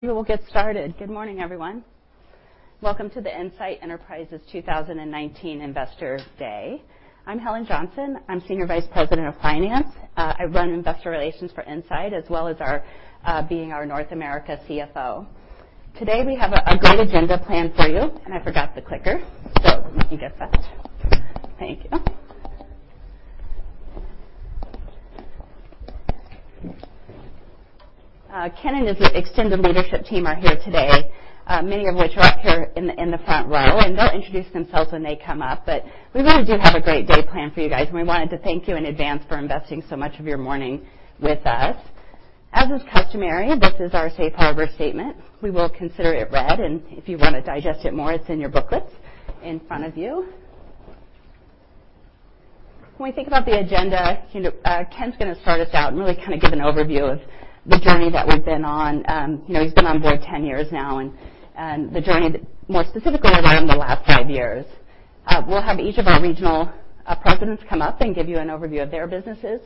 We will get started. Good morning, everyone. Welcome to the Insight Enterprises 2019 Investors Day. I'm Helen Johnson. I'm Senior Vice President of Finance. I run investor relations for Insight as well as being our North America CFO. Today, we have a great agenda planned for you. I forgot the clicker, let me get that. Thank you. Ken and his extended leadership team are here today, many of which are up here in the front row. They'll introduce themselves when they come up. We really do have a great day planned for you guys. We wanted to thank you in advance for investing so much of your morning with us. As is customary, this is our safe harbor statement. We will consider it read. If you want to digest it more, it's in your booklets in front of you. When we think about the agenda, Ken's going to start us out and really give an overview of the journey that we've been on. He's been on board 10 years now, and the journey that more specifically we've been on the last five years. We'll have each of our regional presidents come up and give you an overview of their businesses.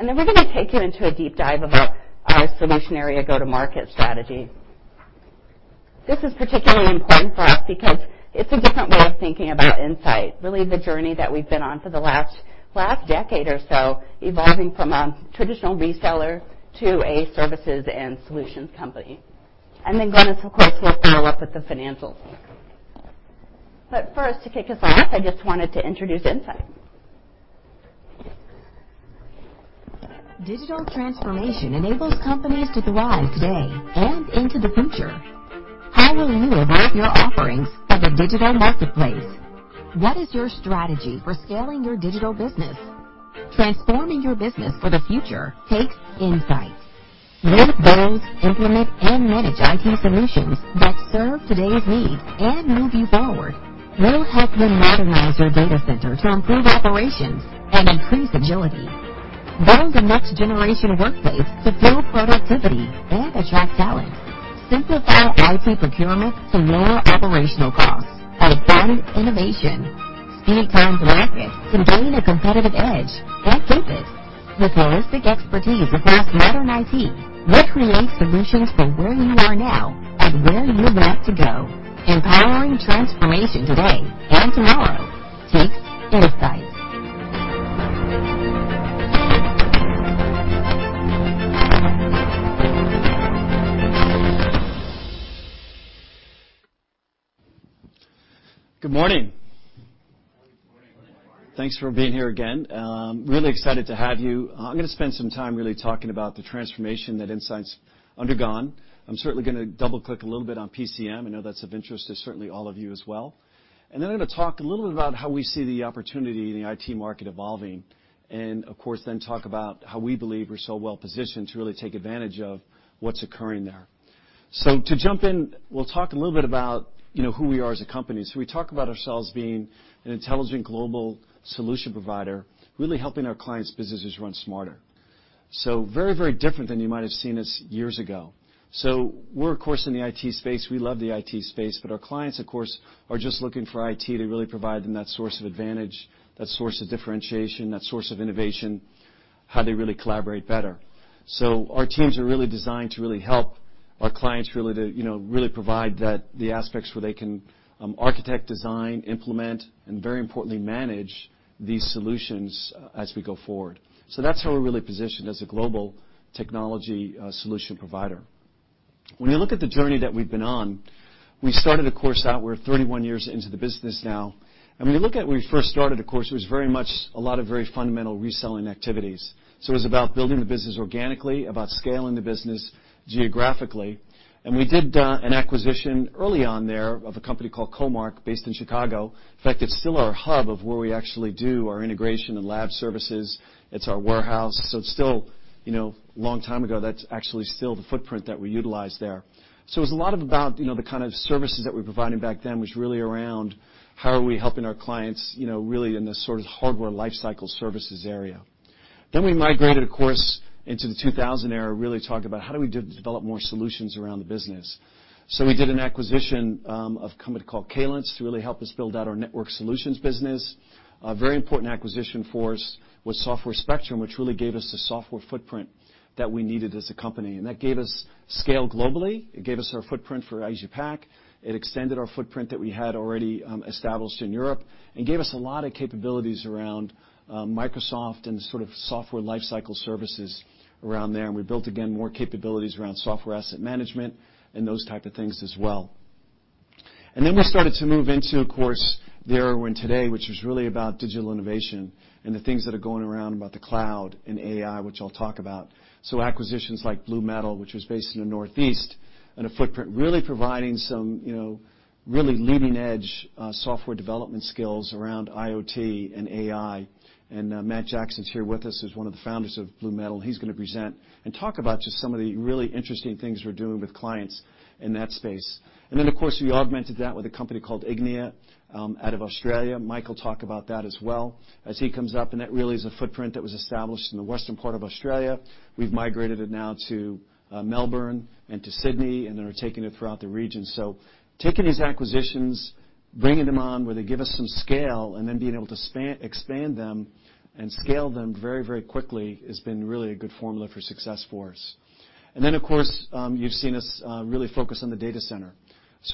We're going to take you into a deep dive about our solution area go-to-market strategy. This is particularly important for us because it's a different way of thinking about Insight, really the journey that we've been on for the last decade or so, evolving from a traditional reseller to a services and solutions company. Glynis, of course, will follow up with the financials. First, to kick us off, I just wanted to introduce Insight. Digital transformation enables companies to thrive today and into the future. How will you evolve your offerings for the digital marketplace? What is your strategy for scaling your digital business? Transforming your business for the future takes Insight. We build, implement, and manage IT solutions that serve today's needs and move you forward. We'll help you modernize your data center to improve operations and increase agility. Build the next generation workplace to fuel productivity and attract talent. Simplify IT procurement for lower operational costs and drive innovation. Speed time to market and gain a competitive edge at pace. With holistic expertise across modern IT, we create solutions for where you are now and where you want to go. Empowering transformation today and tomorrow takes Insight. Good morning. Good morning. Thanks for being here again. Really excited to have you. I'm going to spend some time really talking about the transformation that Insight's undergone. I'm certainly going to double-click a little bit on PCM. I know that's of interest to certainly all of you as well. Then I'm going to talk a little bit about how we see the opportunity in the IT market evolving and of course, then talk about how we believe we're so well-positioned to really take advantage of what's occurring there. To jump in, we'll talk a little bit about who we are as a company. We talk about ourselves being an intelligent global solution provider, really helping our clients' businesses run smarter. Very different than you might have seen us years ago. We're, of course, in the IT space. We love the IT space, but our clients, of course, are just looking for IT to really provide them that source of advantage, that source of differentiation, that source of innovation, how they really collaborate better. Our teams are really designed to really help our clients really provide the aspects where they can architect, design, implement, and very importantly, manage these solutions as we go forward. That's how we're really positioned as a global technology solution provider. When you look at the journey that we've been on, we started a course outward 31 years into the business now. When you look at when we first started the course, it was very much a lot of very fundamental reselling activities. It was about building the business organically, about scaling the business geographically. We did an acquisition early on there of a company called Comark based in Chicago. In fact, it's still our hub of where we actually do our integration and lab services. It's our warehouse. It's still, a long time ago, that's actually still the footprint that we utilize there. It's a lot of about the kind of services that we're providing back then was really around how are we helping our clients really in this sort of hardware life cycle services area. We migrated, of course, into the 2000 era, really talked about how do we develop more solutions around the business. We did an acquisition of a company called Calence to really help us build out our network solutions business. A very important acquisition for us was Software Spectrum, which really gave us the software footprint that we needed as a company. That gave us scale globally. It gave us our footprint for APAC. It extended our footprint that we had already established in Europe and gave us a lot of capabilities around Microsoft and sort of software life cycle services around there. We built again more capabilities around software asset management and those type of things as well. Then we started to move into, of course, the era we're in today, which is really about digital innovation and the things that are going around about the cloud and AI, which I'll talk about. Acquisitions like BlueMetal, which was based in the Northeast, and a footprint really providing some really leading-edge software development skills around IoT and AI. Matt Jackson, who's here with us, is one of the founders of BlueMetal, and he's going to present and talk about just some of the really interesting things we're doing with clients in that space. Then, of course, we augmented that with a company called Ignia out of Australia. Mike will talk about that as well as he comes up. That really is a footprint that was established in the western part of Australia. We've migrated it now to Melbourne and to Sydney, and then are taking it throughout the region. Taking these acquisitions, bringing them on where they give us some scale, and then being able to expand them and scale them very quickly has been really a good formula for success for us. Then, of course, you've seen us really focus on the data center.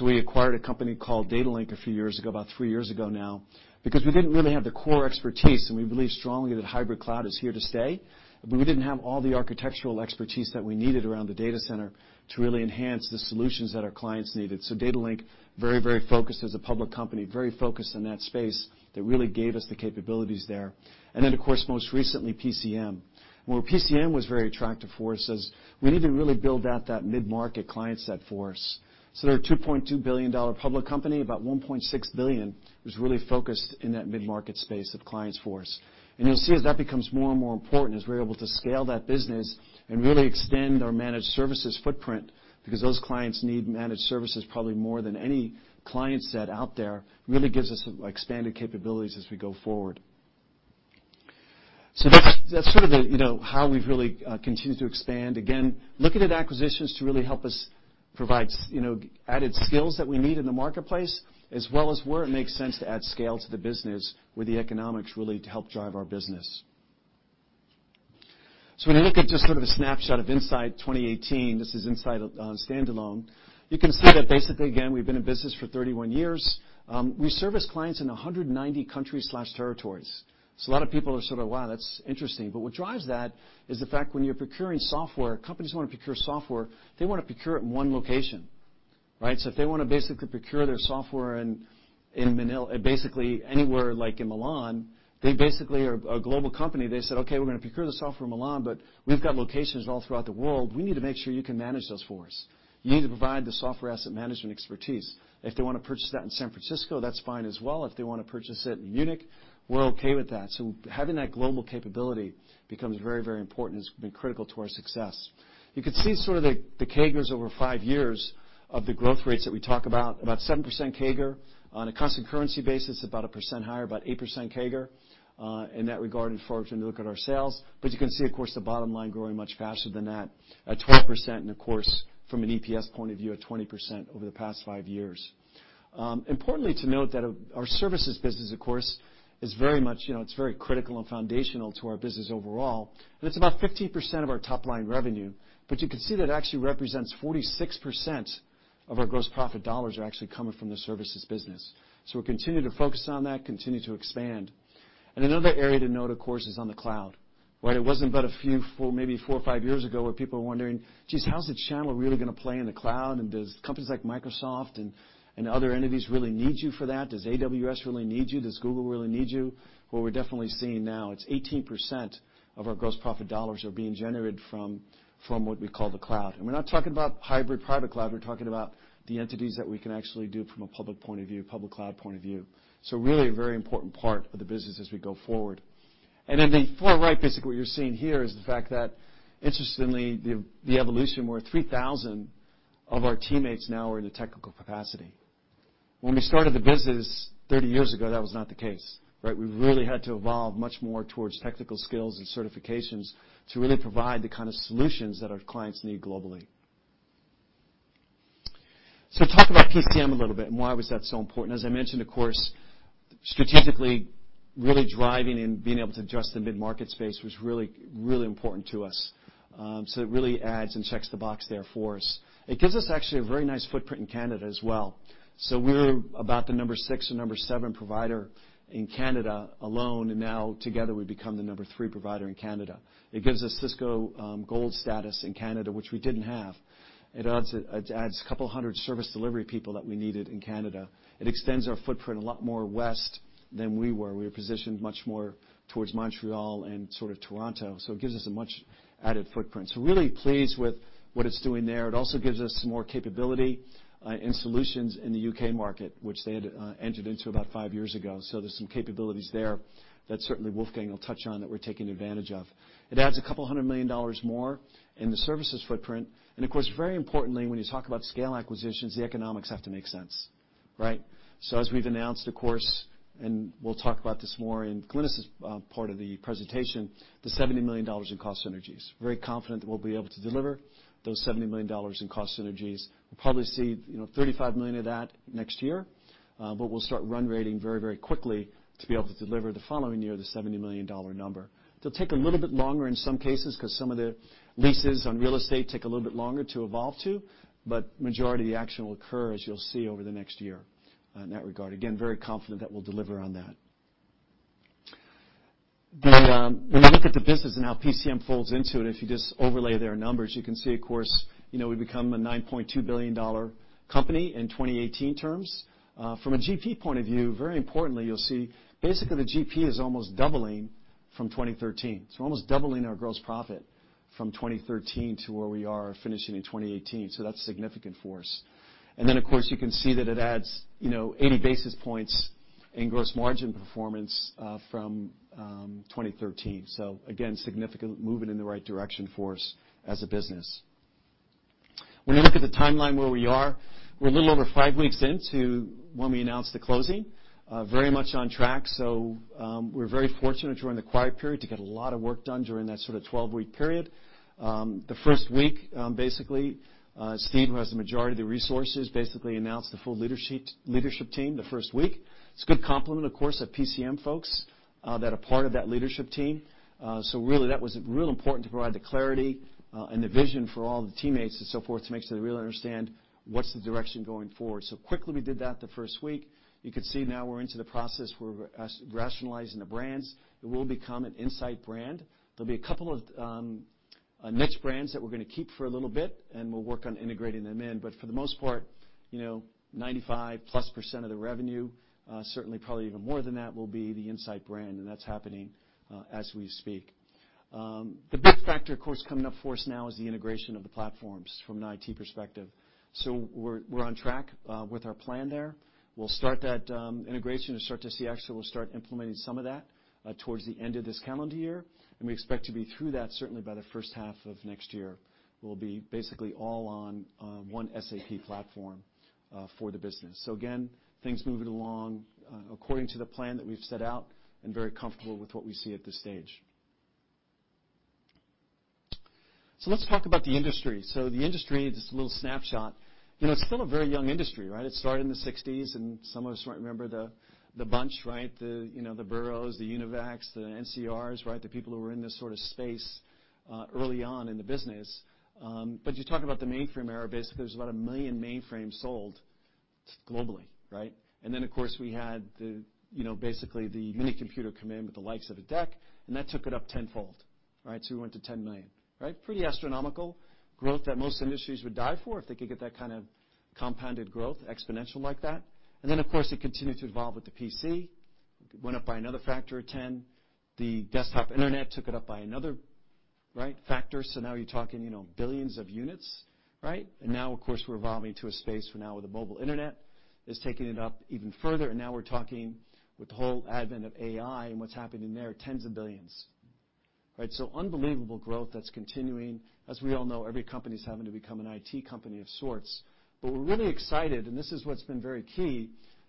We acquired a company called Datalink a few years ago, about three years ago now, because we didn't really have the core expertise, and we believe strongly that hybrid cloud is here to stay. We didn't have all the architectural expertise that we needed around the data center to really enhance the solutions that our clients needed. Datalink, very focused as a public company, very focused in that space. That really gave us the capabilities there. Then, of course, most recently, PCM. Where PCM was very attractive for us is we need to really build out that mid-market client set for us. They're a $2.2 billion public company. About $1.6 billion was really focused in that mid-market space of clients for us. You'll see as that becomes more and more important, as we're able to scale that business and really extend our managed services footprint, because those clients need managed services probably more than any client set out there, really gives us expanded capabilities as we go forward. That's how we've really continued to expand. Again, looking at acquisitions to really help us provide added skills that we need in the marketplace, as well as where it makes sense to add scale to the business where the economics really help drive our business. When we look at just sort of a snapshot of Insight 2018, this is Insight standalone. You can see that basically, again, we've been in business for 31 years. We service clients in 190 countries/territories. A lot of people are sort of, "Wow, that's interesting." What drives that is the fact when you're procuring software, companies want to procure software, they want to procure it in one location. If they want to basically procure their software anywhere, like in Milan, they basically are a global company. They said, "Okay, we're going to procure the software in Milan, but we've got locations all throughout the world. We need to make sure you can manage those for us. You need to provide the software asset management expertise." If they want to purchase that in San Francisco, that's fine as well. If they want to purchase it in Munich, we're okay with that. Having that global capability becomes very important, and it's been critical to our success. You can see the CAGRs over 5 years of the growth rates that we talk about 7% CAGR. On a constant currency basis, about 1% higher, about 8% CAGR in that regard if we were to look at our sales. You can see, of course, the bottom line growing much faster than that, at 12%, and of course, from an EPS point of view at 20% over the past 5 years. Importantly to note that our services business, of course, it's very critical and foundational to our business overall, and it's about 15% of our top-line revenue. You can see that it actually represents 46% of our gross profit dollars are actually coming from the services business. We continue to focus on that, continue to expand. Another area to note, of course, is on the cloud. It wasn't but maybe four or five years ago where people were wondering, Geez, how's the channel really going to play in the cloud? Does companies like Microsoft and other entities really need you for that? Does AWS really need you? Does Google really need you? What we're definitely seeing now, it's 18% of our gross profit dollars are being generated from what we call the cloud. We're not talking about hybrid private cloud. We're talking about the entities that we can actually do from a public cloud point of view. Really a very important part of the business as we go forward. In the far right, basically what you're seeing here is the fact that, interestingly, the evolution where 3,000 of our teammates now are in a technical capacity. When we started the business 30 years ago, that was not the case. We've really had to evolve much more towards technical skills and certifications to really provide the kind of solutions that our clients need globally. Talk about PCM a little bit, and why was that so important? As I mentioned, of course, strategically, really driving and being able to address the mid-market space was really important to us. It really adds and checks the box there for us. It gives us actually a very nice footprint in Canada as well. We're about the number 6 or number 7 provider in Canada alone, and now together, we become the number 3 provider in Canada. It gives us Cisco Gold status in Canada, which we didn't have. It adds a couple hundred service delivery people that we needed in Canada. It extends our footprint a lot more west than we were. We were positioned much more towards Montreal and sort of Toronto. It gives us a much added footprint. Really pleased with what it's doing there. It also gives us some more capability in solutions in the U.K. market, which they had entered into about five years ago. There's some capabilities there that certainly Wolfgang will touch on that we're taking advantage of. It adds a couple hundred million dollars more in the services footprint. Of course, very importantly, when you talk about scale acquisitions, the economics have to make sense. As we've announced, of course, and we'll talk about this more in Glynis' part of the presentation, the $70 million in cost synergies. Very confident that we'll be able to deliver those $70 million in cost synergies. We'll probably see $35 million of that next year. We'll start run-rating very quickly to be able to deliver the following year the $70 million number. It'll take a little bit longer in some cases because some of the leases on real estate take a little bit longer to evolve to. Majority of the action will occur, as you'll see, over the next year in that regard. Again, very confident that we'll deliver on that. When you look at the business and how PCM folds into it, if you just overlay their numbers, you can see, of course, we become a $9.2 billion company in 2018 terms. From a GP point of view, very importantly, you'll see basically the GP is almost doubling from 2013. We're almost doubling our gross profit from 2013 to where we are finishing in 2018. That's significant for us. Of course, you can see that it adds 80 basis points in gross margin performance from 2013. Significant movement in the right direction for us as a business. When you look at the timeline where we are, we're a little over five weeks into when we announced the closing. Very much on track. We're very fortunate during the quiet period to get a lot of work done during that sort of 12-week period. The first week, basically, Steve, who has the majority of the resources, basically announced the full leadership team the first week. It's a good complement, of course, of PCM folks that are part of that leadership team. That was real important to provide the clarity and the vision for all the teammates and so forth to make sure they really understand what's the direction going forward. Quickly we did that the first week. You could see now we're into the process. We're rationalizing the brands. It will become an Insight brand. There'll be a couple of niche brands that we're going to keep for a little bit, and we'll work on integrating them in. For the most part, 95-plus percent of the revenue, certainly probably even more than that, will be the Insight brand, and that's happening as we speak. The big factor, of course, coming up for us now is the integration of the platforms from an IT perspective. We're on track with our plan there. We'll start that integration and start to see, actually, we'll start implementing some of that towards the end of this calendar year, and we expect to be through that certainly by the first half of next year. We'll be basically all on one SAP platform for the business. Again, things moving along according to the plan that we've set out and very comfortable with what we see at this stage. Let's talk about the industry. The industry, just a little snapshot. It's still a very young industry. It started in the '60s, and some of us might remember the bunch, the Burroughs, the UNIVACs, the NCRs, the people who were in this sort of space early on in the business. You talk about the mainframe era, basically, there's about 1 million mainframes sold globally. Of course, we had basically the minicomputer come in with the likes of a DEC, and that took it up tenfold. We went to 10 million. Pretty astronomical growth that most industries would die for if they could get that kind of compounded growth, exponential like that. Then, of course, it continued to evolve with the PC, went up by another factor of 10. The desktop internet took it up by another factor. Now you're talking billions of units. Now, of course, we're evolving to a space where now the mobile internet is taking it up even further. Now we're talking with the whole advent of AI and what's happening there, tens of billions. Unbelievable growth that's continuing. As we all know, every company's having to become an IT company of sorts. We're really excited, and this is what's been very key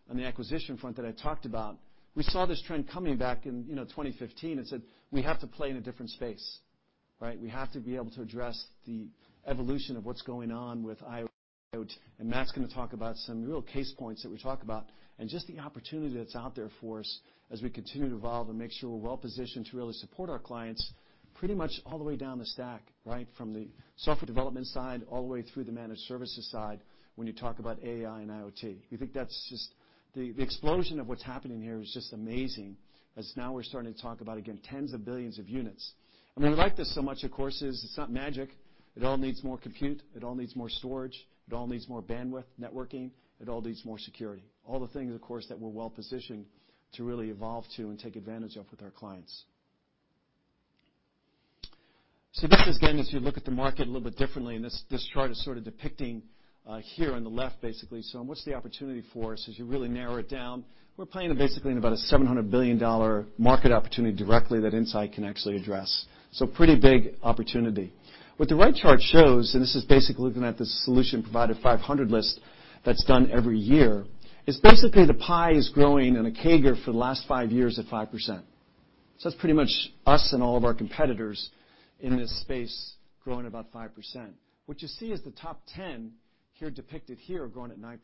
on the acquisition front that I talked about. We saw this trend coming back in 2015 and said, "We have to play in a different space. We have to be able to address the evolution of what's going on with IoT. Matt's going to talk about some real case points that we talk about and just the opportunity that's out there for us as we continue to evolve and make sure we're well positioned to really support our clients pretty much all the way down the stack from the software development side all the way through the managed services side when you talk about AI and IoT. The explosion of what's happening here is just amazing, as now we're starting to talk about, again, tens of billions of units. We like this so much, of course, it's not magic. It all needs more compute. It all needs more storage. It all needs more bandwidth, networking. It all needs more security. All the things, of course, that we're well positioned to really evolve to and take advantage of with our clients. This is, again, as you look at the market a little bit differently, and this chart is sort of depicting here on the left. What's the opportunity for us as you really narrow it down? We're playing basically in about a $700 billion market opportunity directly that Insight can actually address. Pretty big opportunity. What the right chart shows, and this is basically looking at the Solution Provider 500 list that's done every year, the pie is growing on a CAGR for the last five years at 5%. That's pretty much us and all of our competitors in this space growing about 5%. What you see is the top 10 here depicted here are growing at 9%.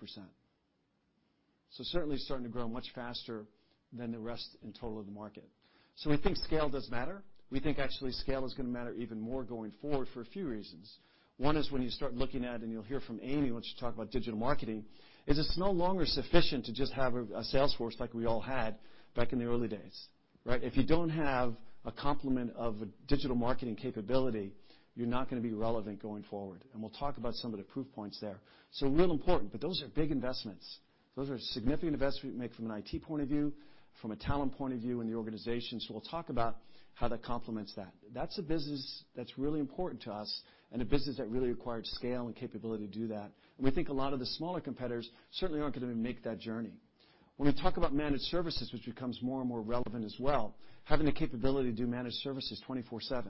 Certainly starting to grow much faster than the rest in total of the market. We think scale does matter. We think actually scale is going to matter even more going forward for a few reasons. One is when you start looking at, and you'll hear from Amy, when she talk about digital marketing, is it's no longer sufficient to just have a sales force like we all had back in the early days. If you don't have a complement of a digital marketing capability, you're not going to be relevant going forward. We'll talk about some of the proof points there. Real important, but those are big investments. Those are significant investments we make from an IT point of view, from a talent point of view in the organization. We'll talk about how that complements that. That's a business that's really important to us and a business that really requires scale and capability to do that. We think a lot of the smaller competitors certainly aren't going to make that journey. When we talk about managed services, which becomes more and more relevant as well, having the capability to do managed services 24/7,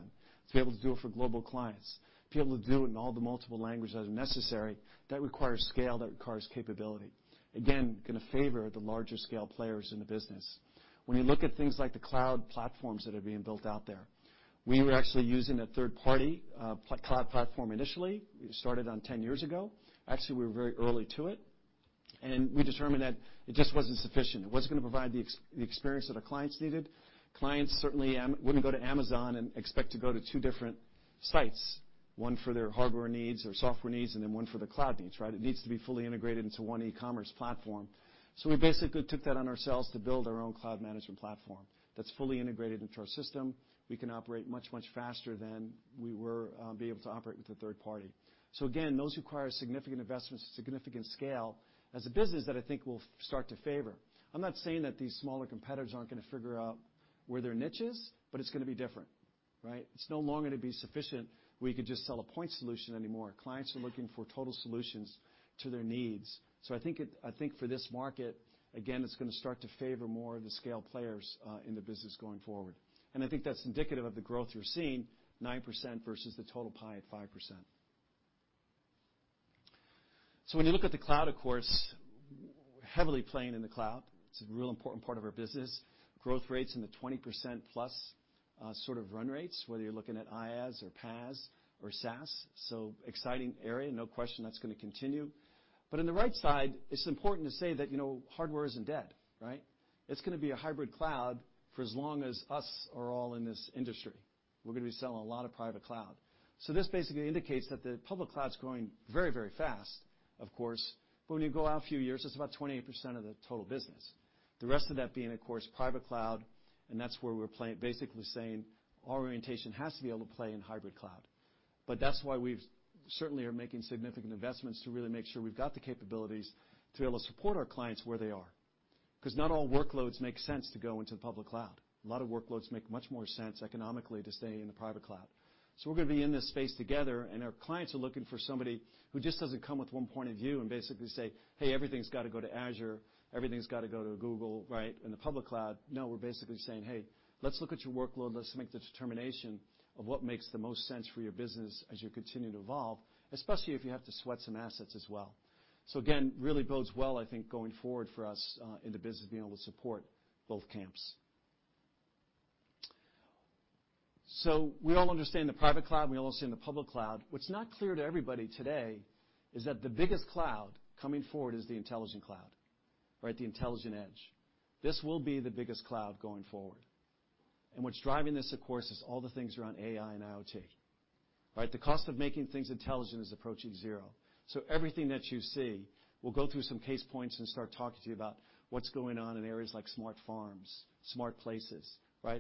to be able to do it for global clients, to be able to do it in all the multiple languages as necessary, that requires scale, that requires capability. Again, going to favor the larger scale players in the business. When you look at things like the cloud platforms that are being built out there, we were actually using a third-party cloud platform initially. We started on 10 years ago. Actually, we were very early to it. We determined that it just wasn't sufficient. It wasn't going to provide the experience that our clients needed. Clients certainly wouldn't go to Amazon and expect to go to two different sites. One for their hardware needs or software needs, and then one for their cloud needs. It needs to be fully integrated into one e-commerce platform. We basically took that on ourselves to build our own cloud management platform that's fully integrated into our system. We can operate much faster than we were being able to operate with a third party. Again, those require significant investments at significant scale as a business that I think will start to favor. I'm not saying that these smaller competitors aren't going to figure out where their niche is, but it's going to be different. It's no longer going to be sufficient where you could just sell a point solution anymore. Clients are looking for total solutions to their needs. I think for this market, again, it's going to start to favor more of the scale players in the business going forward. I think that's indicative of the growth you're seeing, 9% versus the total pie at 5%. When you look at the cloud, of course, heavily playing in the cloud. It's a real important part of our business. Growth rates in the 20% plus sort of run rates, whether you're looking at IaaS or PaaS or SaaS. Exciting area, no question that's going to continue. On the right side, it's important to say that hardware isn't dead. It's going to be a hybrid cloud for as long as us are all in this industry. We're going to be selling a lot of private cloud. This basically indicates that the public cloud's growing very fast, of course, when you go out a few years, it's about 28% of the total business. The rest of that being, of course, private cloud, and that's where we're basically saying our orientation has to be able to play in hybrid cloud. That's why we certainly are making significant investments to really make sure we've got the capabilities to be able to support our clients where they are. Not all workloads make sense to go into the public cloud. A lot of workloads make much more sense economically to stay in the private cloud. We're going to be in this space together, and our clients are looking for somebody who just doesn't come with one point of view and basically say, "Hey, everything's got to go to Azure. Everything's got to go to Google in the public cloud." No, we're basically saying, "Hey, let's look at your workload. Let's make the determination of what makes the most sense for your business as you continue to evolve, especially if you have to sweat some assets as well." Again, really bodes well, I think, going forward for us in the business of being able to support both camps. We all understand the private cloud, and we all understand the public cloud. What's not clear to everybody today is that the biggest cloud coming forward is the intelligent cloud. The intelligent edge. This will be the biggest cloud going forward. What's driving this, of course, is all the things around AI and IoT. The cost of making things intelligent is approaching zero. Everything that you see, we'll go through some case points and start talking to you about what's going on in areas like smart farms, smart places.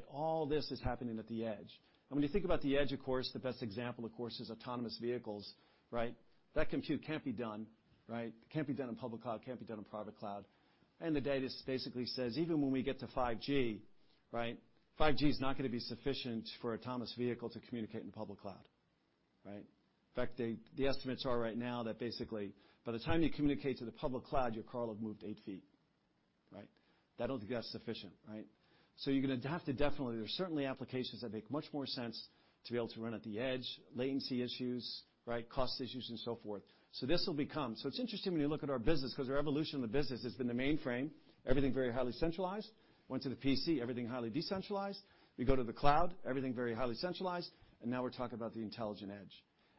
All this is happening at the edge. When you think about the edge, of course, the best example, of course, is autonomous vehicles. That compute can't be done in public cloud, can't be done in private cloud. The data basically says even when we get to 5G is not going to be sufficient for autonomous vehicle to communicate in public cloud. In fact, the estimates are right now that basically by the time you communicate to the public cloud, your car will have moved eight feet. That'll be sufficient. You're going to have to definitely, there's certainly applications that make much more sense to be able to run at the edge, latency issues, cost issues, and so forth. This will become. It's interesting when you look at our business because our evolution in the business has been the mainframe, everything very highly centralized. Went to the PC, everything highly decentralized. We go to the cloud, everything very highly centralized. Now we're talking about the intelligent edge.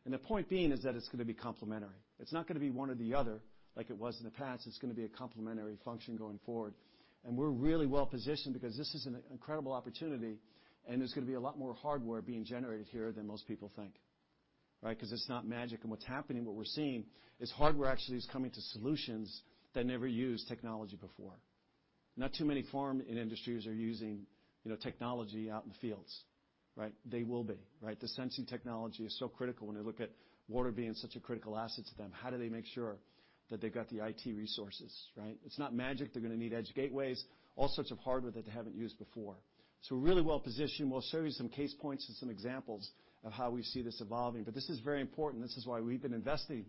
The point being is that it's going to be complementary. It's not going to be one or the other like it was in the past. It's going to be a complementary function going forward. We're really well-positioned because this is an incredible opportunity, and there's going to be a lot more hardware being generated here than most people think. Because it's not magic, and what's happening, what we're seeing is hardware actually is coming to solutions that never used technology before. Not too many farm industries are using technology out in the fields. They will be. The sensing technology is so critical when they look at water being such a critical asset to them. How do they make sure that they've got the IT resources? It's not magic. They're going to need edge gateways, all sorts of hardware that they haven't used before. We're really well-positioned. We'll show you some case points and some examples of how we see this evolving. This is very important. This is why we've been investing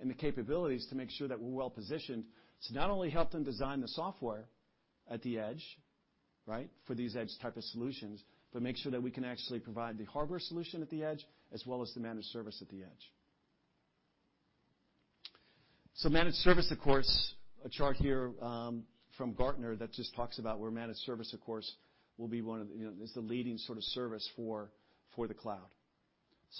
in the capabilities to make sure that we're well-positioned to not only help them design the software at the edge, for these edge type of solutions, but make sure that we can actually provide the hardware solution at the edge as well as the managed service at the edge. Managed service, of course, a chart here from Gartner that just talks about where managed service, of course, is the leading sort of service for the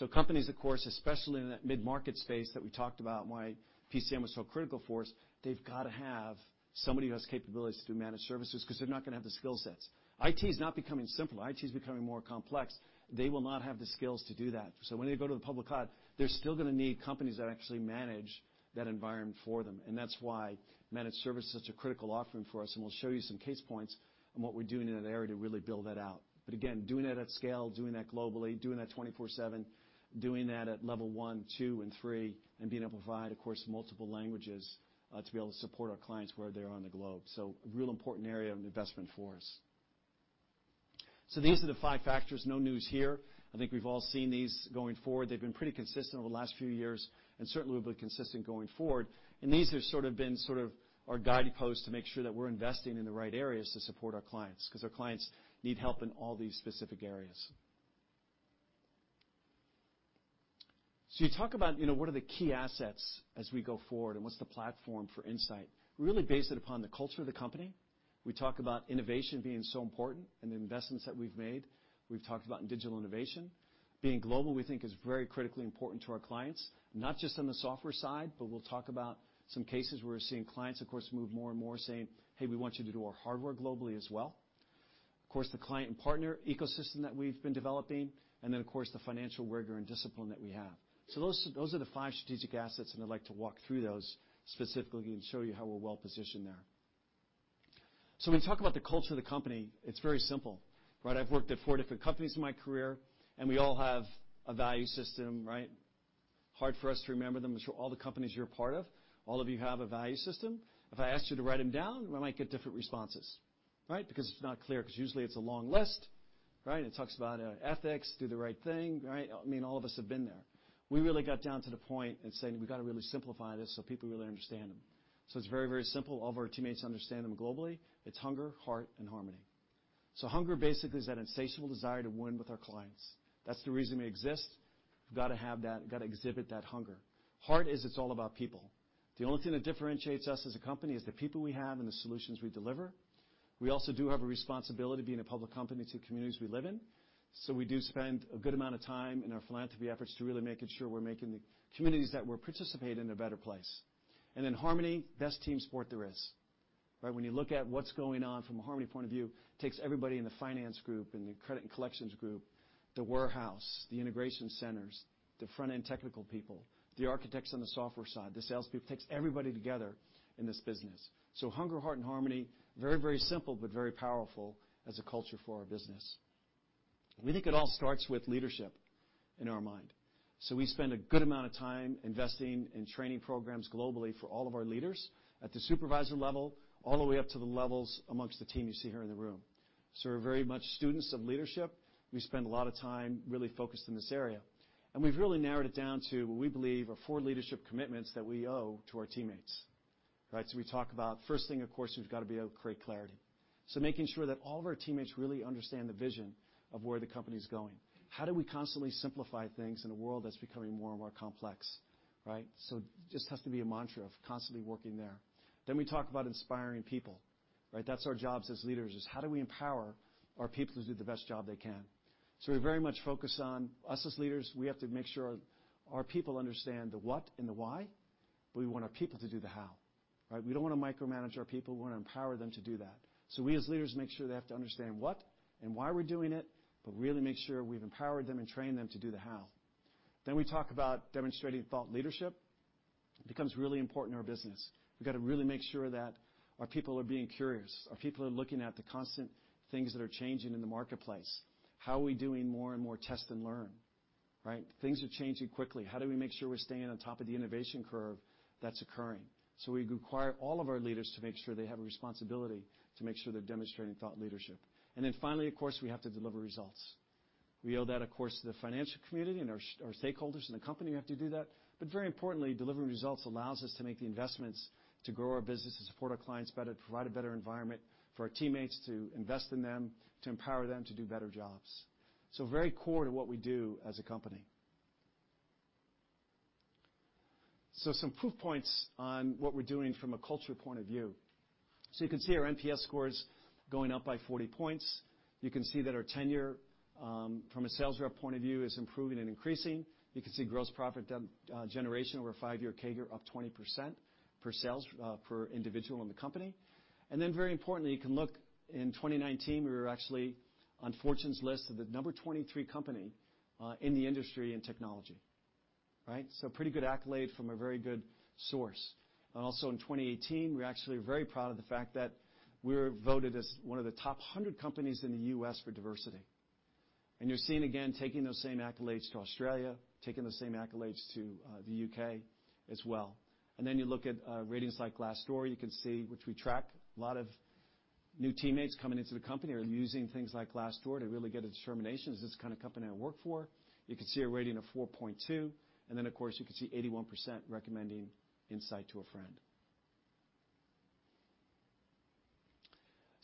cloud. Companies, of course, especially in that mid-market space that we talked about why PCM was so critical for us, they've got to have somebody who has capabilities to do managed services because they're not going to have the skill sets. IT is not becoming simpler. IT is becoming more complex. They will not have the skills to do that. When they go to the public cloud, they're still going to need companies that actually manage that environment for them. That's why managed service is such a critical offering for us, and we'll show you some case points on what we're doing in that area to really build that out. Again, doing that at scale, doing that globally, doing that 24/7, doing that at level 1, 2, and 3, and being able to provide, of course, multiple languages to be able to support our clients where they are on the globe. A real important area of investment for us. These are the five factors. No news here. I think we've all seen these going forward. They've been pretty consistent over the last few years and certainly will be consistent going forward. These have sort of been our guideposts to make sure that we're investing in the right areas to support our clients, because our clients need help in all these specific areas. You talk about what are the key assets as we go forward and what's the platform for Insight. We really base it upon the culture of the company. We talk about innovation being so important and the investments that we've made. We've talked about digital innovation. Being global, we think, is very critically important to our clients, not just on the software side, but we'll talk about some cases where we're seeing clients, of course, move more and more saying, "Hey, we want you to do our hardware globally as well." Of course, the client and partner ecosystem that we've been developing, and then of course, the financial rigor and discipline that we have. Those are the five strategic assets, and I'd like to walk through those specifically and show you how we're well-positioned there. When we talk about the culture of the company, it's very simple. I've worked at four different companies in my career, and we all have a value system. Hard for us to remember them. I'm sure all the companies you're a part of, all of you have a value system. If I asked you to write them down, we might get different responses. It's not clear, usually it's a long list. It talks about ethics, do the right thing. I mean, all of us have been there. We really got down to the point in saying we've got to really simplify this so people really understand them. It's very simple. All of our teammates understand them globally. It's hunger, heart, and harmony. Hunger basically is that insatiable desire to win with our clients. That's the reason we exist. We've got to have that. We've got to exhibit that hunger. Heart is it's all about people. The only thing that differentiates us as a company is the people we have and the solutions we deliver. We also do have a responsibility, being a public company, to the communities we live in. We do spend a good amount of time in our philanthropy efforts to really making sure we're making the communities that we participate in a better place. Harmony, best team sport there is. When you look at what's going on from a harmony point of view, takes everybody in the finance group and the credit and collections group, the warehouse, the integration centers, the front-end technical people, the architects on the software side, the salespeople. It takes everybody together in this business. Hunger, heart, and harmony, very, very simple, but very powerful as a culture for our business. We think it all starts with leadership in our mind. We spend a good amount of time investing in training programs globally for all of our leaders at the supervisor level, all the way up to the levels amongst the team you see here in the room. We're very much students of leadership. We spend a lot of time really focused in this area. We've really narrowed it down to what we believe are four leadership commitments that we owe to our teammates. We talk about first thing, of course, we've got to be able to create clarity. Making sure that all of our teammates really understand the vision of where the company's going. How do we constantly simplify things in a world that's becoming more and more complex? Just has to be a mantra of constantly working there. We talk about inspiring people. That's our jobs as leaders, is how do we empower our people to do the best job they can? We very much focus on us as leaders. We have to make sure our people understand the what and the why. We want our people to do the how. We don't want to micromanage our people. We want to empower them to do that. We, as leaders, make sure they have to understand what and why we're doing it, but really make sure we've empowered them and trained them to do the how. We talk about demonstrating thought leadership. It becomes really important in our business. We've got to really make sure that our people are being curious, our people are looking at the constant things that are changing in the marketplace. How are we doing more and more test and learn? Things are changing quickly. How do we make sure we're staying on top of the innovation curve that's occurring? We require all of our leaders to make sure they have a responsibility to make sure they're demonstrating thought leadership. Finally, of course, we have to deliver results. We owe that, of course, to the financial community and our stakeholders in the company. We have to do that. Very importantly, delivering results allows us to make the investments to grow our business, to support our clients better, to provide a better environment for our teammates, to invest in them, to empower them to do better jobs. Very core to what we do as a company. Some proof points on what we're doing from a culture point of view. You can see our NPS scores going up by 40 points. You can see that our tenure, from a sales rep point of view, is improving and increasing. You can see gross profit generation over a 5-year CAGR up 20% per sales per individual in the company. Very importantly, you can look in 2019, we were actually on Fortune's list of the number 23 company in the industry in technology. Pretty good accolade from a very good source. In 2018, we're actually very proud of the fact that we were voted as one of the top 100 companies in the U.S. for diversity. You're seeing, again, taking those same accolades to Australia, taking those same accolades to the U.K. as well. You look at ratings like Glassdoor, you can see, which we track, a lot of new teammates coming into the company are using things like Glassdoor to really get a determination. Is this the kind of company I work for? You can see a rating of 4.2, then of course, you can see 81% recommending Insight to a friend.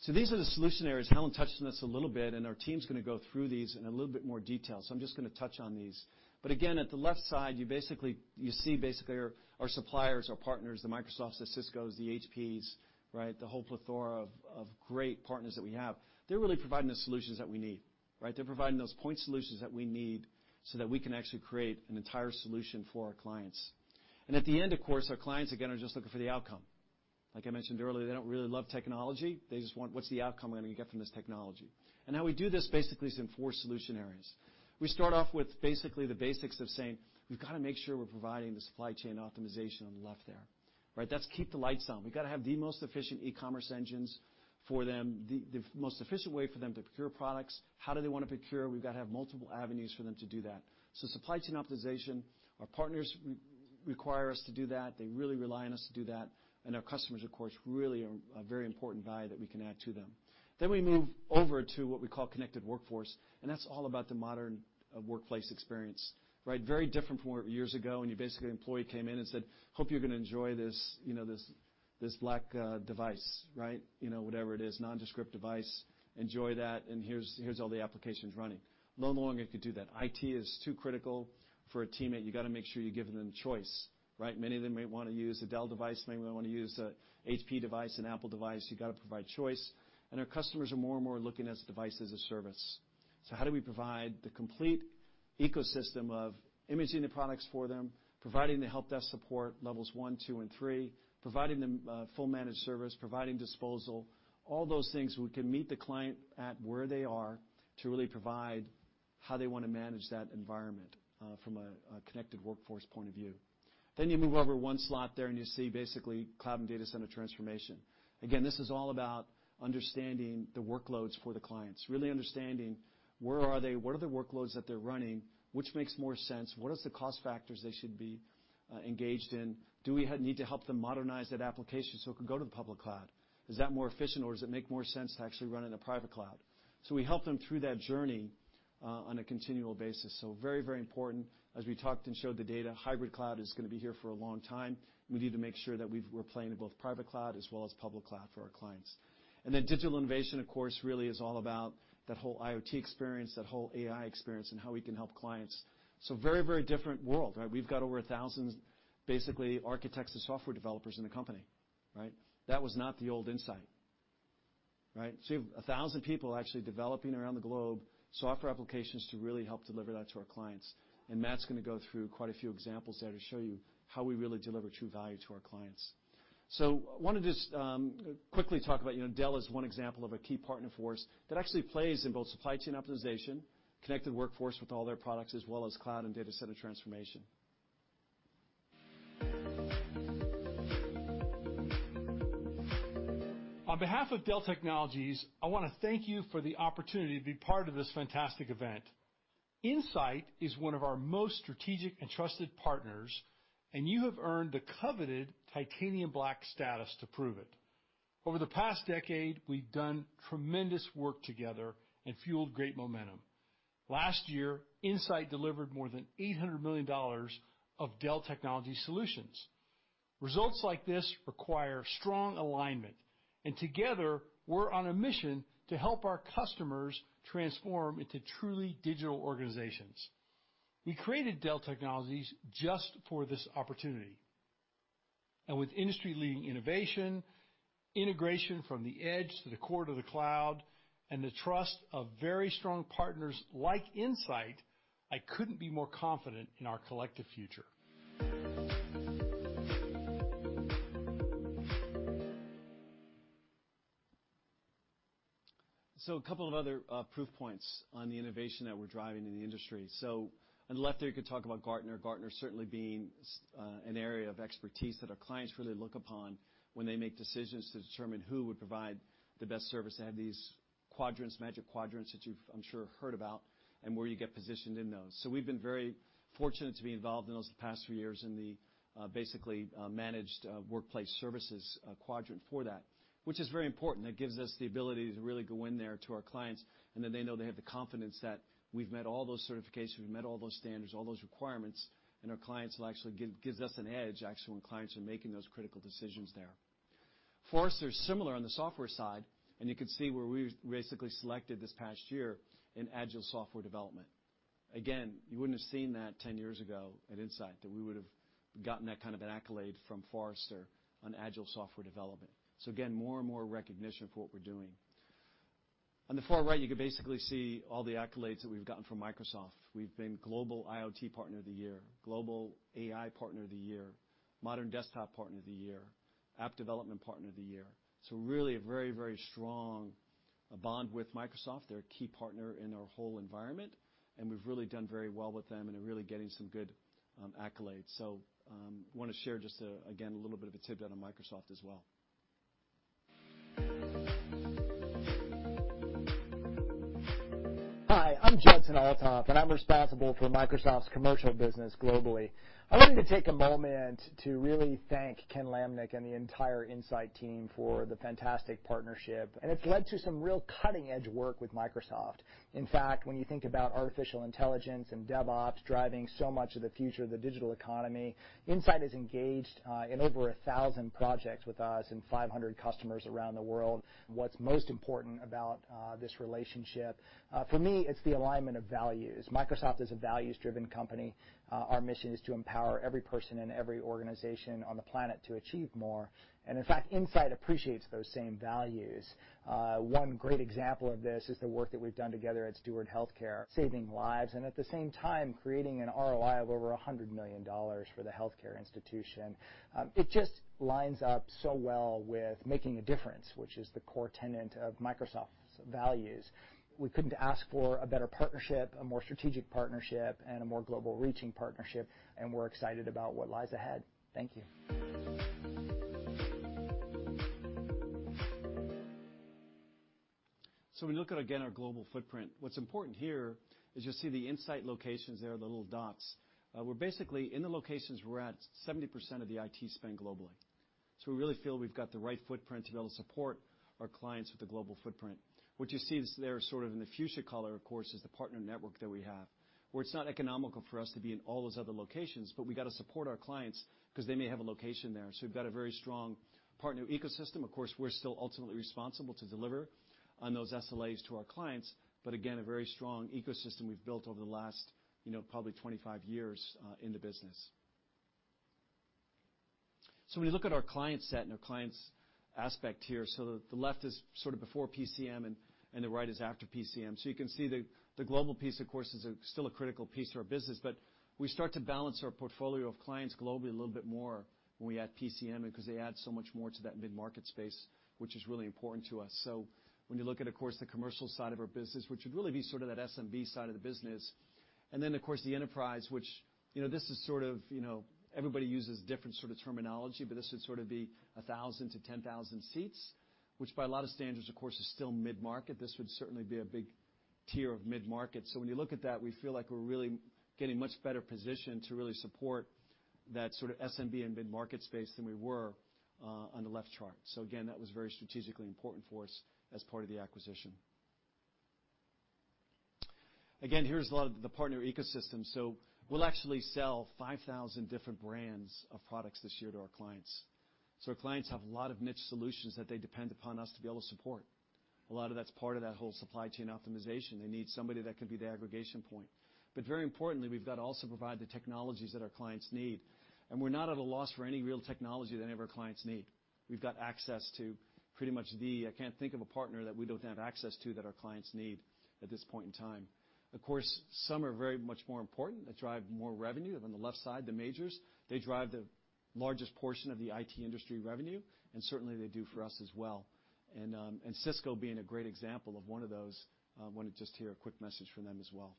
These are the solution areas. Helen touched on this a little bit, our team's going to go through these in a little bit more detail. I'm just going to touch on these. Again, at the left side, you see basically our suppliers, our partners, the Microsofts, the Ciscos, the HPs. The whole plethora of great partners that we have. They're really providing the solutions that we need. They're providing those point solutions that we need so that we can actually create an entire solution for our clients. At the end, of course, our clients again are just looking for the outcome. Like I mentioned earlier, they don't really love technology. They just want, what's the outcome we're going to get from this technology? How we do this basically is in 4 solution areas. We start off with basically the basics of saying, we've got to make sure we're providing the supply chain optimization on the left there. That's keep the lights on. We've got to have the most efficient e-commerce engines for them, the most efficient way for them to procure products. How do they want to procure? We've got to have multiple avenues for them to do that. Supply chain optimization, our partners require us to do that. They really rely on us to do that. Our customers, of course, really are a very important value that we can add to them. We move over to what we call connected workforce, and that's all about the modern workplace experience. Very different from years ago when basically an employee came in and said, "Hope you're going to enjoy this black device." Whatever it is, nondescript device. Enjoy that, and here's all the applications running. No longer can do that. IT is too critical for a teammate. You got to make sure you're giving them choice. Many of them may want to use a Dell device. Many of them may want to use a HP device, an Apple device. You got to provide choice. Our customers are more and more looking at device as a service. How do we provide the complete ecosystem of imaging the products for them, providing the help desk support levels 1, 2, and 3, providing them full managed service, providing disposal, all those things. We can meet the client at where they are to really provide how they want to manage that environment from a Connected Workforce point of view. You move over one slot there, and you see basically cloud and data center transformation. Again, this is all about understanding the workloads for the clients, really understanding where are they, what are the workloads that they're running, which makes more sense, what is the cost factors they should be engaged in? Do we need to help them modernize that application so it can go to the public cloud? Is that more efficient, or does it make more sense to actually run in a private cloud? We help them through that journey on a continual basis. Very important, as we talked and showed the data, hybrid cloud is going to be here for a long time. We need to make sure that we're playing in both private cloud as well as public cloud for our clients. Digital Innovation, of course, really is all about that whole IoT experience, that whole AI experience, and how we can help clients. Very different world. We've got over 1,000, basically, architects to software developers in the company. That was not the old Insight. You have 1,000 people actually developing around the globe, software applications to really help deliver that to our clients. Matt's going to go through quite a few examples there to show you how we really deliver true value to our clients. I want to just quickly talk about Dell is one example of a key partner for us that actually plays in both supply chain optimization, Connected Workforce with all their products, as well as cloud and data center transformation. On behalf of Dell Technologies, I want to thank you for the opportunity to be part of this fantastic event. Insight is one of our most strategic and trusted partners, and you have earned the coveted Titanium Black status to prove it. Over the past decade, we've done tremendous work together and fueled great momentum. Last year, Insight delivered more than $800 million of Dell technology solutions. Results like this require strong alignment, and together we're on a mission to help our customers transform into truly digital organizations. We created Dell Technologies just for this opportunity. With industry-leading innovation, integration from the edge to the core to the cloud, and the trust of very strong partners like Insight, I couldn't be more confident in our collective future. A couple of other proof points on the innovation that we're driving in the industry. On the left there, you could talk about Gartner. Gartner certainly being an area of expertise that our clients really look upon when they make decisions to determine who would provide the best service. They have these quadrants, Magic Quadrants, that you've, I'm sure, heard about and where you get positioned in those. We've been very fortunate to be involved in those the past few years in the basically managed workplace services quadrant for that, which is very important. That gives us the ability to really go in there to our clients, then they know they have the confidence that we've met all those certifications, we've met all those standards, all those requirements, and our clients will actually gives us an edge actually, when clients are making those critical decisions there. Forrester is similar on the software side, you can see where we basically selected this past year in agile software development. Again, you wouldn't have seen that 10 years ago at Insight, that we would've gotten that kind of an accolade from Forrester on agile software development. On the far right, you can basically see all the accolades that we've gotten from Microsoft. We've been Global IoT Partner of the Year, Global AI Partner of the Year, Modern Desktop Partner of the Year, App Development Partner of the Year. Really a very strong bond with Microsoft. They're a key partner in our whole environment, and we've really done very well with them and are really getting some good accolades. We want to share just, again, a little bit of a tip down on Microsoft as well. Hi, I'm Judson Althoff, and I'm responsible for Microsoft's commercial business globally. I wanted to take a moment to really thank Ken Lamneck and the entire Insight team for the fantastic partnership, and it's led to some real cutting-edge work with Microsoft. In fact, when you think about artificial intelligence and DevOps driving so much of the future of the digital economy, Insight is engaged in over 1,000 projects with us and 500 customers around the world. What's most important about this relationship, for me, it's the alignment of values. Microsoft is a values-driven company. Our mission is to empower every person and every organization on the planet to achieve more. In fact, Insight appreciates those same values. One great example of this is the work that we've done together at Steward Health Care, saving lives and, at the same time, creating an ROI of over $100 million for the healthcare institution. It just lines up so well with making a difference, which is the core tenet of Microsoft's values. We couldn't ask for a better partnership, a more strategic partnership, and a more global-reaching partnership, and we're excited about what lies ahead. Thank you. When we look at, again, our global footprint, what's important here is you'll see the Insight locations there, the little dots. We're basically in the locations where we're at 70% of the IT spend globally. We really feel we've got the right footprint to be able to support our clients with a global footprint. What you see is there sort of in the fuchsia color, of course, is the partner network that we have, where it's not economical for us to be in all those other locations, but we got to support our clients because they may have a location there. We've got a very strong partner ecosystem. Of course, we're still ultimately responsible to deliver on those SLAs to our clients, but again, a very strong ecosystem we've built over the last probably 25 years in the business. When you look at our client set and our clients' aspect here, the left is sort of before PCM and the right is after PCM. You can see the global piece, of course, is still a critical piece to our business, but we start to balance our portfolio of clients globally a little bit more when we add PCM, because they add so much more to that mid-market space, which is really important to us. When you look at, of course, the commercial side of our business, which would really be sort of that SMB side of the business, and then, of course, the enterprise, which this is sort of, everybody uses different sort of terminology, but this would sort of be 1,000 to 10,000 seats, which by a lot of standards, of course, is still mid-market. This would certainly be a big tier of mid-market. When you look at that, we feel like we're really getting much better positioned to really support that sort of SMB and mid-market space than we were on the left chart. Again, that was very strategically important for us as part of the acquisition. Again, here's a lot of the partner ecosystem. We'll actually sell 5,000 different brands of products this year to our clients. Our clients have a lot of niche solutions that they depend upon us to be able to support. A lot of that's part of that whole supply chain optimization. They need somebody that can be the aggregation point. Very importantly, we've got to also provide the technologies that our clients need. We're not at a loss for any real technology that any of our clients need. We've got access to pretty much the I can't think of a partner that we don't have access to that our clients need at this point in time. Of course, some are very much more important, that drive more revenue. On the left side, the majors, they drive the largest portion of the IT industry revenue, and certainly, they do for us as well. Cisco being a great example of one of those. want to just hear a quick message from them as well.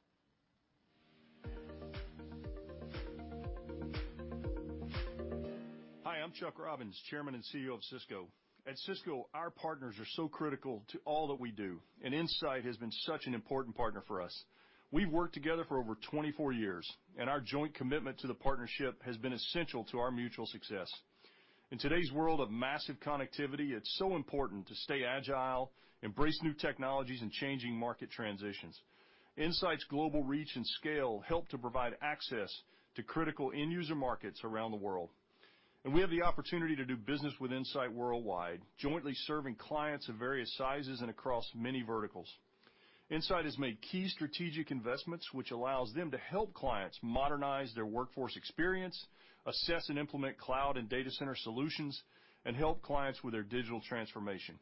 Hi, I'm Chuck Robbins, Chairman and CEO of Cisco. At Cisco, our partners are so critical to all that we do. Insight has been such an important partner for us. We've worked together for over 24 years, and our joint commitment to the partnership has been essential to our mutual success. In today's world of massive connectivity, it's so important to stay agile, embrace new technologies, and changing market transitions. Insight's global reach and scale help to provide access to critical end-user markets around the world. We have the opportunity to do business with Insight worldwide, jointly serving clients of various sizes and across many verticals. Insight has made key strategic investments, which allows them to help clients modernize their workforce experience, assess and implement cloud and data center solutions, and help clients with their digital transformation.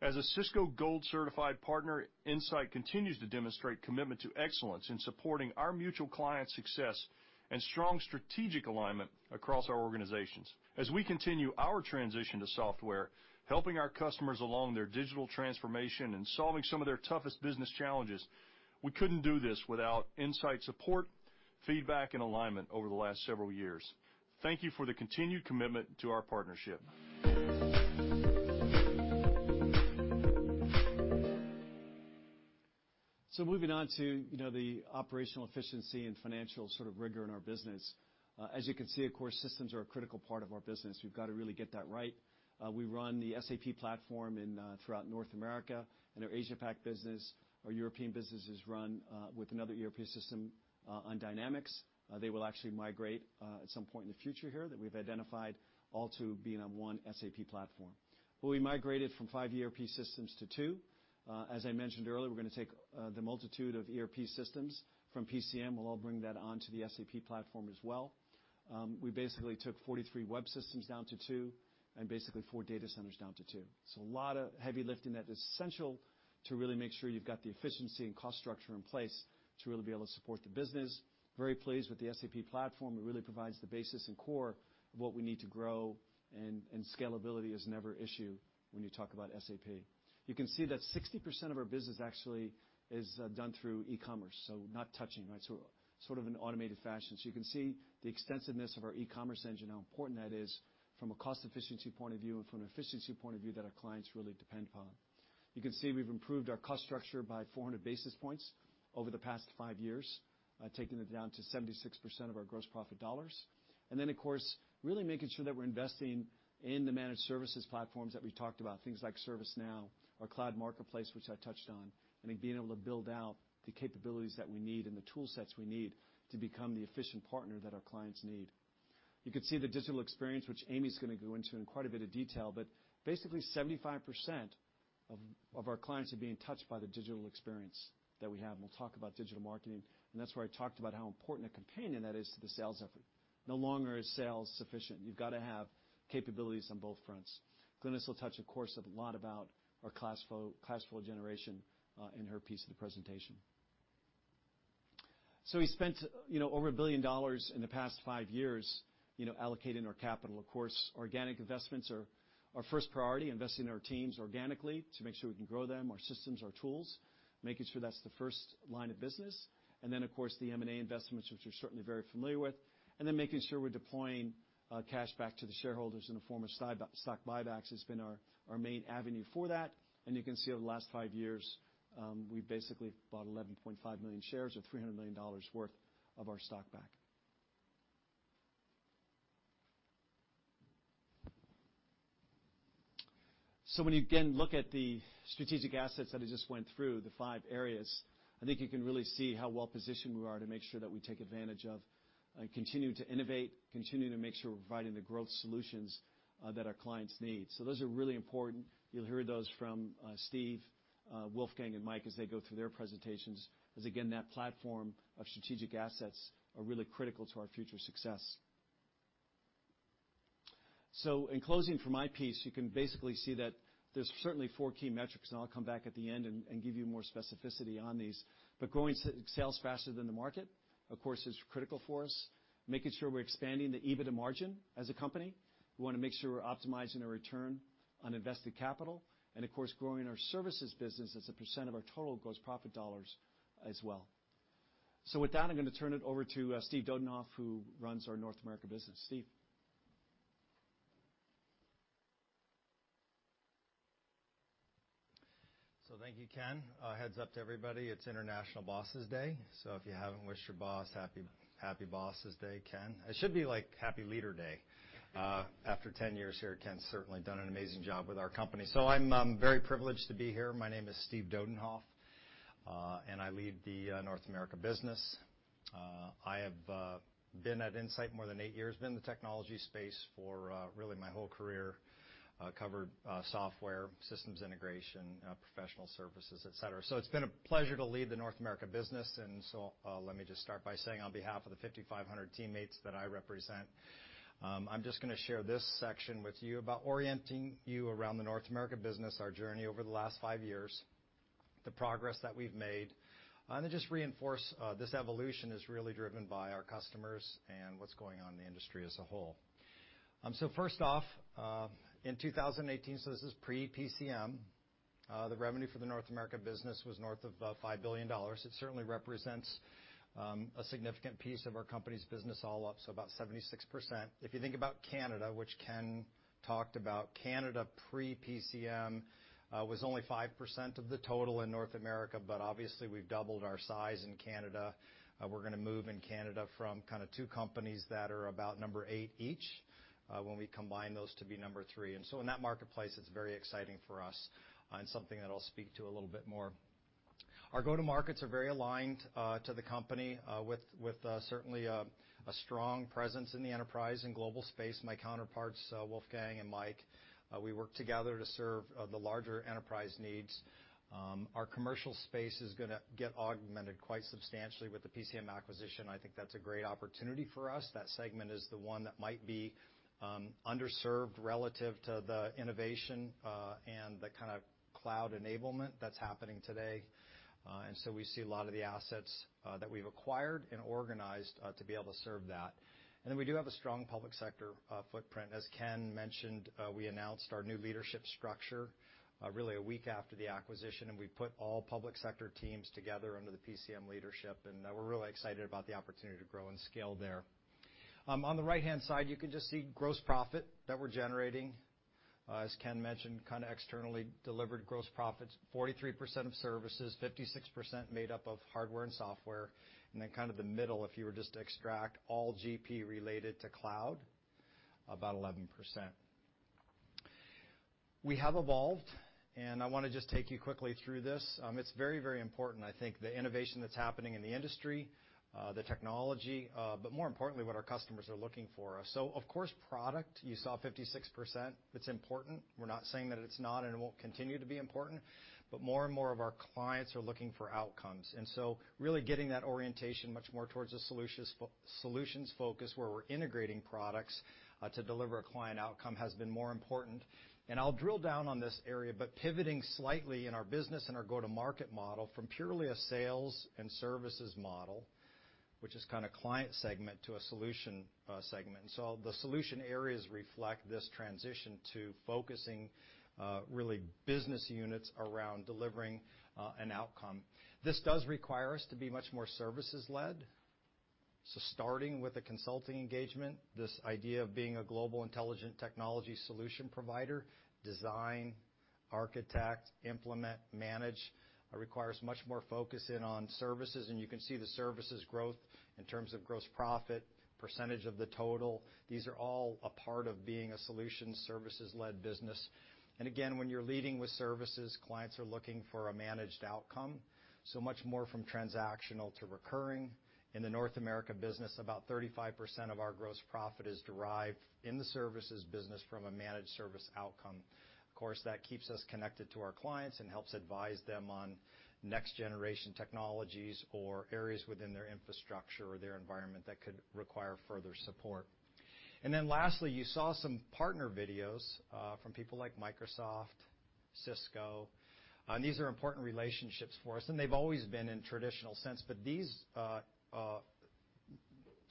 As a Cisco Gold Certified Partner, Insight continues to demonstrate commitment to excellence in supporting our mutual clients' success and strong strategic alignment across our organizations. As we continue our transition to software, helping our customers along their digital transformation and solving some of their toughest business challenges, we couldn't do this without Insight's support, feedback, and alignment over the last several years. Thank you for the continued commitment to our partnership. Moving on to the operational efficiency and financial rigor in our business. As you can see, of course, systems are a critical part of our business. We've got to really get that right. We run the SAP platform throughout North America and our APAC business. Our European business is run with another European system on Dynamics. They will actually migrate at some point in the future here that we've identified all to being on one SAP platform. We migrated from 5 ERP systems to 2. As I mentioned earlier, we're going to take the multitude of ERP systems from PCM. We'll all bring that onto the SAP platform as well. We basically took 43 web systems down to 2, and basically 4 data centers down to 2. A lot of heavy lifting that is essential to really make sure you've got the efficiency and cost structure in place to really be able to support the business. Very pleased with the SAP platform. It really provides the basis and core of what we need to grow, and scalability is never an issue when you talk about SAP. You can see that 60% of our business actually is done through e-commerce, so not touching, sort of an automated fashion. You can see the extensiveness of our e-commerce engine, how important that is from a cost-efficiency point of view and from an efficiency point of view that our clients really depend upon. You can see we've improved our cost structure by 400 basis points over the past five years, taking it down to 76% of our gross profit dollars. Then, of course, really making sure that we're investing in the managed services platforms that we've talked about. Things like ServiceNow, our cloud marketplace, which I touched on, and being able to build out the capabilities that we need and the tool sets we need to become the efficient partner that our clients need. You can see the digital experience, which Amy's going to go into in quite a bit of detail, but basically 75% of our clients are being touched by the digital experience that we have. We'll talk about digital marketing, and that's where I talked about how important a companion that is to the sales effort. No longer is sales sufficient. You've got to have capabilities on both fronts. Glynis will touch, of course, a lot about our class flow generation in her piece of the presentation. We spent over $1 billion in the past 5 years allocating our capital. Of course, organic investments are our first priority, investing in our teams organically to make sure we can grow them, our systems, our tools, making sure that's the first line of business. Of course, the M&A investments, which you're certainly very familiar with. Making sure we're deploying cash back to the shareholders in the form of stock buybacks has been our main avenue for that. You can see over the last 5 years, we've basically bought 11.5 million shares or $300 million worth of our stock back. When you, again, look at the strategic assets that I just went through, the five areas, I think you can really see how well-positioned we are to make sure that we take advantage of and continue to innovate, continue to make sure we're providing the growth solutions that our clients need. Those are really important. You'll hear those from Steve, Wolfgang, and Mike as they go through their presentations, as again, that platform of strategic assets are really critical to our future success. In closing for my piece, you can basically see that there's certainly four key metrics, and I'll come back at the end and give you more specificity on these. Growing sales faster than the market, of course, is critical for us, making sure we're expanding the EBITDA margin as a company. We want to make sure we're optimizing a return on invested capital, and of course, growing our services business as a % of our total gross profit dollars as well. With that, I'm going to turn it over to Steve Dodenhoff, who runs our North America business. Steve. Thank you, Ken. A heads up to everybody, it's International Bosses Day. If you haven't wished your boss happy bosses day, Ken. It should be like Happy Leader Day. After 10 years here, Ken's certainly done an amazing job with our company. I'm very privileged to be here. My name is Steve Dodenhoff, and I lead the North America business. I have been at Insight more than eight years. Been in the technology space for really my whole career. Covered software, systems integration, professional services, et cetera. It's been a pleasure to lead the North America business. Let me just start by saying on behalf of the 5,500 teammates that I represent, I'm just going to share this section with you about orienting you around the North America business, our journey over the last five years, the progress that we've made, and then just reinforce this evolution is really driven by our customers and what's going on in the industry as a whole. First off, in 2018, this is pre-PCM, the revenue for the North America business was north of $5 billion. It certainly represents a significant piece of our company's business all up, about 76%. If you think about Canada, which Ken talked about, Canada pre-PCM was only 5% of the total in North America, but obviously we've doubled our size in Canada. We're going to move in Canada from two companies that are about number 8 each when we combine those to be number 3. In that marketplace, it's very exciting for us and something that I'll speak to a little bit more. Our go-to markets are very aligned to the company, with certainly a strong presence in the enterprise and global space. My counterparts, Wolfgang and Mike, we work together to serve the larger enterprise needs. Our commercial space is going to get augmented quite substantially with the PCM acquisition. I think that's a great opportunity for us. That segment is the one that might be underserved relative to the innovation, and the kind of cloud enablement that's happening today. We see a lot of the assets that we've acquired and organized to be able to serve that. We do have a strong public sector footprint. As Ken mentioned, we announced our new leadership structure really a week after the acquisition, and we put all public sector teams together under the PCM leadership, and we're really excited about the opportunity to grow and scale there. On the right-hand side, you can just see gross profit that we're generating. As Ken mentioned, kind of externally delivered gross profits, 43% of services, 56% made up of hardware and software. The middle, if you were just to extract all GP related to cloud, about 11%. We have evolved. I want to just take you quickly through this. It's very, very important, I think, the innovation that's happening in the industry, the technology, but more importantly, what our customers are looking for. Of course, product, you saw 56%. It's important. We're not saying that it's not and it won't continue to be important, more and more of our clients are looking for outcomes. Really getting that orientation much more towards a solutions focus where we're integrating products to deliver a client outcome has been more important. I'll drill down on this area, but pivoting slightly in our business and our go-to market model from purely a sales and services model, which is kind of client segment to a solution segment. The solution areas reflect this transition to focusing really business units around delivering an outcome. This does require us to be much more services led. Starting with a consulting engagement, this idea of being a global intelligent technology solution provider, design, architect, implement, manage, requires much more focus in on services, and you can see the services growth in terms of gross profit, percentage of the total. These are all a part of being a solution services led business. Again, when you're leading with services, clients are looking for a managed outcome, so much more from transactional to recurring. In the North America business, about 35% of our gross profit is derived in the services business from a managed service outcome. Of course, that keeps us connected to our clients and helps advise them on next generation technologies or areas within their infrastructure or their environment that could require further support. Lastly, you saw some partner videos from people like Microsoft, Cisco. These are important relationships for us, and they've always been in traditional sense, but these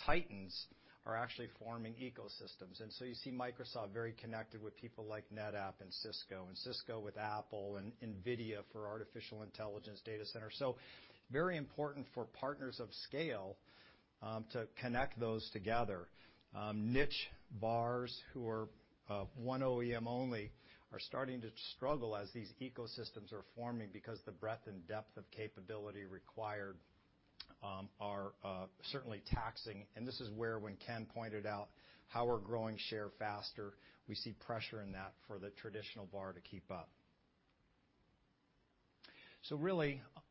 titans are actually forming ecosystems. You see Microsoft very connected with people like NetApp and Cisco, and Cisco with Apple and Nvidia for artificial intelligence data center. Very important for partners of scale to connect those together. Niche VARs who are one OEM only are starting to struggle as these ecosystems are forming because the breadth and depth of capability required are certainly taxing. This is where when Ken pointed out how we're growing share faster, we see pressure in that for the traditional VAR to keep up.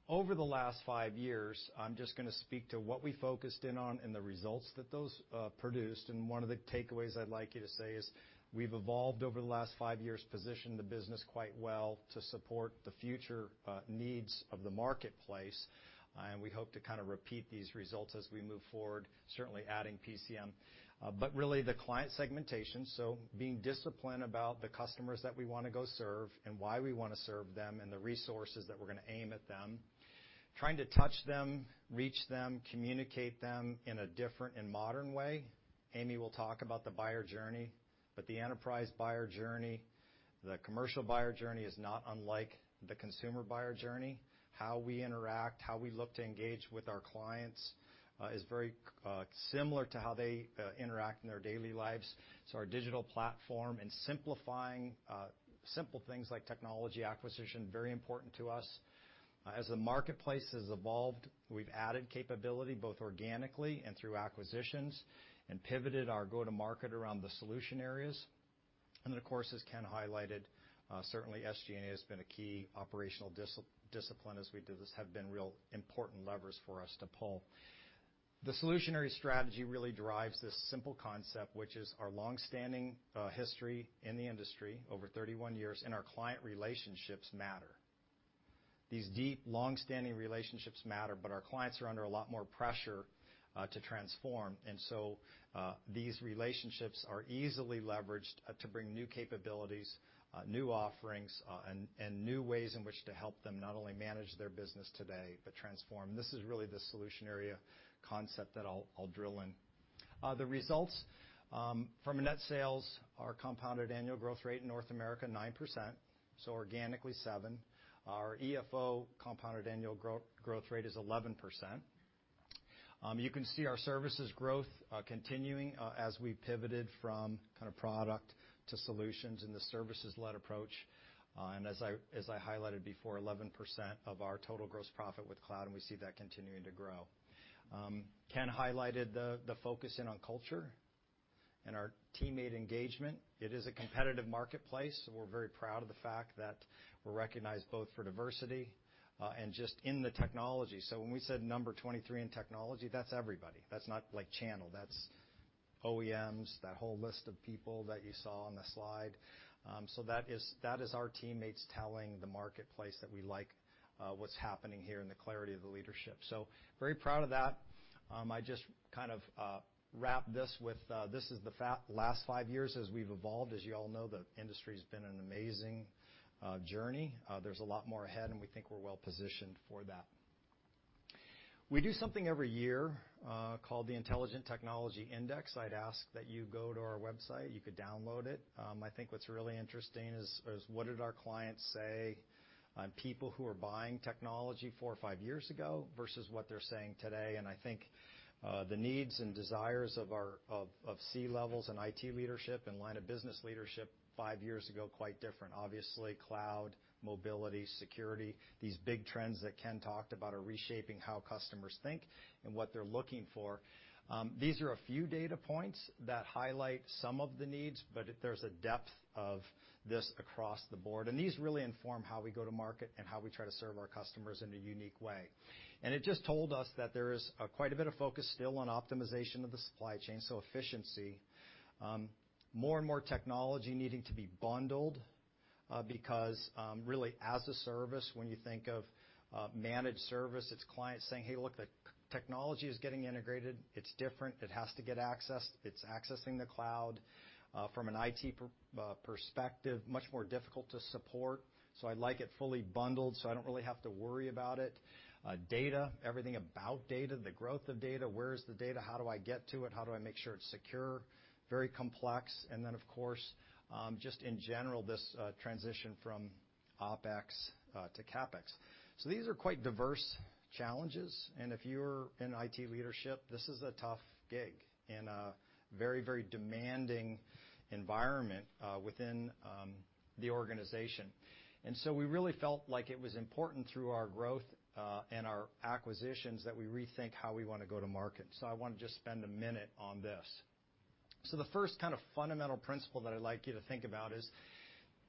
Over the last five years, I'm just going to speak to what we focused in on and the results that those produced. One of the takeaways I'd like you to say is we've evolved over the last five years, positioned the business quite well to support the future needs of the marketplace. We hope to repeat these results as we move forward, certainly adding PCM. Really the client segmentation, so being disciplined about the customers that we want to go serve and why we want to serve them, and the resources that we're going to aim at them, trying to touch them, reach them, communicate them in a different and modern way. Amy will talk about the buyer journey, but the enterprise buyer journey, the commercial buyer journey, is not unlike the consumer buyer journey. How we interact, how we look to engage with our clients, is very similar to how they interact in their daily lives. Our digital platform and simplifying simple things like technology acquisition, very important to us. As the marketplace has evolved, we've added capability, both organically and through acquisitions, and pivoted our go-to-market around the solution areas. Of course, as Ken highlighted, certainly SG&A has been a key operational discipline as we do this, have been real important levers for us to pull. The solutionary strategy really derives this simple concept, which is our long-standing history in the industry, over 31 years, and our client relationships matter. These deep, long-standing relationships matter, but our clients are under a lot more pressure to transform. These relationships are easily leveraged to bring new capabilities, new offerings, and new ways in which to help them not only manage their business today, but transform. This is really the solutionary concept that I'll drill in. The results from net sales are compounded annual growth rate in North America, 9%, so organically 7%. Our EFO compounded annual growth rate is 11%. You can see our services growth continuing as we pivoted from product to solutions in the services-led approach. As I highlighted before, 11% of our total gross profit with cloud, and we see that continuing to grow. Ken highlighted the focus in on culture and our teammate engagement. It is a competitive marketplace. We're very proud of the fact that we're recognized both for diversity and just in the technology. When we said number 23 in technology, that's everybody. That's not channel, that's OEMs, that whole list of people that you saw on the slide. That is our teammates telling the marketplace that we like what's happening here and the clarity of the leadership. We are very proud of that. I just wrap this with, this is the last five years as we've evolved. As you all know, the industry's been an amazing journey. There's a lot more ahead, and we think we're well-positioned for that. We do something every year called the Intelligent Technology Index. I'd ask that you go to our website. You could download it. I think what's really interesting is, what did our clients say on people who are buying technology four or five years ago versus what they're saying today? I think the needs and desires of C-levels and IT leadership and line of business leadership five years ago, quite different. Obviously, cloud, mobility, security, these big trends that Ken talked about are reshaping how customers think and what they're looking for. These are a few data points that highlight some of the needs, but there's a depth of this across the board, and these really inform how we go to market and how we try to serve our customers in a unique way. It just told us that there is quite a bit of focus still on optimization of the supply chain, so efficiency. More and more technology needing to be bundled, because really as a service, when you think of managed service, it's clients saying, "Hey, look, the technology is getting integrated. It's different. It has to get accessed. It's accessing the cloud. From an IT perspective, much more difficult to support. I'd like it fully bundled, so I don't really have to worry about it." Data, everything about data, the growth of data. Where is the data? How do I get to it? How do I make sure it's secure? Very complex. Of course, just in general, this transition from OpEx to CapEx. These are quite diverse challenges, and if you're in IT leadership, this is a tough gig and a very demanding environment within the organization. We really felt like it was important through our growth and our acquisitions that we rethink how we want to go to market. I want to just spend a minute on this. The first fundamental principle that I'd like you to think about is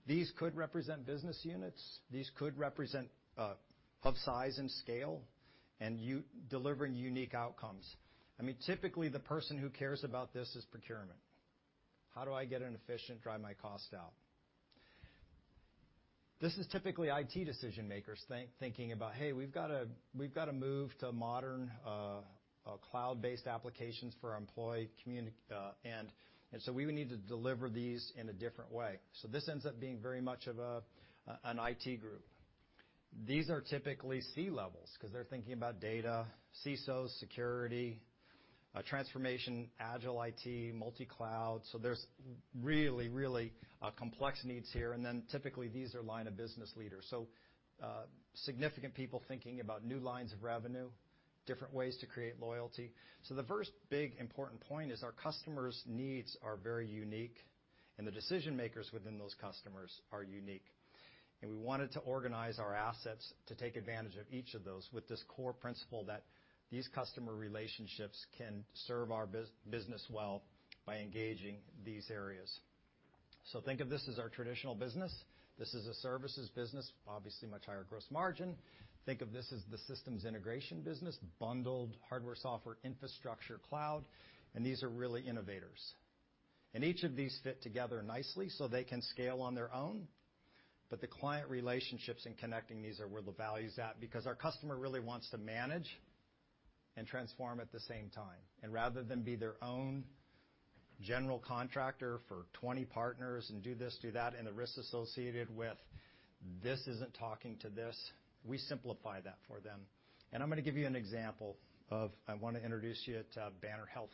these could represent business units. These could represent hub size and scale and delivering unique outcomes. Typically, the person who cares about this is procurement. How do I get an efficient, drive my cost out? This is typically IT decision-makers thinking about, "Hey, we've got to move to modern cloud-based applications for our employee community, and so we would need to deliver these in a different way." This ends up being very much of an IT group. These are typically C-levels because they're thinking about data, CISOs, security, transformation, agile IT, multi-cloud. There's really complex needs here, and then typically, these are line of business leaders. Significant people thinking about new lines of revenue, different ways to create loyalty. The first big important point is our customers' needs are very unique, and the decision-makers within those customers are unique. We wanted to organize our assets to take advantage of each of those with this core principle that these customer relationships can serve our business well by engaging these areas. Think of this as our traditional business. This is a services business, obviously much higher gross margin. Think of this as the systems integration business, bundled hardware, software, infrastructure, cloud, these are really innovators. Each of these fit together nicely so they can scale on their own. The client relationships and connecting these are where the value's at, because our customer really wants to manage and transform at the same time. Rather than be their own general contractor for 20 partners and do this, do that, and the risks associated with this isn't talking to this, we simplify that for them. I'm going to give you an example of, I want to introduce you to Banner Health.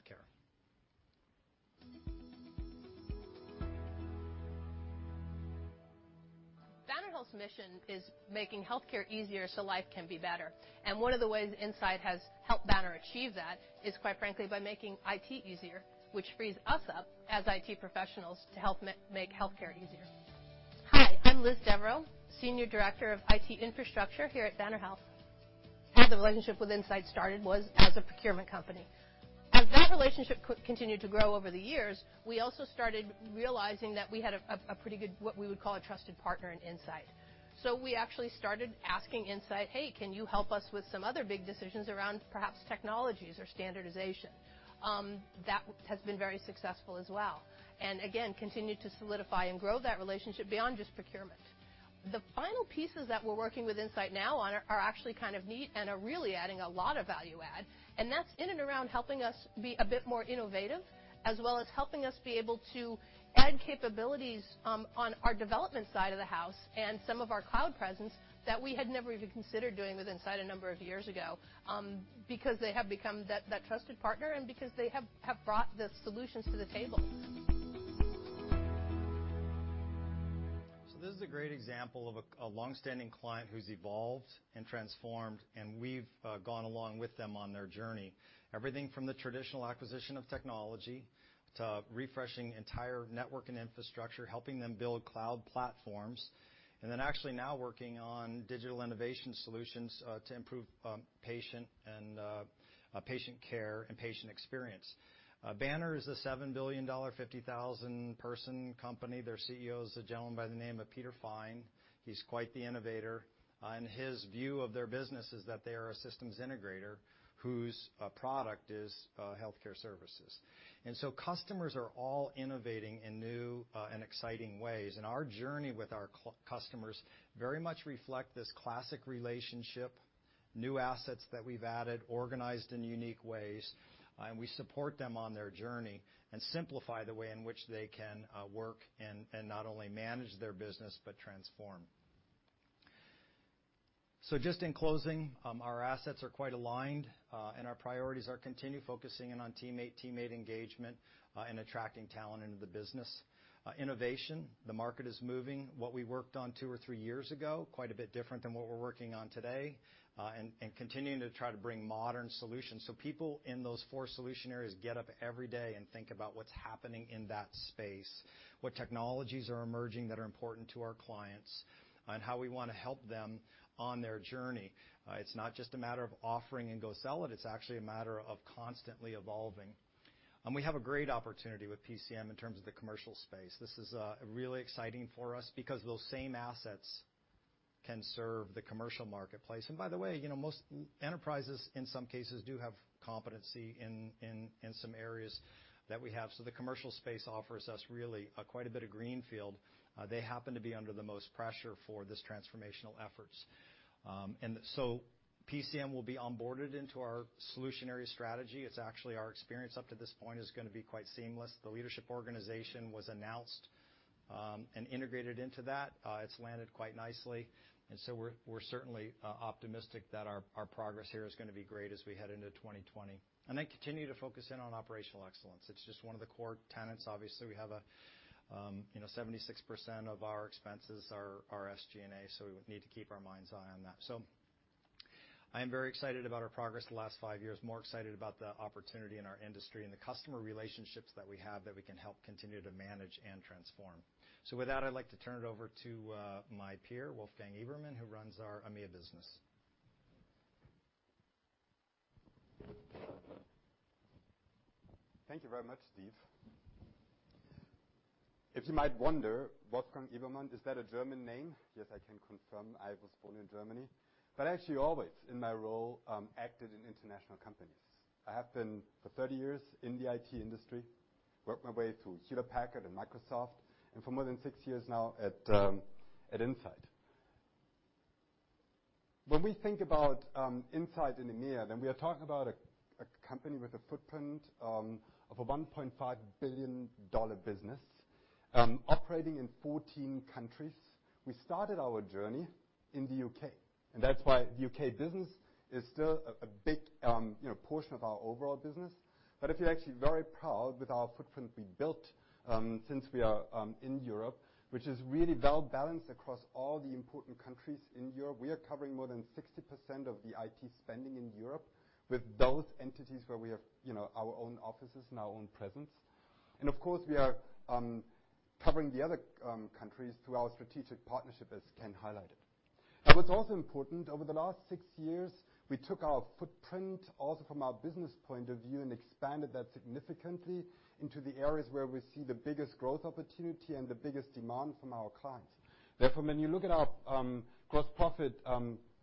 Banner Health's mission is making healthcare easier so life can be better. One of the ways Insight has helped Banner achieve that is, quite frankly, by making IT easier, which frees us up as IT professionals to help make healthcare easier. Hi, I'm Liz Devereux, Senior Director of IT Infrastructure here at Banner Health. How the relationship with Insight started was as a procurement company. As that relationship continued to grow over the years, we also started realizing that we had a pretty good, what we would call a trusted partner in Insight. We actually started asking Insight, "Hey, can you help us with some other big decisions around perhaps technologies or standardization?" That has been very successful as well, and again, continued to solidify and grow that relationship beyond just procurement. The final pieces that we're working with Insight now on are actually kind of neat and are really adding a lot of value add, and that's in and around helping us be a bit more innovative, as well as helping us be able to add capabilities on our development side of the house and some of our cloud presence that we had never even considered doing with Insight a number of years ago, because they have become that trusted partner and because they have brought the solutions to the table. This is a great example of a long-standing client who's evolved and transformed, and we've gone along with them on their journey. Everything from the traditional acquisition of technology to refreshing entire network and infrastructure, helping them build cloud platforms, and then actually now working on digital innovation solutions to improve patient care and patient experience. Banner is a $7 billion, 50,000-person company. Their CEO is a gentleman by the name of Peter Fine. He's quite the innovator, and his view of their business is that they are a systems integrator whose product is healthcare services. Customers are all innovating in new and exciting ways, and our journey with our customers very much reflect this classic relationship, new assets that we've added, organized in unique ways, and we support them on their journey and simplify the way in which they can work and not only manage their business, but transform. Just in closing, our assets are quite aligned, and our priorities are continue focusing in on teammate engagement, and attracting talent into the business. Innovation, the market is moving. What we worked on two or three years ago, quite a bit different than what we're working on today, and continuing to try to bring modern solutions. People in those four solution areas get up every day and think about what's happening in that space, what technologies are emerging that are important to our clients, and how we want to help them on their journey. It's not just a matter of offering and go sell it's actually a matter of constantly evolving. We have a great opportunity with PCM in terms of the commercial space. This is really exciting for us because those same assets can serve the commercial marketplace. By the way, most enterprises, in some cases, do have competency in some areas that we have. The commercial space offers us really quite a bit of greenfield. They happen to be under the most pressure for this transformational efforts. PCM will be onboarded into our solutionary strategy. It's actually our experience up to this point is going to be quite seamless. The leadership organization was announced, and integrated into that. It's landed quite nicely. We're certainly optimistic that our progress here is going to be great as we head into 2020. Continue to focus in on operational excellence. It's just one of the core tenets. Obviously, we have 76% of our expenses are SG&A. We need to keep our minds' eye on that. I am very excited about our progress the last five years, more excited about the opportunity in our industry and the customer relationships that we have that we can help continue to manage and transform. With that, I'd like to turn it over to my peer, Wolfgang Ebermann, who runs our EMEA business. Thank you very much, Steve. If you might wonder, Wolfgang Ebermann, is that a German name? Yes, I can confirm. I was born in Germany, but actually always in my role, acted in international companies. I have been for 30 years in the IT industry. Worked my way through Hewlett-Packard and Microsoft, and for more than six years now at Insight. When we think about Insight in EMEA, we are talking about a company with a footprint of a $1.5 billion business operating in 14 countries. We started our journey in the U.K., and that's why the U.K. business is still a big portion of our overall business. I feel actually very proud with our footprint we built since we are in Europe, which is really well-balanced across all the important countries in Europe. We are covering more than 60% of the IT spending in Europe with those entities where we have our own offices and our own presence. Of course, we are covering the other countries through our strategic partnership, as Ken highlighted. What's also important, over the last six years, we took our footprint also from our business point of view and expanded that significantly into the areas where we see the biggest growth opportunity and the biggest demand from our clients. When you look at our gross profit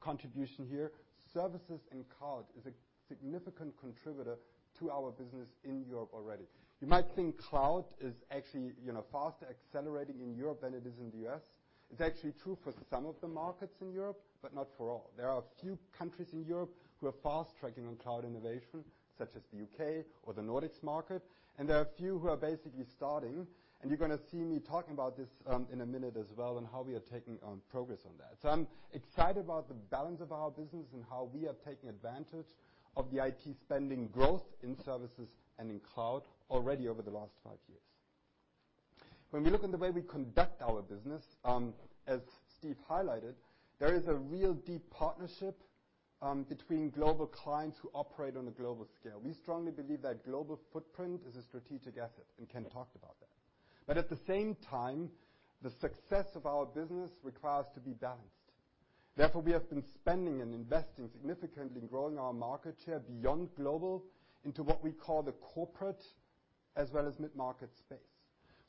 contribution here, services and cloud is a significant contributor to our business in Europe already. You might think cloud is actually faster accelerating in Europe than it is in the U.S. It's actually true for some of the markets in Europe, but not for all. There are a few countries in Europe who are fast-tracking on cloud innovation, such as the U.K. or the Nordics market. There are a few who are basically starting, and you're going to see me talking about this in a minute as well, and how we are making progress on that. I'm excited about the balance of our business and how we are taking advantage of the IT spending growth in services and in cloud already over the last five years. When we look at the way we conduct our business, as Steve highlighted, there is a real deep partnership between global clients who operate on a global scale. We strongly believe that global footprint is a strategic asset. Ken talked about that. At the same time, the success of our business requires to be balanced. We have been spending and investing significantly in growing our market share beyond global into what we call the corporate as well as mid-market space.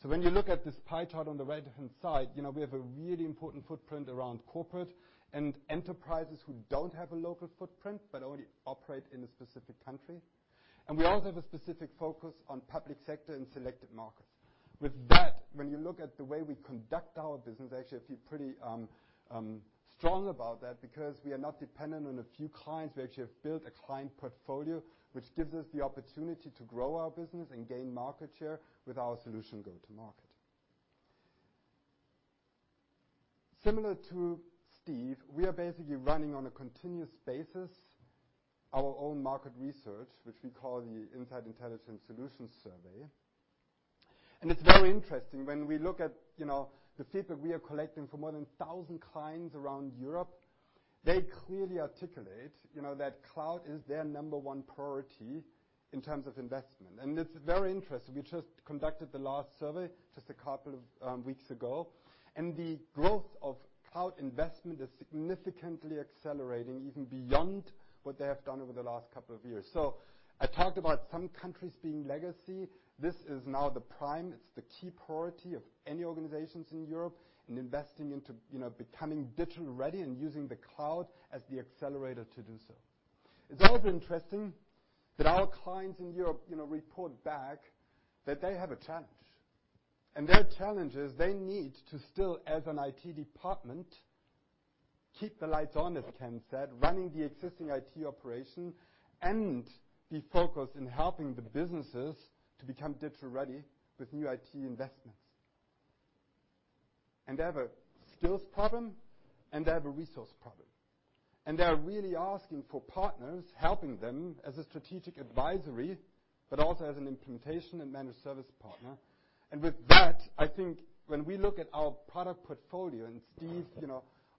When you look at this pie chart on the right-hand side, we have a really important footprint around corporate and enterprises who don't have a local footprint but only operate in a specific country. We also have a specific focus on public sector and selected markets. With that, when you look at the way we conduct our business, I actually feel pretty strong about that because we are not dependent on a few clients. We actually have built a client portfolio, which gives us the opportunity to grow our business and gain market share with our solution go-to-market. Similar to Steve, we are basically running on a continuous basis our own market research, which we call the Insight Intelligent Technology Index. It's very interesting when we look at the feedback we are collecting from more than 1,000 clients around Europe. They clearly articulate that cloud is their number one priority in terms of investment. It's very interesting. We just conducted the last survey just a couple of weeks ago, and the growth of cloud investment is significantly accelerating even beyond what they have done over the last couple of years. I talked about some countries being legacy. This is now the prime. It's the key priority of any organizations in Europe in investing into becoming digital ready and using the cloud as the accelerator to do so. It's also interesting that our clients in Europe report back that they have a challenge. Their challenge is they need to still, as an IT department, keep the lights on, as Ken said, running the existing IT operation and be focused on helping the businesses to become digital ready with new IT investments. They have a skills problem, and they have a resource problem. They are really asking for partners helping them as a strategic advisory, but also as an implementation and managed service partner. With that, I think when we look at our product portfolio, and Steve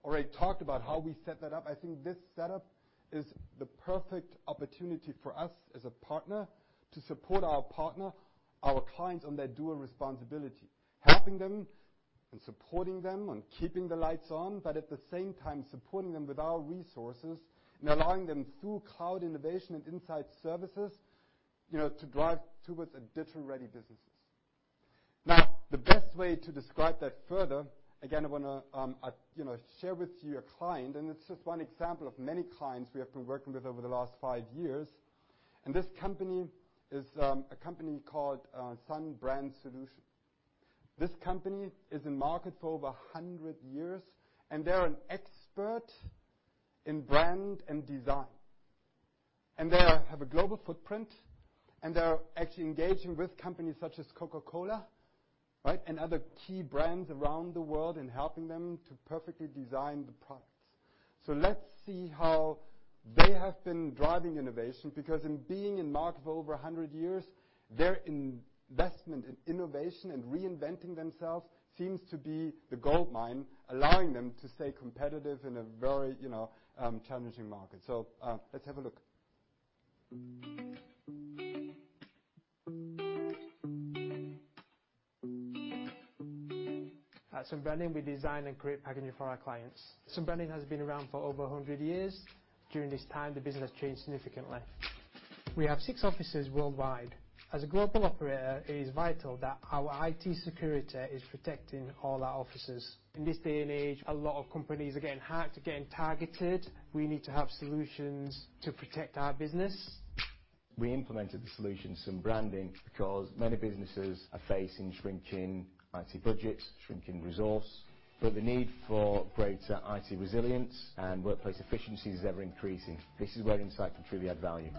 already talked about how we set that up, I think this setup is the perfect opportunity for us as a partner to support our partner, our clients, on their dual responsibility. Helping them and supporting them and keeping the lights on, but at the same time, supporting them with our resources and allowing them through cloud innovation and Insight services to drive towards a digital-ready business. The best way to describe that further, again, I want to share with you a client, and it's just one example of many clients we have been working with over the last five years. This company is a company called Sun Branding Solutions. This company is in market for over 100 years, and they're an expert in brand and design. They have a global footprint, and they're actually engaging with companies such as Coca-Cola and other key brands around the world and helping them to perfectly design the products. Let's see how they have been driving innovation, because in being in market for over 100 years, their investment in innovation and reinventing themselves seems to be the goldmine, allowing them to stay competitive in a very challenging market. Let's have a look. At Sun Branding, we design and create packaging for our clients. Sun Branding has been around for over 100 years. During this time, the business has changed significantly. We have six offices worldwide. As a global operator, it is vital that our IT security is protecting all our offices. In this day and age, a lot of companies are getting hacked, are getting targeted. We need to have solutions to protect our business. We implemented the solution, Sun Branding, because many businesses are facing shrinking IT budgets, shrinking resource, but the need for greater IT resilience and workplace efficiency is ever-increasing. This is where Insight can truly add value.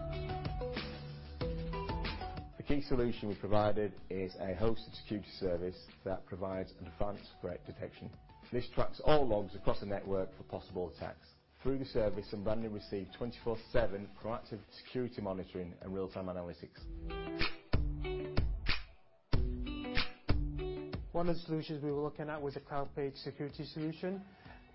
The key solution we provided is a hosted security service that provides advanced threat detection. This tracks all logs across a network for possible attacks. Through the service, Sun Branding received 24/7 proactive security monitoring and real-time analytics. One of the solutions we were looking at was a cloud-based security solution,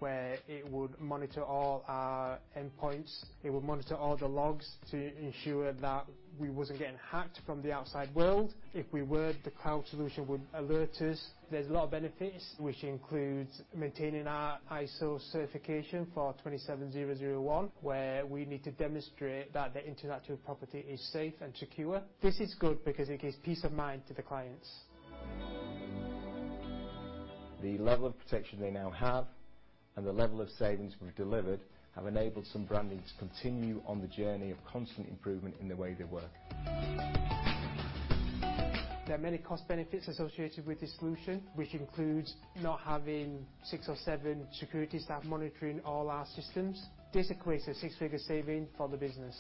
where it would monitor all our endpoints. It would monitor all the logs to ensure that we wasn't getting hacked from the outside world. If we were, the cloud solution would alert us. There's a lot of benefits, which includes maintaining our ISO certification for 27001, where we need to demonstrate that the intellectual property is safe and secure. This is good because it gives peace of mind to the clients. The level of protection they now have and the level of savings we've delivered have enabled Sun Branding to continue on the journey of constant improvement in the way they work. There are many cost benefits associated with this solution, which includes not having six or seven security staff monitoring all our systems. This equates a six-figure saving for the business.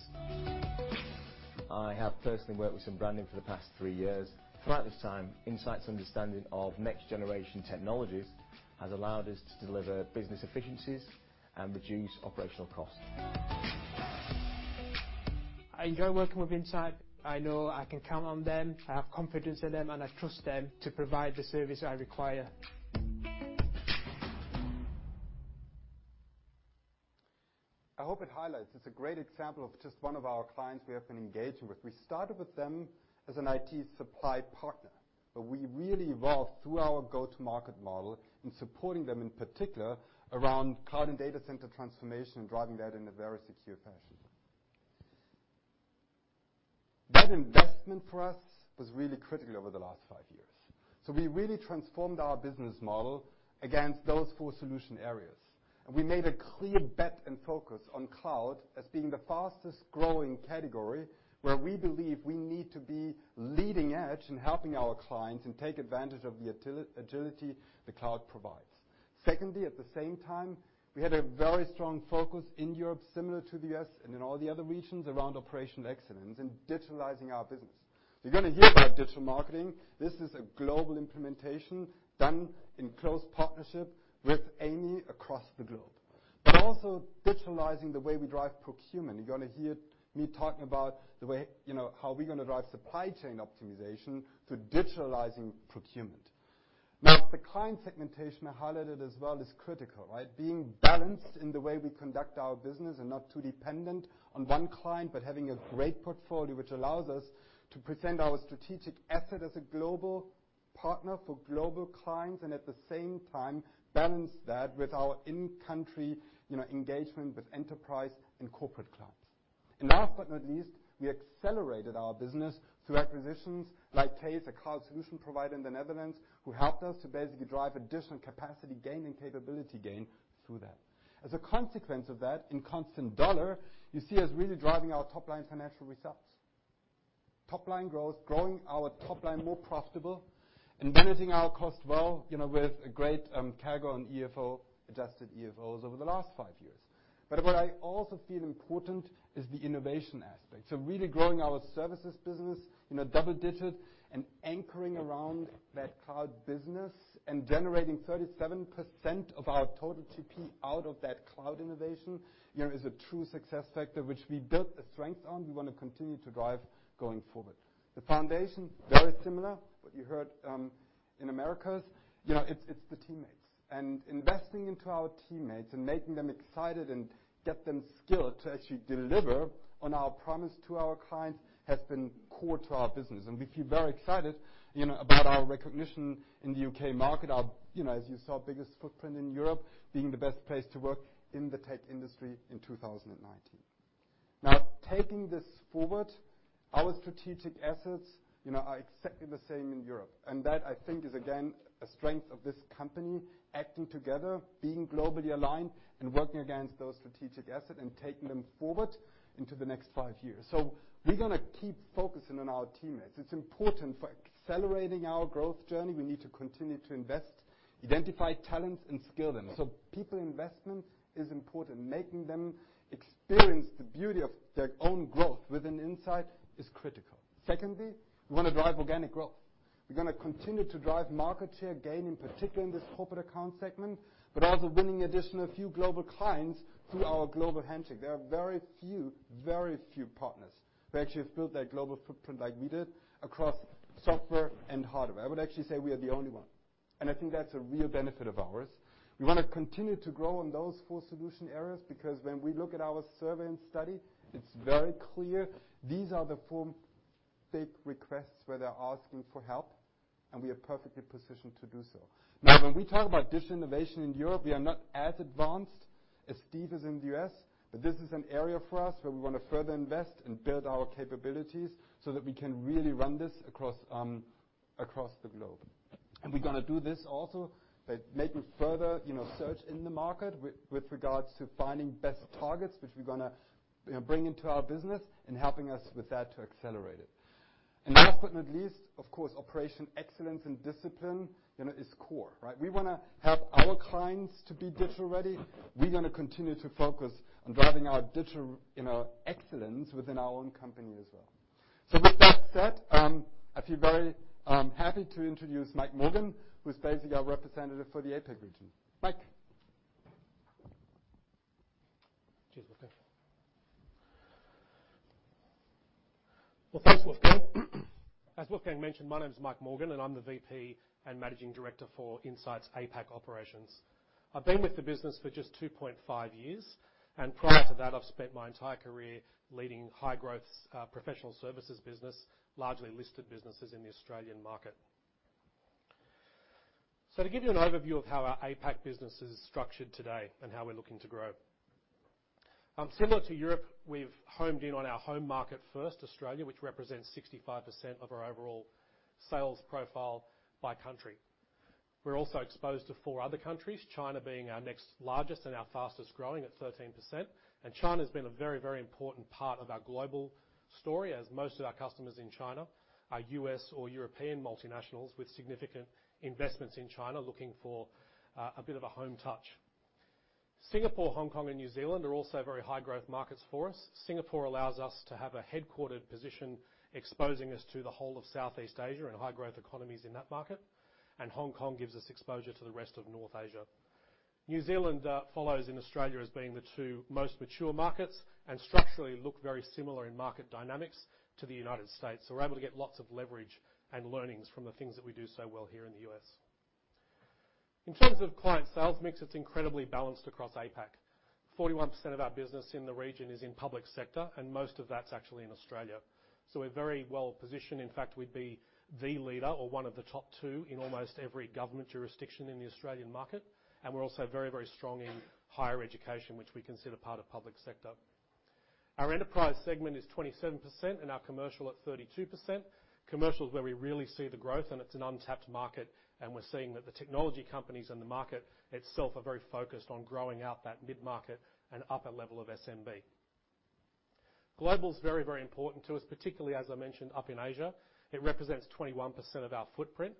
I have personally worked with Sun Branding for the past three years. Throughout this time, Insight's understanding of next-generation technologies has allowed us to deliver business efficiencies and reduce operational costs. I enjoy working with Insight. I know I can count on them, I have confidence in them, and I trust them to provide the service I require. I hope it highlights, it's a great example of just one of our clients we have been engaging with. We started with them as an IT supply partner, we really evolved through our go-to-market model in supporting them, in particular, around cloud and data center transformation and driving that in a very secure fashion. That investment for us was really critical over the last five years. We really transformed our business model against those four solution areas. We made a clear bet and focus on cloud as being the fastest-growing category, where we believe we need to be leading edge in helping our clients and take advantage of the agility the cloud provides. Secondly, at the same time, we had a very strong focus in Europe, similar to the U.S. and in all the other regions, around operational excellence and digitalizing our business. You're going to hear about digital marketing. This is a global implementation done in close partnership with Amy across the globe. Also digitalizing the way we drive procurement. You're going to hear me talking about how we're going to drive supply chain optimization through digitalizing procurement. Now, the client segmentation I highlighted as well is critical, right? Being balanced in the way we conduct our business and not too dependent on one client, but having a great portfolio which allows us to present our strategic asset as a global partner for global clients, and at the same time balance that with our in-country engagement with enterprise and corporate clients. Last but not least, we accelerated our business through acquisitions like Caase, a cloud solution provider in the Netherlands, who helped us to basically drive additional capacity gain and capability gain through that. As a consequence of that, in constant $, you see us really driving our top-line financial results. Top-line growth, growing our top line more profitable, and managing our cost well, with a great CAGR on EFO, adjusted EFOs over the last five years. What I also feel important is the innovation aspect. Really growing our services business in a double-digit and anchoring around that cloud business and generating 37% of our total GP out of that cloud innovation, is a true success factor which we built a strength on. We want to continue to drive going forward. The foundation, very similar, what you heard, in Americas. It's the teammates. Investing into our teammates and making them excited and get them skilled to actually deliver on our promise to our clients, has been core to our business. We feel very excited about our recognition in the U.K. market, our, as you saw, biggest footprint in Europe, being the best place to work in the tech industry in 2019. Taking this forward, our strategic assets are exactly the same in Europe. That, I think, is again a strength of this company acting together, being globally aligned, and working against those strategic asset and taking them forward into the next five years. We're going to keep focusing on our teammates. It's important for accelerating our growth journey. We need to continue to invest, identify talents, and skill them. People investment is important. Making them experience the beauty of their own growth within Insight is critical. Secondly, we want to drive organic growth. We're going to continue to drive market share gain, in particular in this corporate account segment, but also winning additional few global clients through our global handshake. There are very few partners who actually have built that global footprint like we did across software and hardware. I would actually say we are the only one. I think that's a real benefit of ours. We want to continue to grow on those four solution areas because when we look at our survey and study, it's very clear these are the four big requests where they're asking for help, we are perfectly positioned to do so. When we talk about digital innovation in Europe, we are not as advanced as Steve is in the U.S., but this is an area for us where we want to further invest and build our capabilities so that we can really run this across the globe. We're going to do this also by making further search in the market with regards to finding best targets, which we're going to, you know, bring into our business and helping us with that to accelerate it. Last but not least, of course, operation excellence and discipline is core, right? We want to help our clients to be digital ready. We're going to continue to focus on driving our digital excellence within our own company as well. With that said, I feel very happy to introduce Mike Morgan, who's basically our representative for the APAC region. Mike. Cheers, Wolfgang. Well, thanks Wolfgang. As Wolfgang mentioned, my name is Mike Morgan, and I'm the VP and Managing Director for Insight's APAC operations. I've been with the business for just 2.5 years, and prior to that, I've spent my entire career leading high-growth professional services business, largely listed businesses in the Australian market. To give you an overview of how our APAC business is structured today and how we're looking to grow. Similar to Europe, we've homed in on our home market first, Australia, which represents 65% of our overall sales profile by country. We're also exposed to four other countries, China being our next largest and our fastest-growing at 13%. China's been a very important part of our global story as most of our customers in China are U.S. or European multinationals with significant investments in China looking for a bit of a home touch. Singapore, Hong Kong, and New Zealand are also very high-growth markets for us. Singapore allows us to have a headquartered position exposing us to the whole of Southeast Asia and high-growth economies in that market, and Hong Kong gives us exposure to the rest of North Asia. New Zealand follows in Australia as being the two most mature markets and structurally look very similar in market dynamics to the United States. We're able to get lots of leverage and learnings from the things that we do so well here in the U.S. In terms of client sales mix, it's incredibly balanced across APAC. 41% of our business in the region is in public sector, and most of that's actually in Australia. We're very well-positioned. In fact, we'd be the leader or one of the top 2 in almost every government jurisdiction in the Australian market, and we're also very strong in higher education, which we consider part of public sector. Our enterprise segment is 27% and our commercial at 32%. Commercial is where we really see the growth, and it's an untapped market, and we're seeing that the technology companies and the market itself are very focused on growing out that mid-market and upper level of SMB. Global is very important to us, particularly as I mentioned, up in Asia. It represents 21% of our footprint.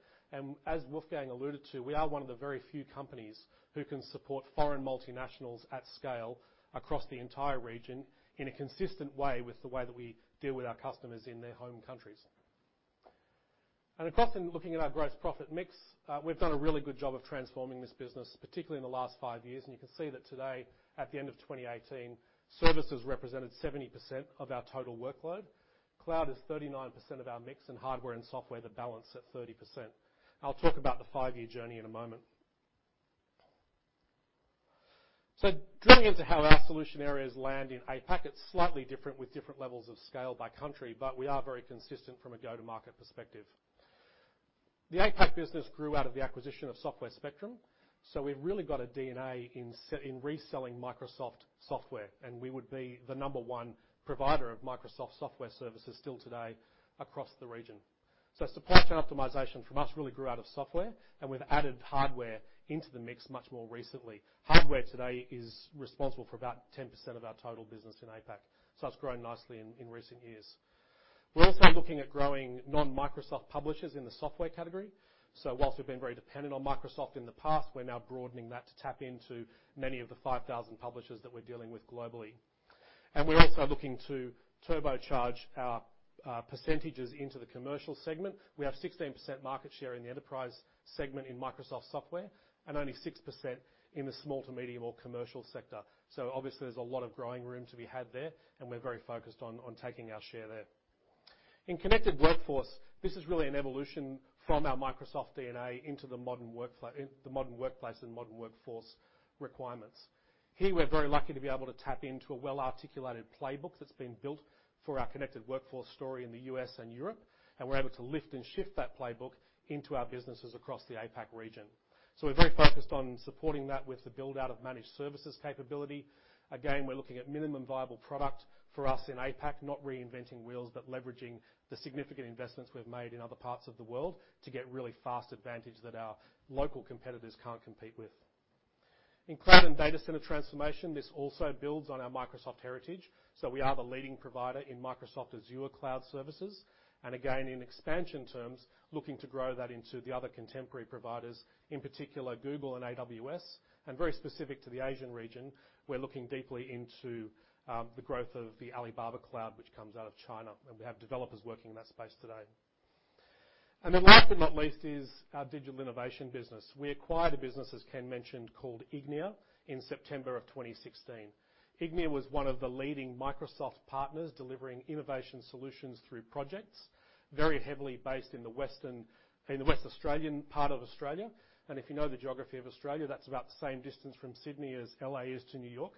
As Wolfgang alluded to, we are one of the very few companies who can support foreign multinationals at scale across the entire region in a consistent way with the way that we deal with our customers in their home countries. Across then looking at our gross profit mix, we've done a really good job of transforming this business, particularly in the last 5 years. You can see that today, at the end of 2018, services represented 70% of our total workload. Cloud is 39% of our mix, and hardware and software that balance at 30%. I'll talk about the 5-year journey in a moment. Drilling into how our solution areas land in APAC, it's slightly different with different levels of scale by country, but we are very consistent from a go-to-market perspective. The APAC business grew out of the acquisition of Software Spectrum, so we've really got a DNA in reselling Microsoft software, and we would be the number 1 provider of Microsoft software services still today across the region. Supply chain optimization from us really grew out of software, and we've added hardware into the mix much more recently. Hardware today is responsible for about 10% of our total business in APAC, so that's grown nicely in recent years. We're also looking at growing non-Microsoft publishers in the software category. Whilst we've been very dependent on Microsoft in the past, we're now broadening that to tap into many of the 5,000 publishers that we're dealing with globally. We're also looking to turbocharge our percentages into the commercial segment. We have 16% market share in the enterprise segment in Microsoft software and only 6% in the small to medium or commercial sector. Obviously, there's a lot of growing room to be had there, and we're very focused on taking our share there. In connected workforce, this is really an evolution from our Microsoft DNA into the modern workplace and modern workforce requirements. Here, we're very lucky to be able to tap into a well-articulated playbook that's been built for our connected workforce story in the U.S. and Europe, and we're able to lift and shift that playbook into our businesses across the APAC region. We're very focused on supporting that with the build-out of managed services capability. Again, we're looking at minimum viable product for us in APAC, not reinventing wheels, but leveraging the significant investments we've made in other parts of the world to get really fast advantage that our local competitors can't compete with. In cloud and data center transformation, this also builds on our Microsoft heritage. We are the leading provider in Microsoft Azure cloud services, and again, in expansion terms, looking to grow that into the other contemporary providers, in particular Google and AWS, and very specific to the Asian region, we're looking deeply into the growth of the Alibaba Cloud, which comes out of China, and we have developers working in that space today. Last but not least is our digital innovation business. We acquired a business, as Ken mentioned, called Ignia in September of 2016. Ignia was one of the leading Microsoft partners delivering innovation solutions through projects, very heavily based in the West Australian part of Australia. If you know the geography of Australia, that's about the same distance from Sydney as L.A. is to New York,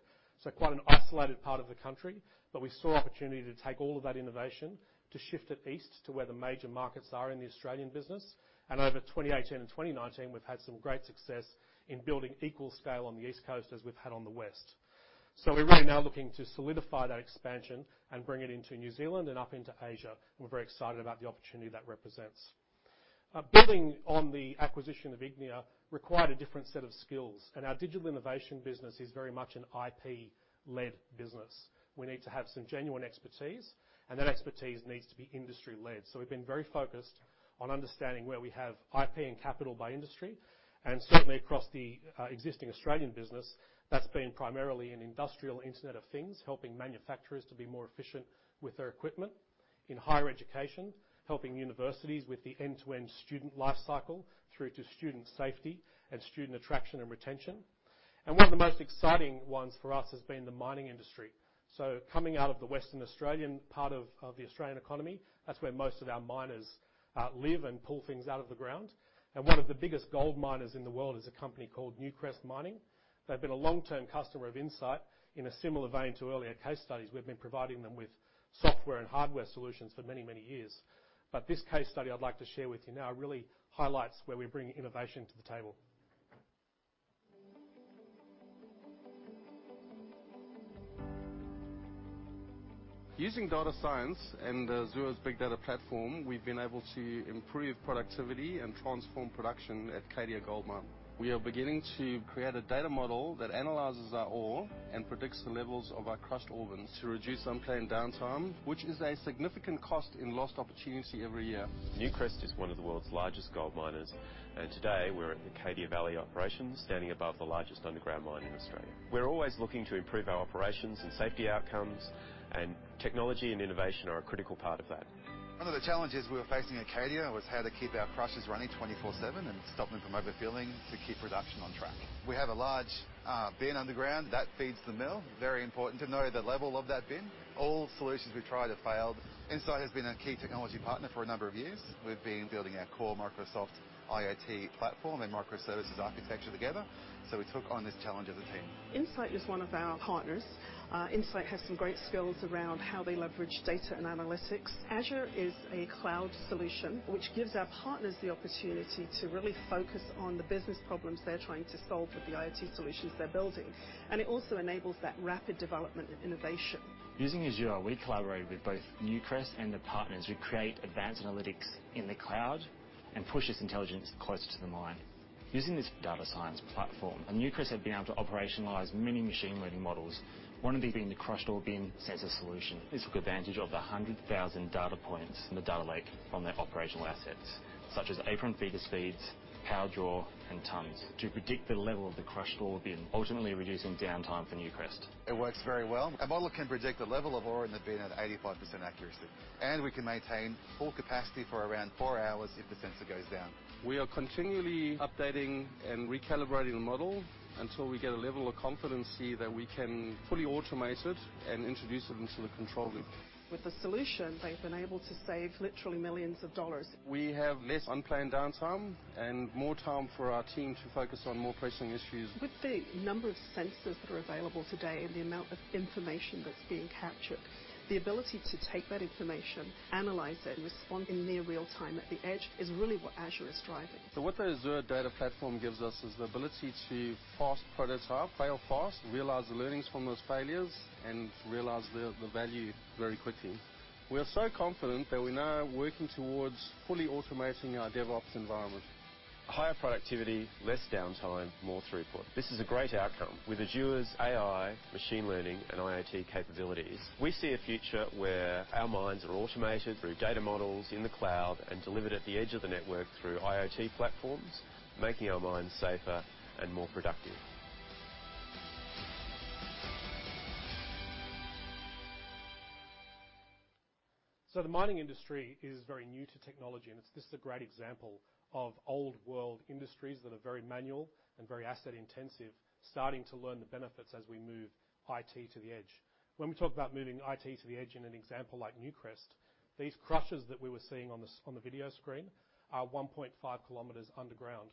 quite an isolated part of the country. We saw opportunity to take all of that innovation to shift it east to where the major markets are in the Australian business. Over 2018 and 2019, we've had some great success in building equal scale on the East Coast as we've had on the West. We're really now looking to solidify that expansion and bring it into New Zealand and up into Asia, and we're very excited about the opportunity that represents. Building on the acquisition of Ignia required a different set of skills, and our digital innovation business is very much an IP-led business. We need to have some genuine expertise, and that expertise needs to be industry-led. We've been very focused on understanding where we have IP and capital by industry, and certainly across the existing Australian business, that's been primarily in industrial Internet of Things, helping manufacturers to be more efficient with their equipment. In higher education, helping universities with the end-to-end student life cycle through to student safety and student attraction and retention. One of the most exciting ones for us has been the mining industry. Coming out of the Western Australian part of the Australian economy, that's where most of our miners live and pull things out of the ground. One of the biggest gold miners in the world is a company called Newcrest Mining. They've been a long-term customer of Insight. In a similar vein to earlier case studies, we've been providing them with software and hardware solutions for many, many years. This case study I'd like to share with you now really highlights where we bring innovation to the table. Using data science and Azure's big data platform, we've been able to improve productivity and transform production at Cadia Gold Mine. We are beginning to create a data model that analyzes our ore and predicts the levels of our crushed ore bins to reduce unplanned downtime, which is a significant cost in lost opportunity every year. Newcrest is one of the world's largest gold miners, and today we're at the Cadia Valley Operations, standing above the largest underground mine in Australia. We're always looking to improve our operations and safety outcomes, and technology and innovation are a critical part of that. One of the challenges we were facing at Cadia was how to keep our crushers running 24/7 and stop them from overfilling to keep production on track. We have a large bin underground that feeds the mill. Very important to know the level of that bin. All solutions we've tried have failed. Insight has been a key technology partner for a number of years. We've been building our core Microsoft IoT platform and microservices architecture together. We took on this challenge as a team. Insight is one of our partners. Insight has some great skills around how they leverage data and analytics. Azure is a cloud solution, which gives our partners the opportunity to really focus on the business problems they're trying to solve with the IoT solutions they're building. It also enables that rapid development of innovation. Using Azure, we collaborated with both Newcrest and the partners who create advanced analytics in the cloud and push this intelligence closer to the mine. Using this data science platform, Newcrest have been able to operationalize many machine learning models, one of these being the crushed ore bin sensor solution. This took advantage of the 100,000 data points in the data lake from their operational assets, such as apron feeder speeds, power draw, and tonnes, to predict the level of the crushed ore bin, ultimately reducing downtime for Newcrest. It works very well. A model can predict the level of ore in the bin at 85% accuracy. We can maintain full capacity for around four hours if the sensor goes down. We are continually updating and recalibrating the model until we get a level of confidence that we can fully automate it and introduce it into the control loop. With the solution, they've been able to save literally millions of dollars. We have less unplanned downtime and more time for our team to focus on more pressing issues. With the number of sensors that are available today and the amount of information that's being captured, the ability to take that information, analyze it, and respond in near real time at the edge is really what Azure is driving. What the Azure data platform gives us is the ability to fast prototype, fail fast, realize the learnings from those failures, and realize the value very quickly. We are so confident that we're now working towards fully automating our DevOps environment. Higher productivity, less downtime, more throughput. This is a great outcome. With Azure's AI, machine learning, and IoT capabilities, we see a future where our mines are automated through data models in the cloud and delivered at the edge of the network through IoT platforms, making our mines safer and more productive. The mining industry is very new to technology, and this is a great example of old world industries that are very manual and very asset intensive, starting to learn the benefits as we move IT to the edge. When we talk about moving IT to the edge in an example like Newcrest, these crushers that we were seeing on the video screen are 1.5 km underground.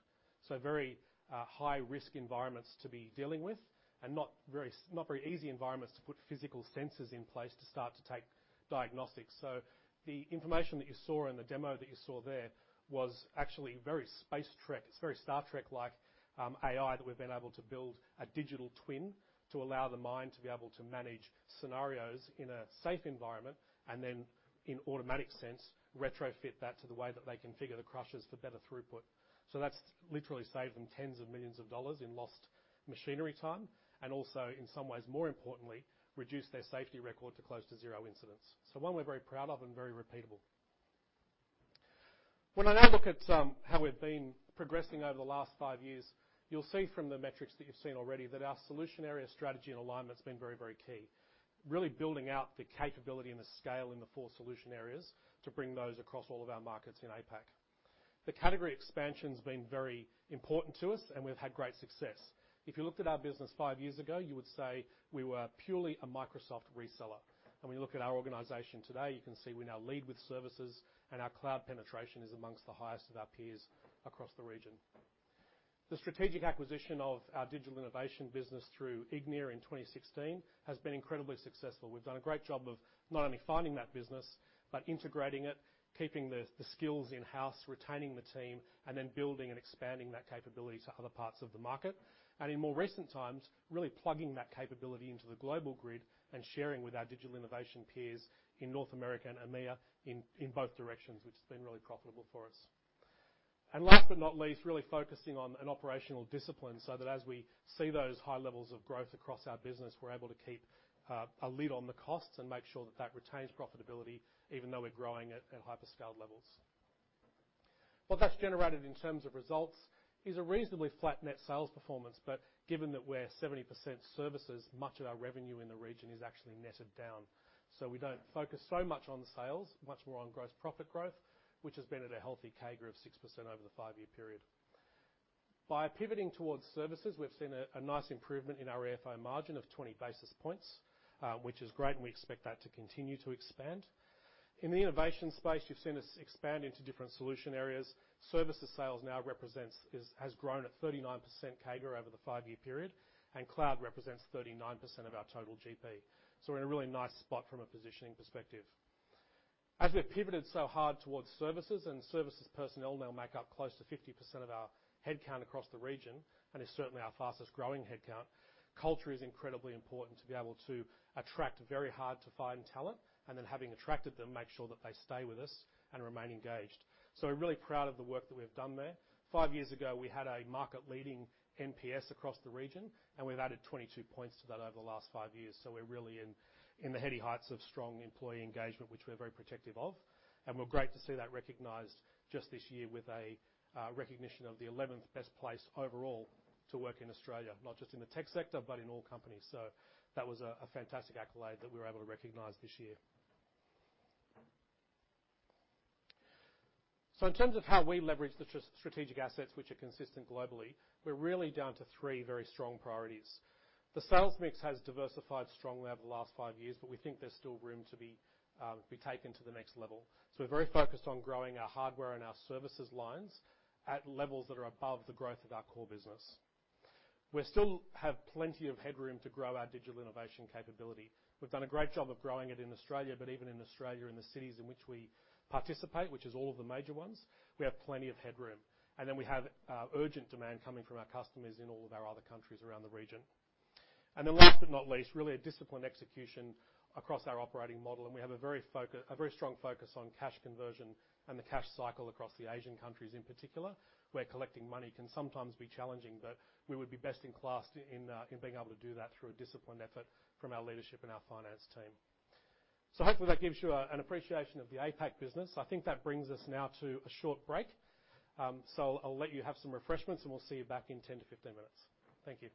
Very high-risk environments to be dealing with and not very easy environments to put physical sensors in place to start to take diagnostics. The information that you saw in the demo that you saw there was actually very Star Trek-like AI that we've been able to build a digital twin to allow the mine to be able to manage scenarios in a safe environment and then in automatic sense, retrofit that to the way that they configure the crushers for better throughput. That's literally saved them tens of millions of dollars in lost machinery time and also, in some ways more importantly, reduced their safety record to close to zero incidents. One we're very proud of and very repeatable. When I now look at how we've been progressing over the last five years, you'll see from the metrics that you've seen already that our solution area strategy and alignment's been very, very key. Really building out the capability and the scale in the four solution areas to bring those across all of our markets in APAC. The category expansion's been very important to us and we've had great success. If you looked at our business five years ago, you would say we were purely a Microsoft reseller. When you look at our organization today, you can see we now lead with services and our cloud penetration is amongst the highest of our peers across the region. The strategic acquisition of our digital innovation business through Ignia in 2016 has been incredibly successful. We've done a great job of not only finding that business, but integrating it, keeping the skills in-house, retaining the team, and then building and expanding that capability to other parts of the market. In more recent times, really plugging that capability into the global grid and sharing with our Digital Innovation peers in North America and EMEA in both directions, which has been really profitable for us. Last but not least, really focusing on an operational discipline so that as we see those high levels of growth across our business, we're able to keep a lid on the costs and make sure that that retains profitability even though we're growing at hyperscaled levels. What that's generated in terms of results is a reasonably flat net sales performance, but given that we're 70% services, much of our revenue in the region is actually netted down. We don't focus so much on sales, much more on gross profit growth, which has been at a healthy CAGR of 6% over the 5-year period. By pivoting towards services, we've seen a nice improvement in our EFO margin of 20 basis points, which is great, and we expect that to continue to expand. In the innovation space, you've seen us expand into different solution areas. Services sales now has grown at 39% CAGR over the 5-year period, and cloud represents 39% of our total GP. We're in a really nice spot from a positioning perspective. As we've pivoted so hard towards services, and services personnel now make up close to 50% of our headcount across the region and is certainly our fastest-growing headcount, culture is incredibly important to be able to attract very hard-to-find talent, and then having attracted them, make sure that they stay with us and remain engaged. We're really proud of the work that we've done there. Five years ago, we had a market-leading NPS across the region, and we've added 22 points to that over the last five years. We're really in the heady heights of strong employee engagement, which we're very protective of. We're great to see that recognized just this year with a recognition of the 11th best place overall to work in Australia, not just in the tech sector, but in all companies. That was a fantastic accolade that we were able to recognize this year. In terms of how we leverage the strategic assets which are consistent globally, we're really down to three very strong priorities. The sales mix has diversified strongly over the last five years, but we think there's still room to be taken to the next level. We're very focused on growing our hardware and our services lines at levels that are above the growth of our core business. We still have plenty of headroom to grow our digital innovation capability. We've done a great job of growing it in Australia, but even in Australia, in the cities in which we participate, which is all of the major ones, we have plenty of headroom. Then we have urgent demand coming from our customers in all of our other countries around the region. Last but not least, really a disciplined execution across our operating model. We have a very strong focus on cash conversion and the cash cycle across the Asian countries in particular, where collecting money can sometimes be challenging. We would be best in class in being able to do that through a disciplined effort from our leadership and our finance team. Hopefully that gives you an appreciation of the APAC business. I think that brings us now to a short break. I'll let you have some refreshments. We'll see you back in 10-15 minutes. Thank you.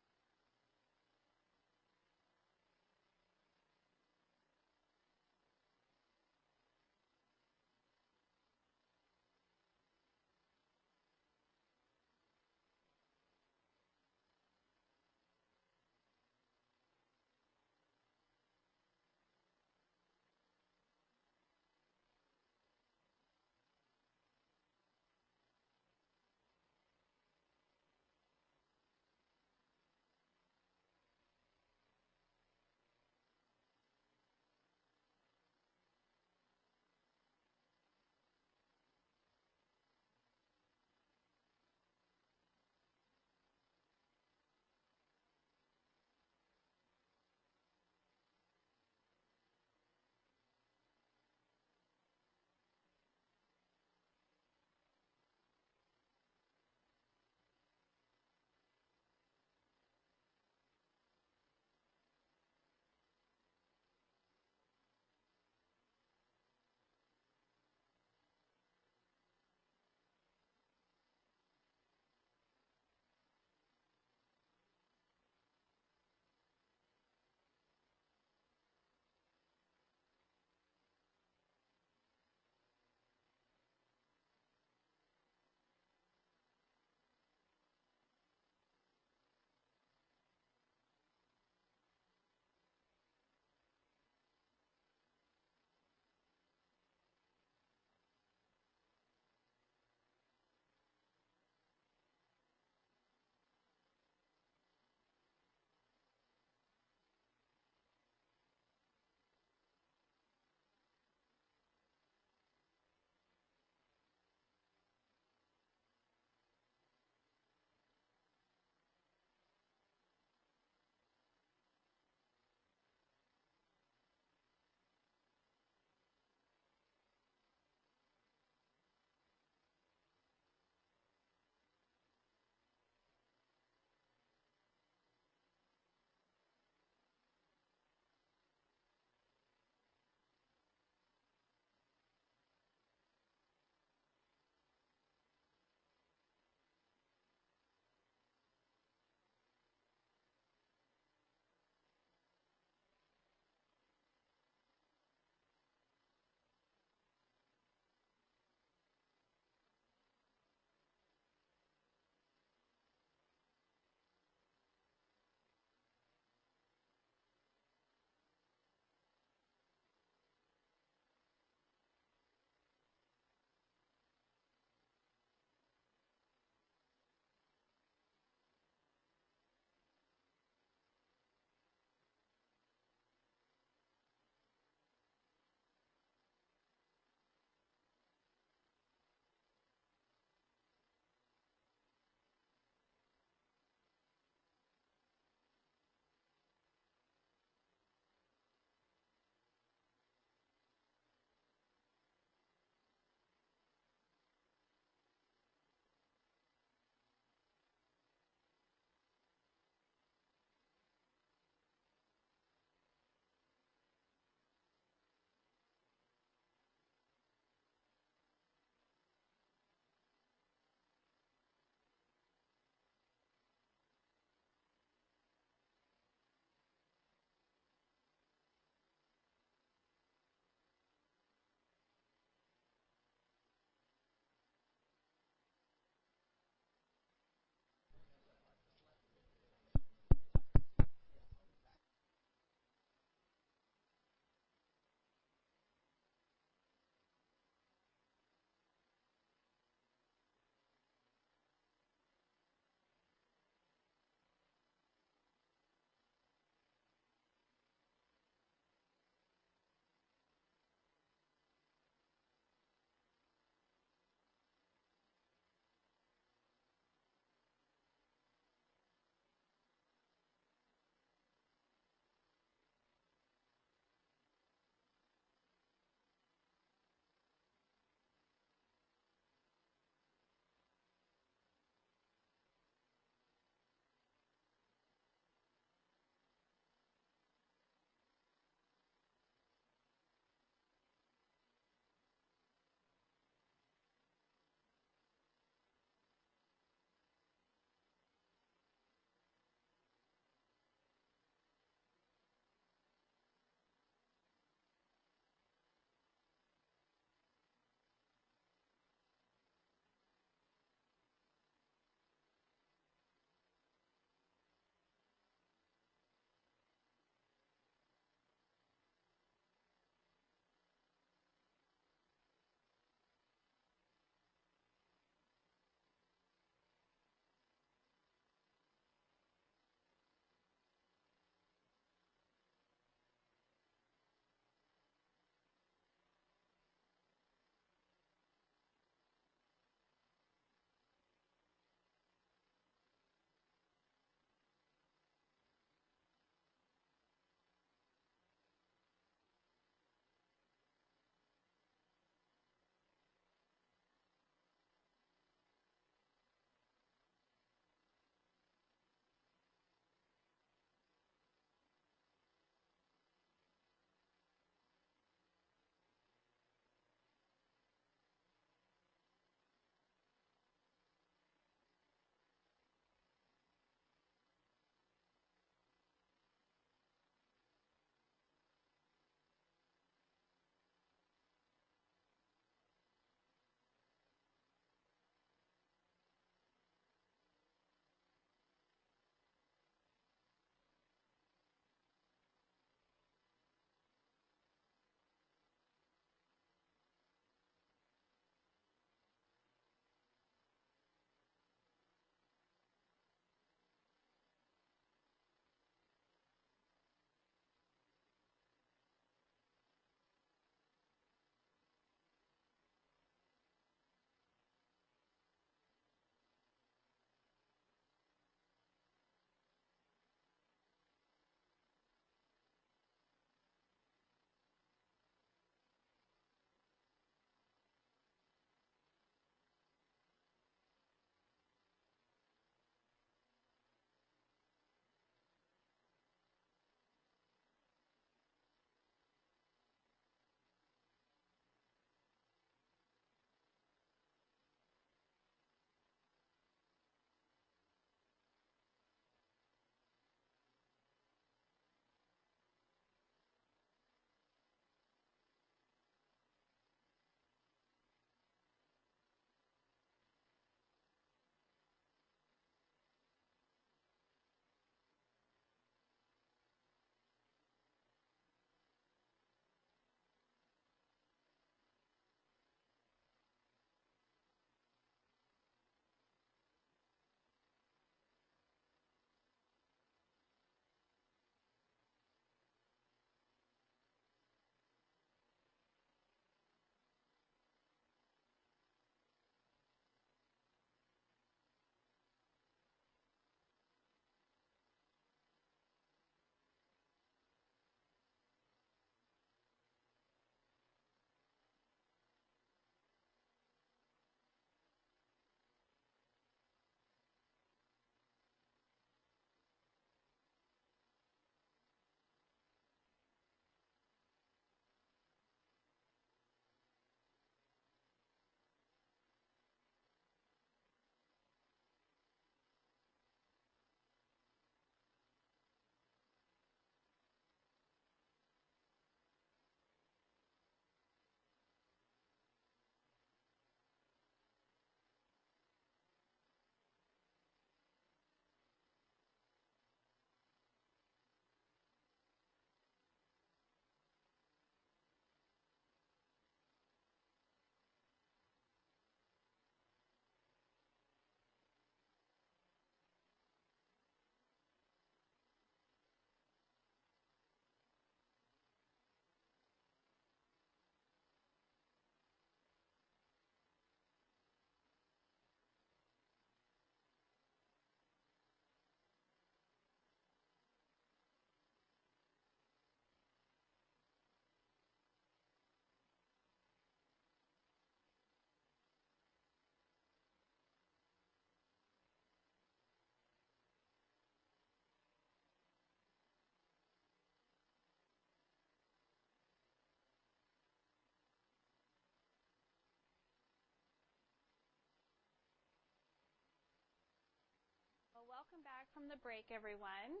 Well, welcome back from the break, everyone.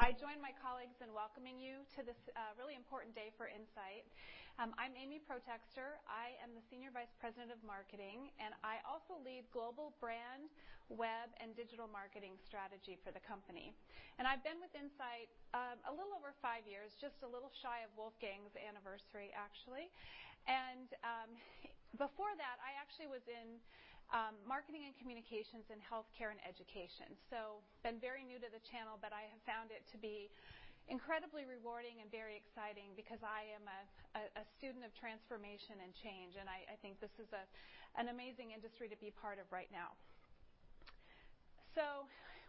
I join my colleagues in welcoming you to this really important day for Insight. I'm Amy Protexter. I am the Senior Vice President of Marketing, I also lead global brand, web, and digital marketing strategy for the company. I've been with Insight a little over five years, just a little shy of Wolfgang's anniversary, actually. Before that, I actually was in marketing and communications in healthcare and education. Been very new to the channel, but I have found it to be incredibly rewarding and very exciting because I am a student of transformation and change, and I think this is an amazing industry to be part of right now.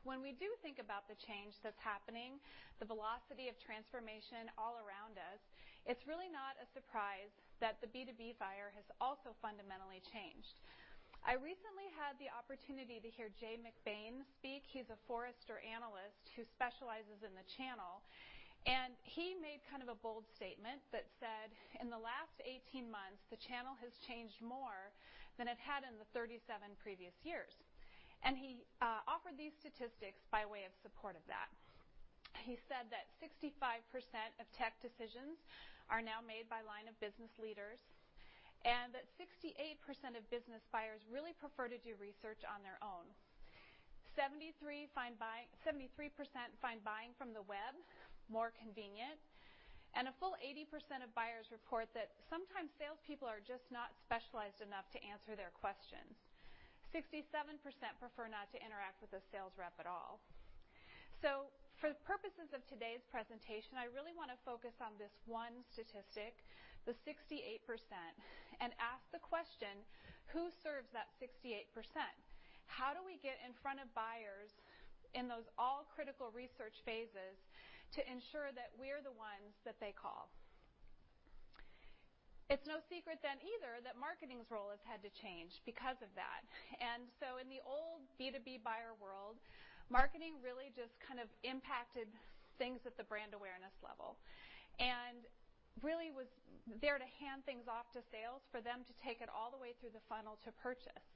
When we do think about the change that's happening, the velocity of transformation all around us, it's really not a surprise that the B2B buyer has also fundamentally changed. I recently had the opportunity to hear Jay McBain speak. He is a Forrester analyst who specializes in the channel, he made kind of a bold statement that said, "In the last 18 months, the channel has changed more than it had in the 37 previous years." He offered these statistics by way of support of that. He said that 65% of tech decisions are now made by line of business leaders, that 68% of business buyers really prefer to do research on their own. 73% find buying from the web more convenient, a full 80% of buyers report that sometimes salespeople are just not specialized enough to answer their questions. 67% prefer not to interact with a sales rep at all. for the purposes of today's presentation, I really want to focus on this one statistic, the 68%, and ask the question: Who serves that 68%? How do we get in front of buyers in those all-critical research phases to ensure that we're the ones that they call? It's no secret then, either, that marketing's role has had to change because of that. in the old B2B buyer world, marketing really just kind of impacted things at the brand awareness level, and really was there to hand things off to sales for them to take it all the way through the funnel to purchase.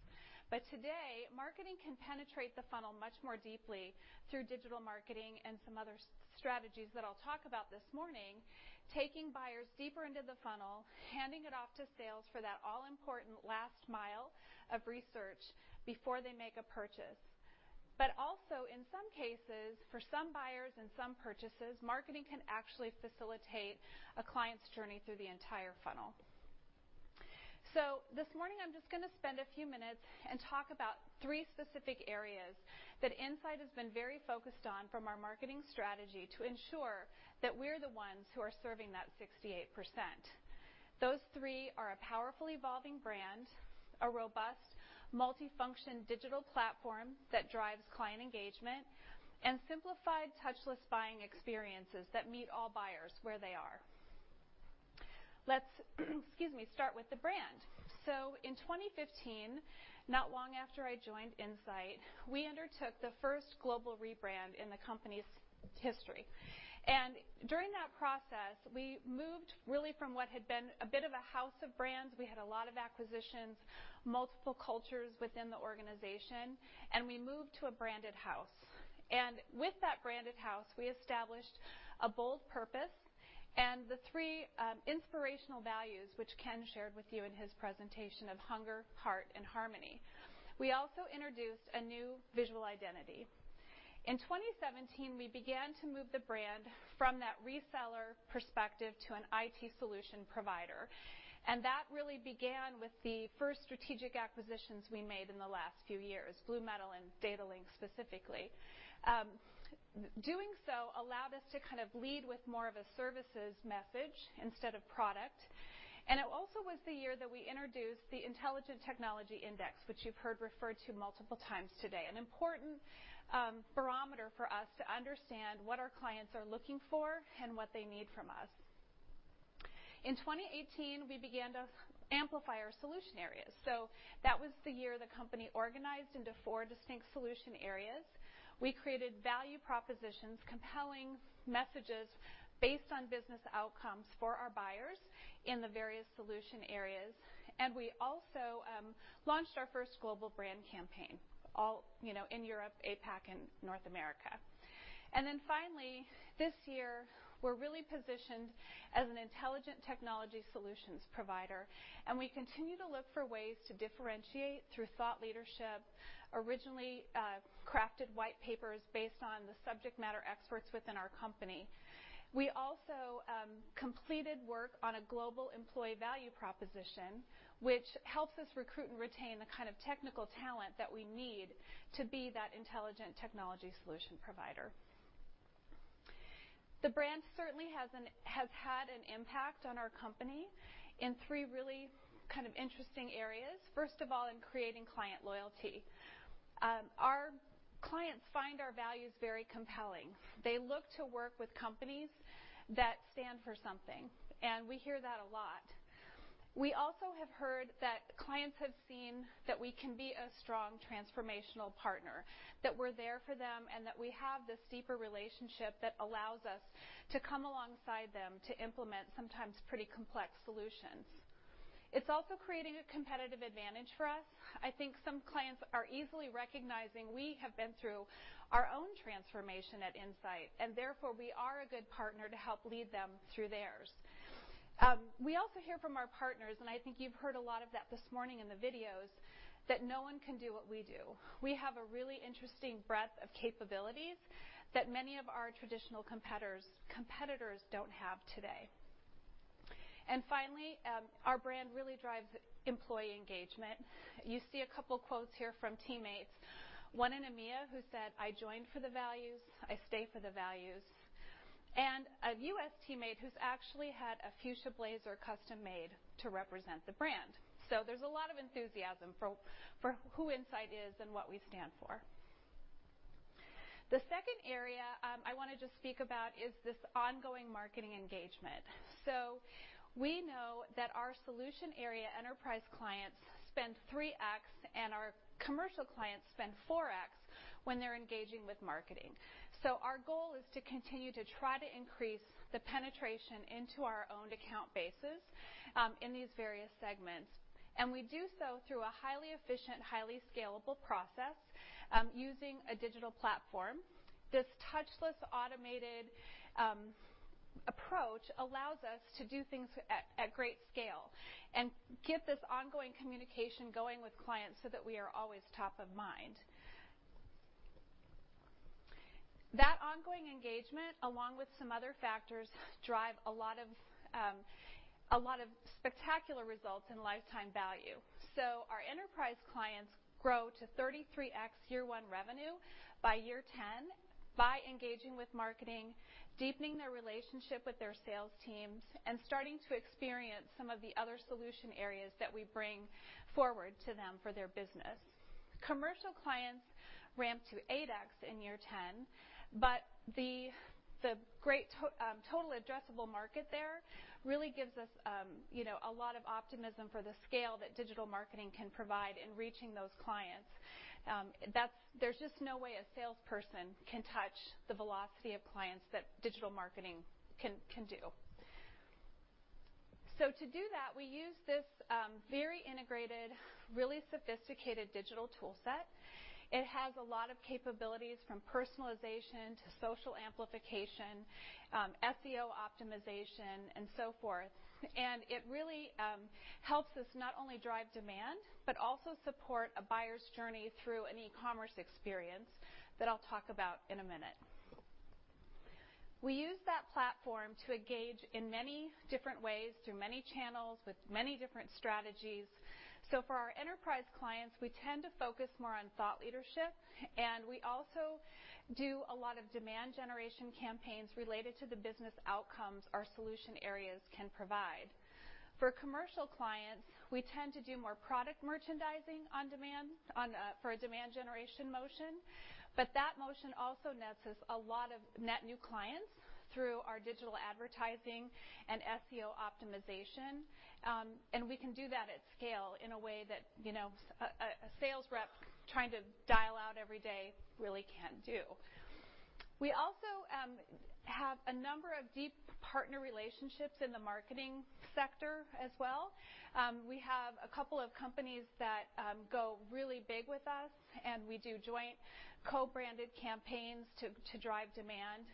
Today, marketing can penetrate the funnel much more deeply through digital marketing and some other strategies that I'll talk about this morning, taking buyers deeper into the funnel, handing it off to sales for that all-important last mile of research before they make a purchase. Also, in some cases, for some buyers and some purchases, marketing can actually facilitate a client's journey through the entire funnel. This morning I'm just going to spend a few minutes and talk about three specific areas that Insight has been very focused on from our marketing strategy to ensure that we're the ones who are serving that 68%. Those three are a powerful, evolving brand, a robust multifunction digital platform that drives client engagement, and simplified touchless buying experiences that meet all buyers where they are. Let's start with the brand. In 2015, not long after I joined Insight, we undertook the first global rebrand in the company's history. During that process, we moved really from what had been a bit of a house of brands. We had a lot of acquisitions, multiple cultures within the organization, and we moved to a branded house. With that branded house, we established a bold purpose and the three inspirational values, which Ken shared with you in his presentation, of hunger, heart, and harmony. We also introduced a new visual identity. In 2017, we began to move the brand from that reseller perspective to an IT solution provider, and that really began with the first strategic acquisitions we made in the last few years, BlueMetal and Datalink specifically. Doing so allowed us to kind of lead with more of a services message instead of product. It also was the year that we introduced the Insight Intelligent Technology Index, which you've heard referred to multiple times today, an important barometer for us to understand what our clients are looking for and what they need from us. In 2018, we began to amplify our solution areas. That was the year the company organized into four distinct solution areas. We created value propositions, compelling messages based on business outcomes for our buyers in the various solution areas. We also launched our first global brand campaign, in Europe, APAC, and North America. Finally, this year, we're really positioned as an intelligent technology solutions provider, and we continue to look for ways to differentiate through thought leadership, originally crafted white papers based on the subject matter experts within our company. We also completed work on a global employee value proposition, which helps us recruit and retain the kind of technical talent that we need to be that intelligent technology solution provider. The brand certainly has had an impact on our company in three really kind of interesting areas. First of all, in creating client loyalty. Our clients find our values very compelling. They look to work with companies that stand for something, and we hear that a lot. We also have heard that clients have seen that we can be a strong transformational partner, that we're there for them, and that we have this deeper relationship that allows us to come alongside them to implement sometimes pretty complex solutions. It's also creating a competitive advantage for us. I think some clients are easily recognizing we have been through our own transformation at Insight, and therefore we are a good partner to help lead them through theirs. We also hear from our partners, and I think you've heard a lot of that this morning in the videos, that no one can do what we do. We have a really interesting breadth of capabilities that many of our traditional competitors don't have today. Finally, our brand really drives employee engagement. You see a couple quotes here from teammates, one in EMEA who said, "I joined for the values. I stay for the values." A U.S. teammate who's actually had a fuchsia blazer custom-made to represent the brand. There's a lot of enthusiasm for who Insight is and what we stand for. The second area I want to just speak about is this ongoing marketing engagement. We know that our solution area enterprise clients spend 3X, and our commercial clients spend 4X when they're engaging with marketing. Our goal is to continue to try to increase the penetration into our owned account bases in these various segments. We do so through a highly efficient, highly scalable process using a digital platform. This touchless, automated approach allows us to do things at great scale and get this ongoing communication going with clients so that we are always top of mind. That ongoing engagement, along with some other factors, drive a lot of spectacular results in lifetime value. Our enterprise clients grow to 33X year one revenue by year 10 by engaging with marketing, deepening their relationship with their sales teams, and starting to experience some of the other solution areas that we bring forward to them for their business. Commercial clients ramp to 8X in year 10, the great total addressable market there really gives us a lot of optimism for the scale that digital marketing can provide in reaching those clients. There's just no way a salesperson can touch the velocity of clients that digital marketing can do. To do that, we use this very integrated, really sophisticated digital tool set. It has a lot of capabilities from personalization to social amplification, SEO optimization, and so forth. It really helps us not only drive demand, but also support a buyer's journey through an e-commerce experience that I'll talk about in a minute. We use that platform to engage in many different ways, through many channels, with many different strategies. For our enterprise clients, we tend to focus more on thought leadership, and we also do a lot of demand generation campaigns related to the business outcomes our solution areas can provide. For commercial clients, we tend to do more product merchandising for a demand generation motion, but that motion also nets us a lot of net new clients through our digital advertising and SEO optimization. We can do that at scale in a way that a sales rep trying to dial out every day really can't do. We also have a number of deep partner relationships in the marketing sector as well. We have a couple of companies that go really big with us, and we do joint co-branded campaigns to drive demand.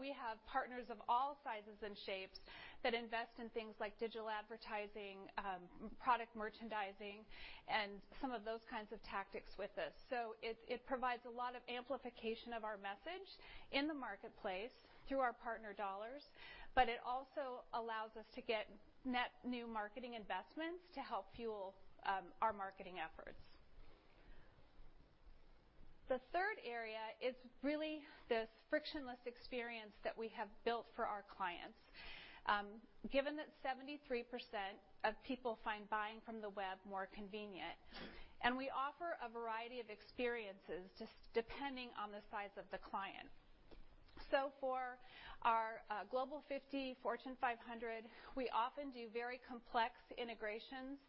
We have partners of all sizes and shapes that invest in things like digital advertising, product merchandising, and some of those kinds of tactics with us. It provides a lot of amplification of our message in the marketplace through our partner dollars, but it also allows us to get net new marketing investments to help fuel our marketing efforts. The third area is really this frictionless experience that we have built for our clients. Given that 73% of people find buying from the web more convenient, and we offer a variety of experiences just depending on the size of the client. For our Global 50, Fortune 500, we often do very complex integrations,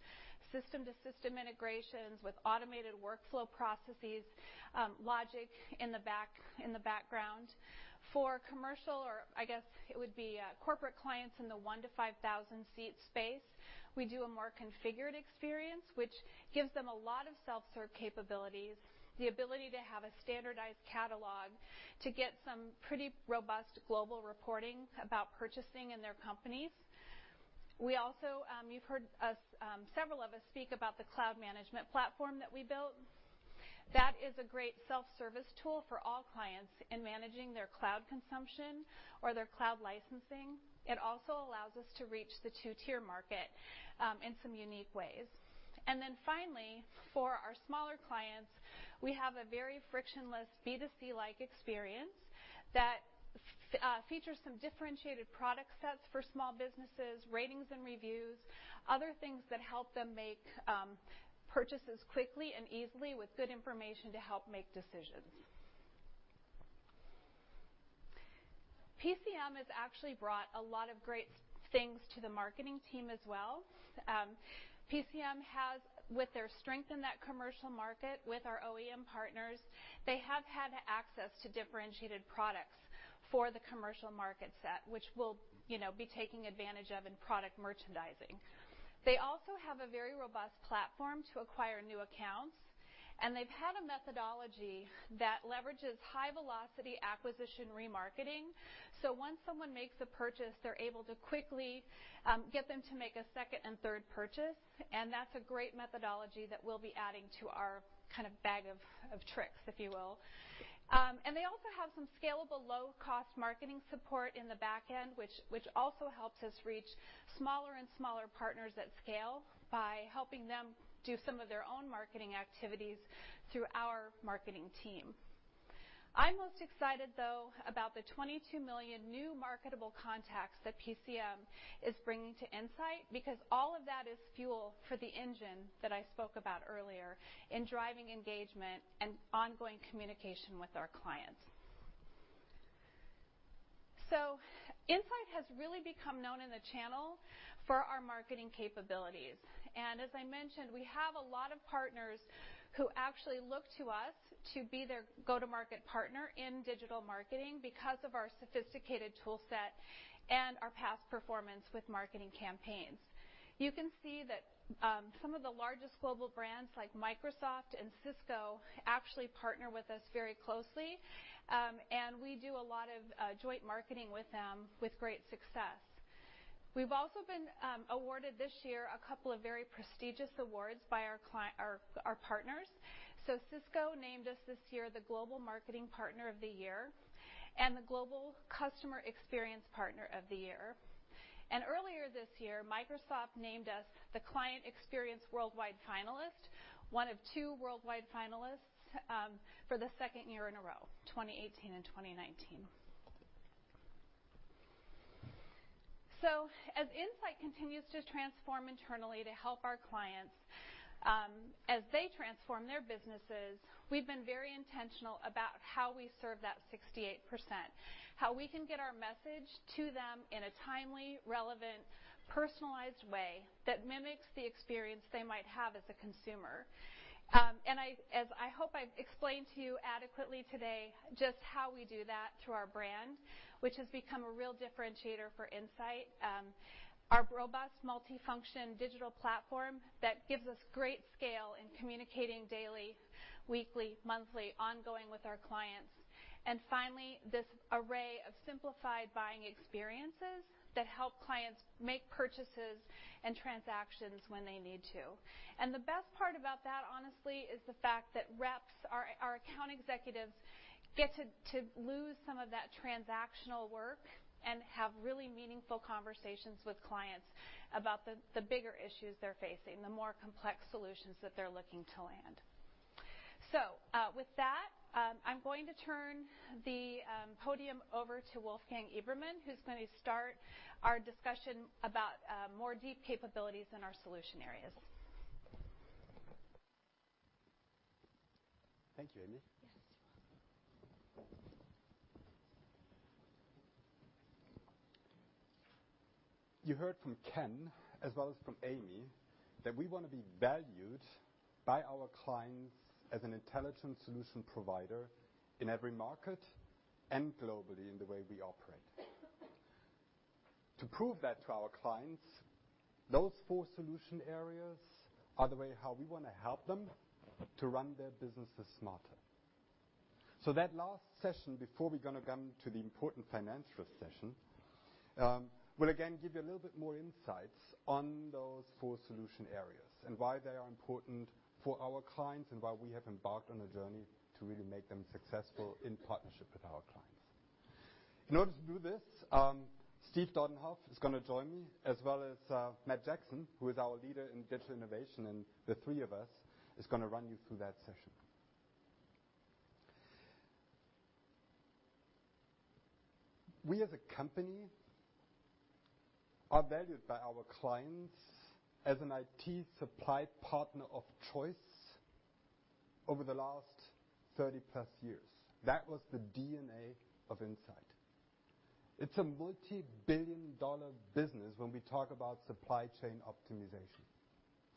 system-to-system integrations with automated workflow processes, logic in the background. For commercial, or I guess it would be corporate clients in the 1,000 to 5,000 seat space, we do a more configured experience, which gives them a lot of self-serve capabilities, the ability to have a standardized catalog to get some pretty robust global reporting about purchasing in their companies. You've heard several of us speak about the cloud management platform that we built. That is a great self-service tool for all clients in managing their cloud consumption or their cloud licensing. It also allows us to reach the 2-tier market in some unique ways. Finally, for our smaller clients, we have a very frictionless B2C-like experience that features some differentiated product sets for small businesses, ratings and reviews, other things that help them make purchases quickly and easily with good information to help make decisions. PCM has actually brought a lot of great things to the marketing team as well. PCM has, with their strength in that commercial market with our OEM partners, they have had access to differentiated products for the commercial market set, which we'll be taking advantage of in product merchandising. They also have a very robust platform to acquire new accounts, and they've had a methodology that leverages high-velocity acquisition remarketing, so once someone makes a purchase, they're able to quickly get them to make a second and third purchase. That's a great methodology that we'll be adding to our bag of tricks, if you will. They also have some scalable low-cost marketing support in the back end, which also helps us reach smaller and smaller partners at scale by helping them do some of their own marketing activities through our marketing team. I'm most excited, though, about the 22 million new marketable contacts that PCM is bringing to Insight, because all of that is fuel for the engine that I spoke about earlier in driving engagement and ongoing communication with our clients. Insight has really become known in the channel for our marketing capabilities. As I mentioned, we have a lot of partners who actually look to us to be their go-to-market partner in digital marketing because of our sophisticated toolset and our past performance with marketing campaigns. You can see that some of the largest global brands like Microsoft and Cisco actually partner with us very closely, and we do a lot of joint marketing with them with great success. We've also been awarded this year a couple of very prestigious awards by our partners. Cisco named us this year the Global Marketing Partner of the Year and the Global Customer Experience Partner of the Year. Earlier this year, Microsoft named us the Client Experience Worldwide Finalist, one of two worldwide finalists, for the second year in a row, 2018 and 2019. As Insight continues to transform internally to help our clients as they transform their businesses, we've been very intentional about how we serve that 68%, how we can get our message to them in a timely, relevant, personalized way that mimics the experience they might have as a consumer. As I hope I've explained to you adequately today just how we do that through our brand, which has become a real differentiator for Insight. Our robust multifunction digital platform that gives us great scale in communicating daily, weekly, monthly, ongoing with our clients. Finally, this array of simplified buying experiences that help clients make purchases and transactions when they need to. The best part about that, honestly, is the fact that reps, our account executives, get to lose some of that transactional work and have really meaningful conversations with clients about the bigger issues they're facing, the more complex solutions that they're looking to land. With that, I'm going to turn the podium over to Wolfgang Ebermann, who's going to start our discussion about more deep capabilities in our solution areas. Thank you, Amy. Yes, you're welcome. You heard from Ken as well as from Amy that we want to be valued by our clients as an intelligent solution provider in every market and globally in the way we operate. To prove that to our clients, those four solution areas are the way how we want to help them to run their businesses smarter. That last session before we're going to come to the important financial session, will again give you a little bit more insights on those four solution areas and why they are important for our clients, and why we have embarked on a journey to really make them successful in partnership with our clients. In order to do this, Steve Dodenhoff is going to join me, as well as Matt Jackson, who is our leader in Digital Innovation, and the three of us is going to run you through that session. We, as a company, are valued by our clients as an IT supply partner of choice over the last 30-plus years. That was the DNA of Insight. It's a multibillion-dollar business when we talk about supply chain optimization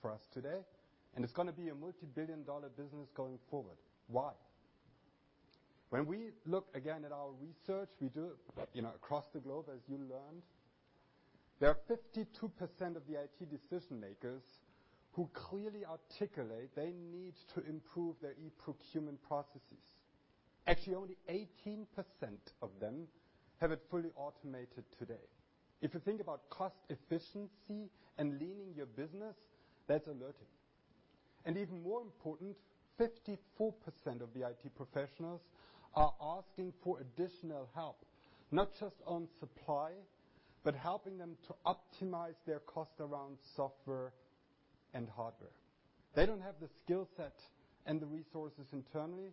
for us today, and it's going to be a multibillion-dollar business going forward. Why? When we look again at our research we do across the globe, as you learned, there are 52% of the IT decision-makers who clearly articulate they need to improve their e-procurement processes. Actually, only 18% of them have it fully automated today. If you think about cost efficiency and leaning your business, that's alerting. Even more important, 54% of the IT professionals are asking for additional help, not just on supply, but helping them to optimize their cost around software and hardware. They don't have the skill set and the resources internally.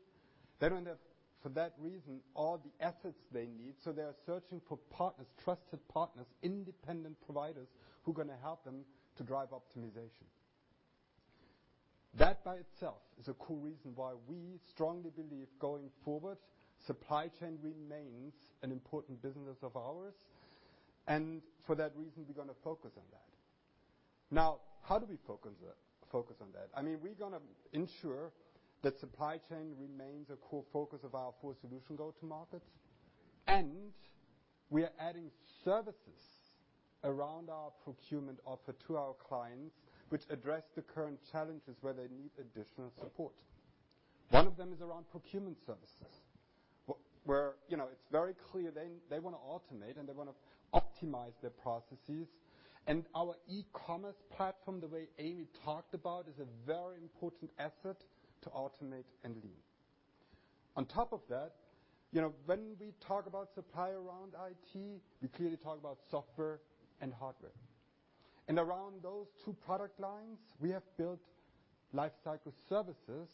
They don't have, for that reason, all the efforts they need, so they are searching for partners, trusted partners, independent providers who are going to help them to drive optimization. That by itself is a core reason why we strongly believe, going forward, supply chain remains an important business of ours. For that reason, we're going to focus on that. Now, how do we focus on that? We're going to ensure that supply chain remains a core focus of our full solution go-to market, and we are adding services around our procurement offer to our clients, which address the current challenges where they need additional support. One of them is around procurement services, where it's very clear they want to automate and they want to optimize their processes. Our e-commerce platform, the way Amy talked about, is a very important asset to automate and lean. On top of that, when we talk about supply around IT, we clearly talk about software and hardware. Around those two product lines, we have built lifecycle services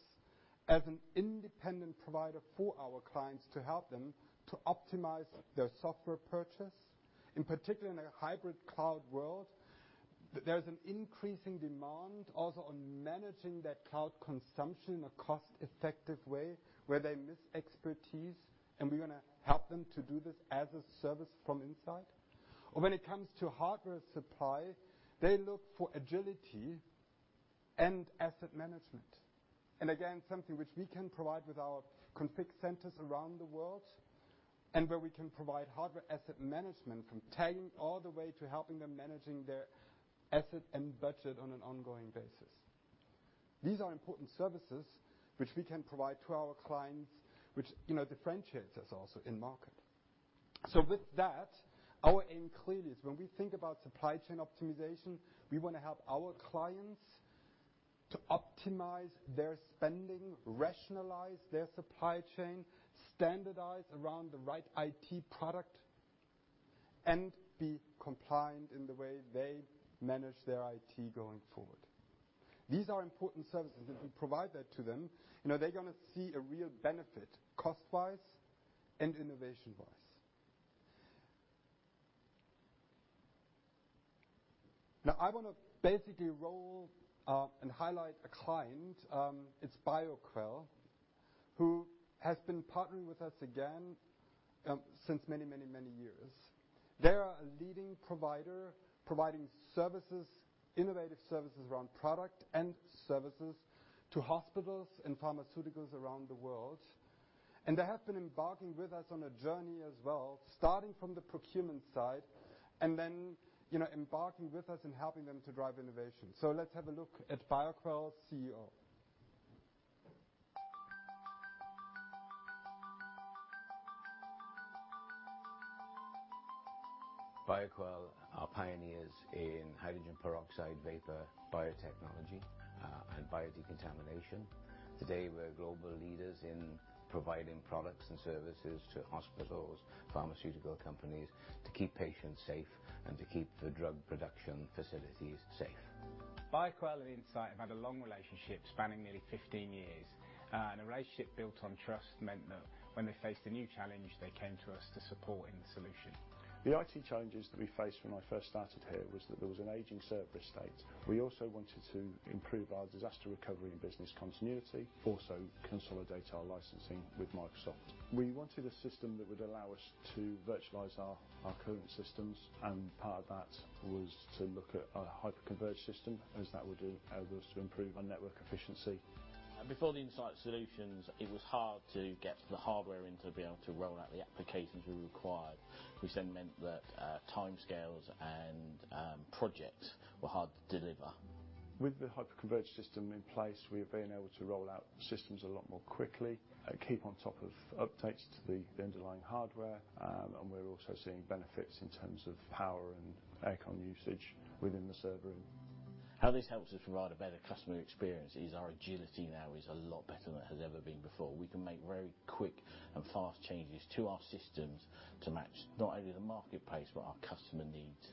as an independent provider for our clients to help them to optimize their software purchase. In particular, in a hybrid cloud world, there is an increasing demand also on managing that cloud consumption in a cost-effective way, where they miss expertise, and we're going to help them to do this as a service from Insight. When it comes to hardware supply, they look for agility and asset management. Again, something which we can provide with our config centers around the world, and where we can provide hardware asset management from tagging all the way to helping them managing their asset and budget on an ongoing basis. These are important services which we can provide to our clients, which differentiates us also in market. Our aim clearly is when we think about supply chain optimization, we want to help our clients to optimize their spending, rationalize their supply chain, standardize around the right IT product, and be compliant in the way they manage their IT going forward. These are important services, and if we provide that to them, they're going to see a real benefit cost-wise and innovation-wise. I want to basically roll and highlight a client, it's Bioquell, who has been partnering with us again since many years. They are a leading provider, providing innovative services around product and services to hospitals and pharmaceuticals around the world. They have been embarking with us on a journey as well, starting from the procurement side and then embarking with us and helping them to drive innovation. Let's have a look at Bioquell's CEO. Bioquell are pioneers in hydrogen peroxide vapor biotechnology and biodecontamination. Today, we're global leaders in providing products and services to hospitals, pharmaceutical companies, to keep patients safe and to keep the drug production facilities safe. Bioquell and Insight have had a long relationship spanning nearly 15 years. A relationship built on trust meant that when they faced a new challenge, they came to us to support in solution. The IT challenges that we faced when I first started here was that there was an aging server estate. We also wanted to improve our disaster recovery and business continuity, also consolidate our licensing with Microsoft. We wanted a system that would allow us to virtualize our current systems, and part of that was to look at a hyperconverged system, as that would enable us to improve our network efficiency. Before the Insight solutions, it was hard to get the hardware in to be able to roll out the applications we required, which then meant that timescales and projects were hard to deliver. With the hyperconverged system in place, we've been able to roll out systems a lot more quickly and keep on top of updates to the underlying hardware. We're also seeing benefits in terms of power and air con usage within the server room. How this helps us provide a better customer experience is our agility now is a lot better than it has ever been before. We can make very quick and fast changes to our systems to match not only the marketplace, but our customer needs.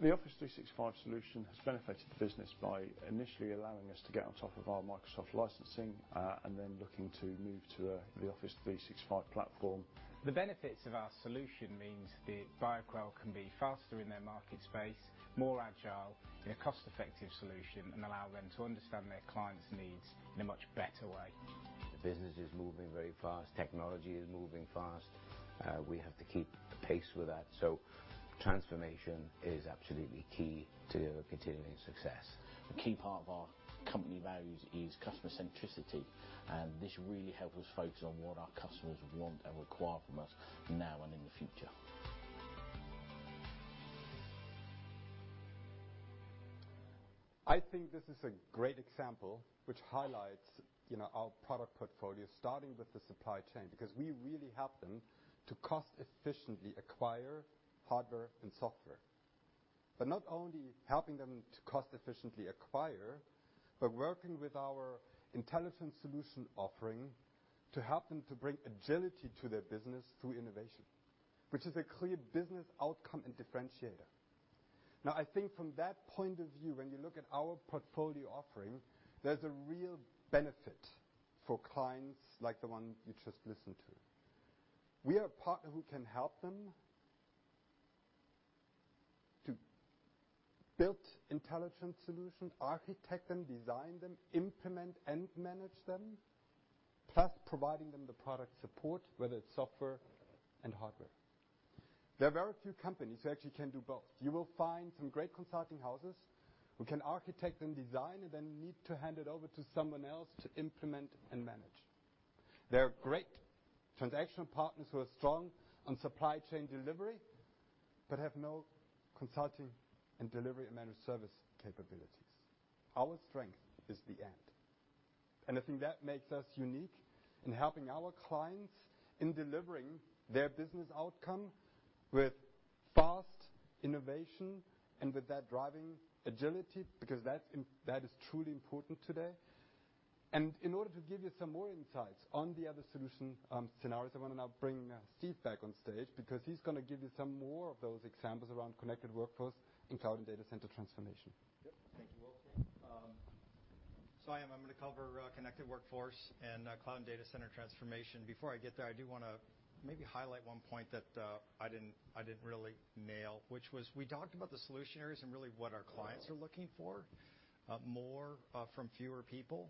The Office 365 solution has benefited the business by initially allowing us to get on top of our Microsoft licensing, and then looking to move to the Office 365 platform. The benefits of our solution means that Bioquell can be faster in their market space, more agile in a cost-effective solution, and allow them to understand their clients' needs in a much better way. The business is moving very fast. Technology is moving fast. We have to keep pace with that. Transformation is absolutely key to our continuing success. A key part of our company values is customer centricity. This really helps us focus on what our customers want and require from us now and in the future. I think this is a great example, which highlights our product portfolio, starting with the supply chain. We really help them to cost efficiently acquire hardware and software. Not only helping them to cost efficiently acquire, but working with our intelligent solution offering to help them to bring agility to their business through innovation, which is a clear business outcome and differentiator. I think from that point of view, when you look at our portfolio offering, there's a real benefit for clients like the one you just listened to. We are a partner who can help them to build intelligent solutions, architect them, design them, implement and manage them, plus providing them the product support, whether it's software and hardware. There are very few companies who actually can do both. You will find some great consulting houses who can architect and design, and then need to hand it over to someone else to implement and manage. There are great transactional partners who are strong on supply chain delivery, but have no consulting and delivery managed service capabilities. Our strength is the end. I think that makes us unique in helping our clients in delivering their business outcome with fast innovation and with that driving agility, because that is truly important today. In order to give you some more insights on the other solution scenarios, I want to now bring Steve back on stage, because he's going to give you some more of those examples around connected workforce in cloud and data center transformation. Yep. Thank you, Wolfgang. I am going to cover connected workforce and cloud and data center transformation. Before I get there, I do want to maybe highlight one point that I didn't really nail, which was we talked about the solution areas and really what our clients are looking for, more from fewer people.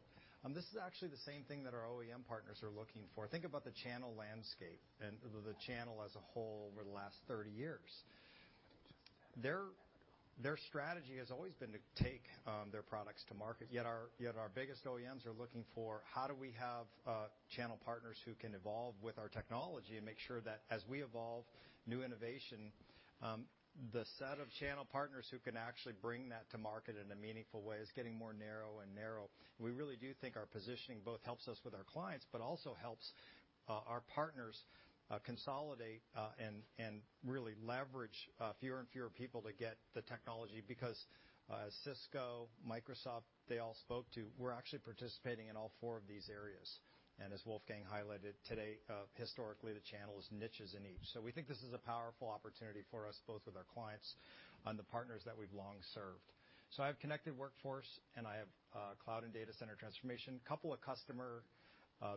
This is actually the same thing that our OEM partners are looking for. Think about the channel landscape and the channel as a whole over the last 30 years. Their strategy has always been to take their products to market, yet our biggest OEMs are looking for how do we have channel partners who can evolve with our technology and make sure that as we evolve new innovation, the set of channel partners who can actually bring that to market in a meaningful way is getting more narrow and narrow. We really do think our positioning both helps us with our clients, but also helps our partners consolidate and really leverage fewer and fewer people to get the technology. Cisco, Microsoft, they all spoke to, we're actually participating in all four of these areas. As Wolfgang highlighted today, historically, the channel is niches in each. We think this is a powerful opportunity for us, both with our clients and the partners that we've long served. I have connected workforce and I have cloud and data center transformation. Couple of customer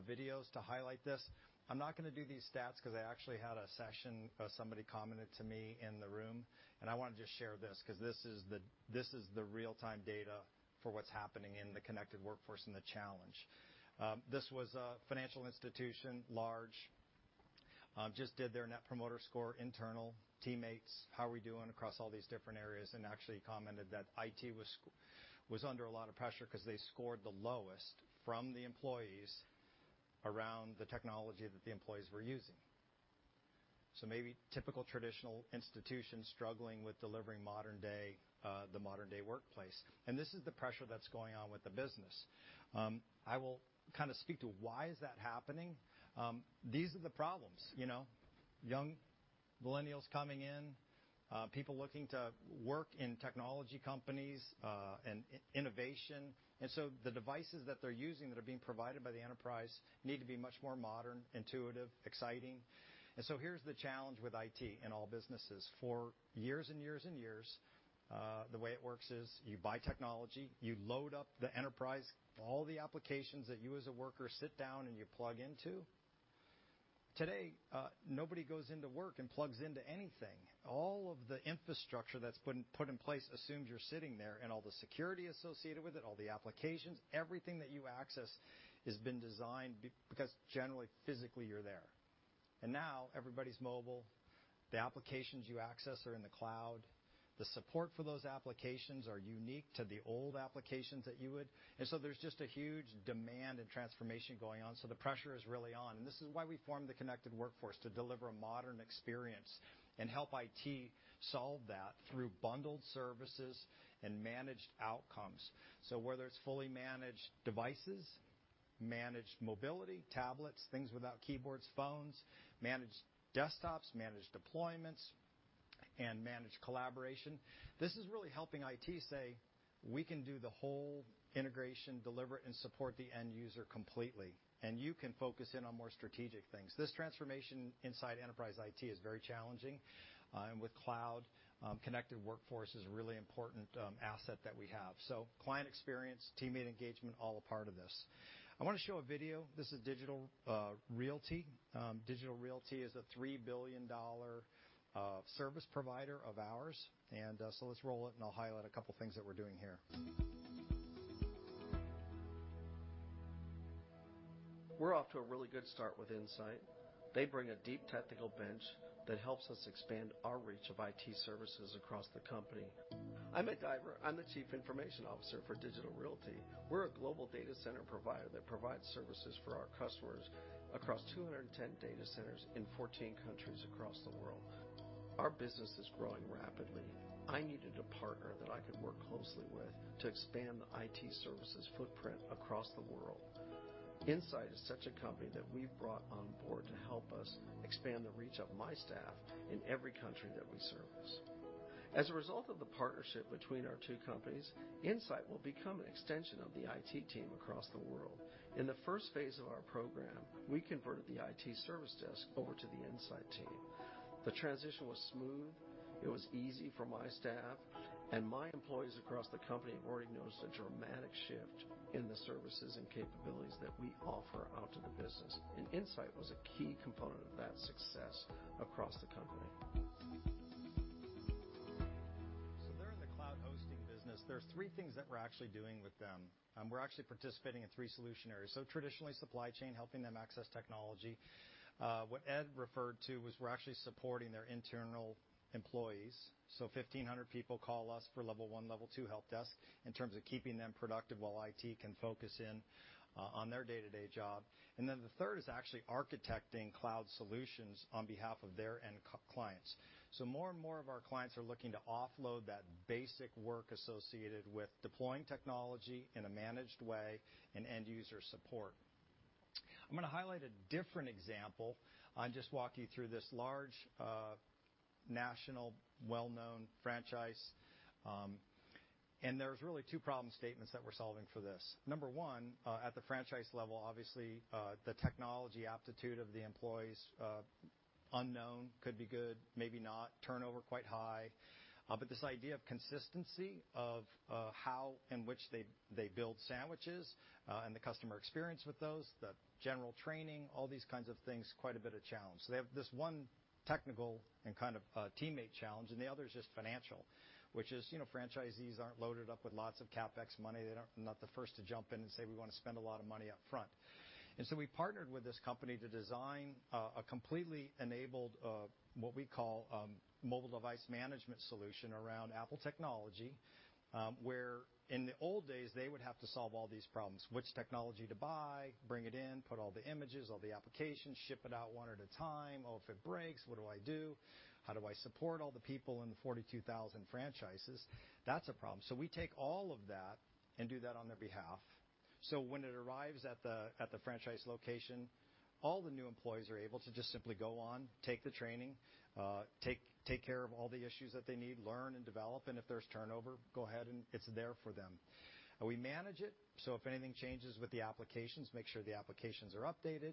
videos to highlight this. I'm not going to do these stats because I actually had a session, somebody commented to me in the room, and I want to just share this because this is the real-time data for what's happening in the connected workforce and the challenge. This was a financial institution, large. Just did their net promoter score internal teammates, how are we doing across all these different areas. Actually commented that IT was under a lot of pressure because they scored the lowest from the employees around the technology that the employees were using. Maybe typical traditional institutions struggling with delivering the modern day workplace. This is the pressure that's going on with the business. I will kind of speak to why is that happening. These are the problems. Young millennials coming in, people looking to work in technology companies, and innovation. The devices that they're using that are being provided by the enterprise need to be much more modern, intuitive, exciting. Here's the challenge with IT in all businesses. For years and years and years, the way it works is you buy technology, you load up the enterprise, all the applications that you as a worker sit down and you plug into. Today, nobody goes into work and plugs into anything. All of the infrastructure that's put in place assumes you're sitting there, and all the security associated with it, all the applications, everything that you access has been designed because generally, physically, you're there. Now everybody's mobile. The applications you access are in the cloud. The support for those applications are unique to the old applications that you would. There's just a huge demand and transformation going on. The pressure is really on, and this is why we formed the Connected Workforce to deliver a modern experience and help IT solve that through bundled services and managed outcomes. Whether it's fully managed devices, managed mobility, tablets, things without keyboards, phones, managed desktops, managed deployments, and managed collaboration, this is really helping IT say, "We can do the whole integration, deliver it and support the end user completely. You can focus in on more strategic things." This transformation inside enterprise IT is very challenging. With cloud, connected workforce is a really important asset that we have. Client experience, teammate engagement, all a part of this. I want to show a video. This is Digital Realty. Digital Realty is a $3 billion service provider of ours. Let's roll it and I'll highlight a couple things that we're doing here. We're off to a really good start with Insight. They bring a deep technical bench that helps us expand our reach of IT services across the company. I'm Ed Diver. I'm the chief information officer for Digital Realty. We're a global data center provider that provides services for our customers across 210 data centers in 14 countries across the world. Our business is growing rapidly. I needed a partner that I could work closely with to expand the IT services footprint across the world. Insight is such a company that we've brought on board to help us expand the reach of my staff in every country that we service. As a result of the partnership between our two companies, Insight will become an extension of the IT team across the world. In the first phase of our program, we converted the IT service desk over to the Insight team. The transition was smooth. It was easy for my staff. My employees across the company have already noticed a dramatic shift in the services and capabilities that we offer out to the business. Insight was a key component of that success across the company. They're in the cloud hosting business. There are 3 things that we're actually doing with them. We're actually participating in 3 solution areas. Traditionally, supply chain, helping them access technology. What Ed referred to was we're actually supporting their internal employees. 1,500 people call us for level 1, level 2 helpdesk in terms of keeping them productive while IT can focus in on their day-to-day job. The third is actually architecting cloud solutions on behalf of their end clients. More and more of our clients are looking to offload that basic work associated with deploying technology in a managed way and end-user support. I'm going to highlight a different example and just walk you through this large, national, well-known franchise. There's really two problem statements that we're solving for this. Number 1, at the franchise level, obviously, the technology aptitude of the employees, unknown, could be good, maybe not. Turnover quite high. This idea of consistency of how in which they build sandwiches, and the customer experience with those, the general training, all these kinds of things, quite a bit of challenge. They have this one technical and kind of teammate challenge, and the other is just financial, which is franchisees aren't loaded up with lots of CapEx money. They're not the first to jump in and say, "We want to spend a lot of money up front." We partnered with this company to design a completely enabled, what we call mobile device management solution around Apple technology, where in the old days, they would have to solve all these problems, which technology to buy, bring it in, put all the images, all the applications, ship it out one at a time. Oh, if it breaks, what do I do? How do I support all the people in the 42,000 franchises? That's a problem. We take all of that and do that on their behalf. When it arrives at the franchise location, all the new employees are able to just simply go on, take the training, take care of all the issues that they need, learn and develop. If there's turnover, go ahead and it's there for them. We manage it, so if anything changes with the applications, make sure the applications are updated.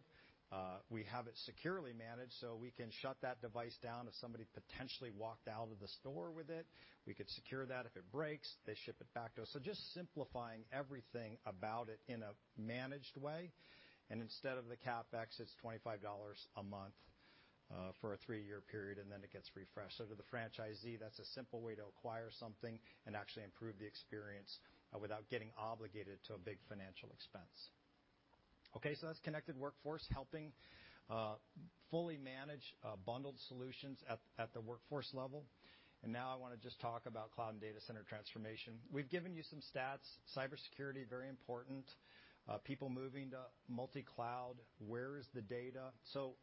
We have it securely managed so we can shut that device down if somebody potentially walked out of the store with it. We could secure that. If it breaks, they ship it back to us. Just simplifying everything about it in a managed way. Instead of the CapEx, it's $25 a month for a three-year period, and then it gets refreshed. To the franchisee, that's a simple way to acquire something and actually improve the experience without getting obligated to a big financial expense. That's connected workforce helping, fully managed bundled solutions at the workforce level. Now I want to just talk about cloud and data center transformation. We've given you some stats, cybersecurity, very important. People moving to multi-cloud. Where is the data?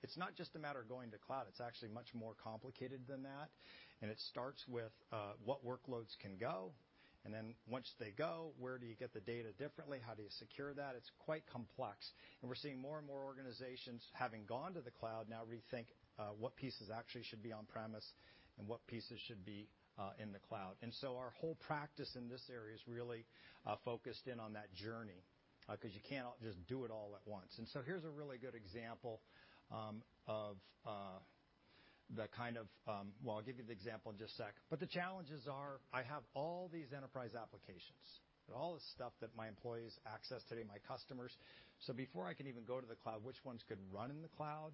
It's not just a matter of going to cloud, it's actually much more complicated than that. It starts with what workloads can go. Once they go, where do you get the data differently? How do you secure that? It's quite complex. We're seeing more and more organizations having gone to the cloud now rethink what pieces actually should be on premise and what pieces should be in the cloud. Our whole practice in this area is really focused in on that journey, because you cannot just do it all at once. Here's a really good example of the kind of Well, I'll give you the example in just a sec. The challenges are, I have all these enterprise applications, all this stuff that my employees access today, my customers. Before I can even go to the cloud, which ones could run in the cloud?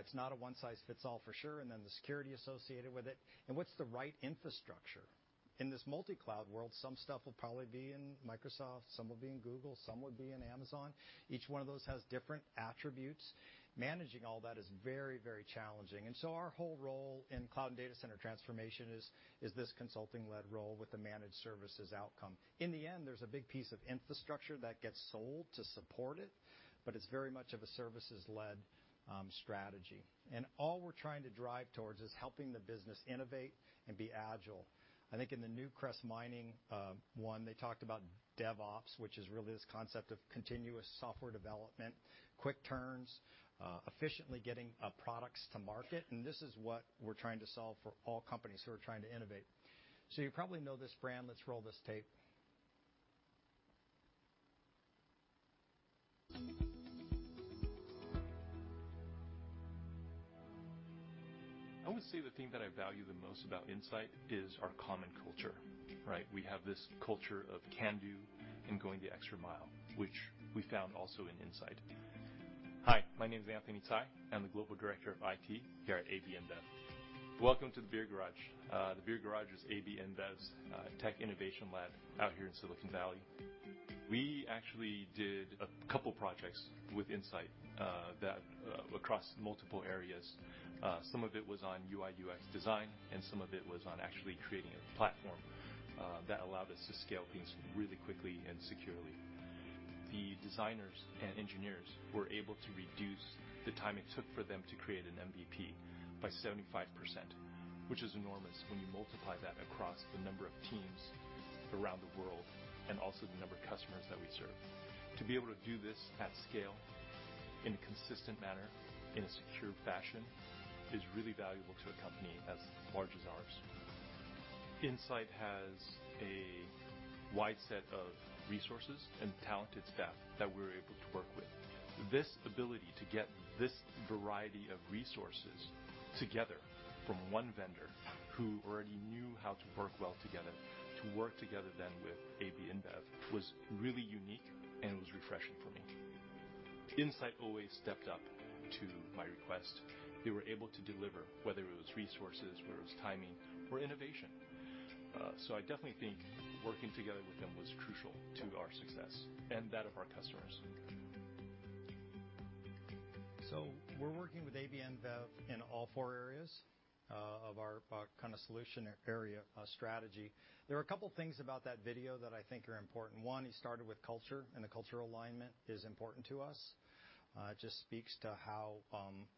It's not a one size fits all for sure. Then the security associated with it. What's the right infrastructure? In this multi-cloud world, some stuff will probably be in Microsoft, some will be in Google, some would be in Amazon. Each one of those has different attributes. Managing all that is very challenging. Our whole role in cloud and data center transformation is this consulting-led role with the managed services outcome. In the end, there's a big piece of infrastructure that gets sold to support it, but it's very much of a services-led strategy. All we're trying to drive towards is helping the business innovate and be agile. I think in the Newcrest Mining one, they talked about DevOps, which is really this concept of continuous software development, quick turns, efficiently getting products to market. This is what we're trying to solve for all companies who are trying to innovate. You probably know this brand. Let's roll this tape. I would say the thing that I value the most about Insight is our common culture, right? We have this culture of can-do and going the extra mile, which we found also in Insight. Hi, my name is Anthony Tsai. I'm the Global Director of IT here at AB InBev. Welcome to the Beer Garage. The Beer Garage is AB InBev's tech innovation lab out here in Silicon Valley. We actually did a couple projects with Insight across multiple areas. Some of it was on UI/UX design. Some of it was on actually creating a platform that allowed us to scale things really quickly and securely. The designers and engineers were able to reduce the time it took for them to create an MVP by 75%, which is enormous when you multiply that across the number of teams around the world, and also the number of customers that we serve. To be able to do this at scale in a consistent manner, in a secure fashion, is really valuable to a company as large as ours. Insight has a wide set of resources and talented staff that we were able to work with. This ability to get this variety of resources together from one vendor who already knew how to work well together, to work together then with AB InBev, was really unique and it was refreshing for me. Insight always stepped up to my request. They were able to deliver, whether it was resources, whether it was timing or innovation. I definitely think working together with them was crucial to our success and that of our customers. We're working with AB InBev in all four areas of our solution area strategy. There are a couple things about that video that I think are important. One, he started with culture, and the cultural alignment is important to us. Just speaks to how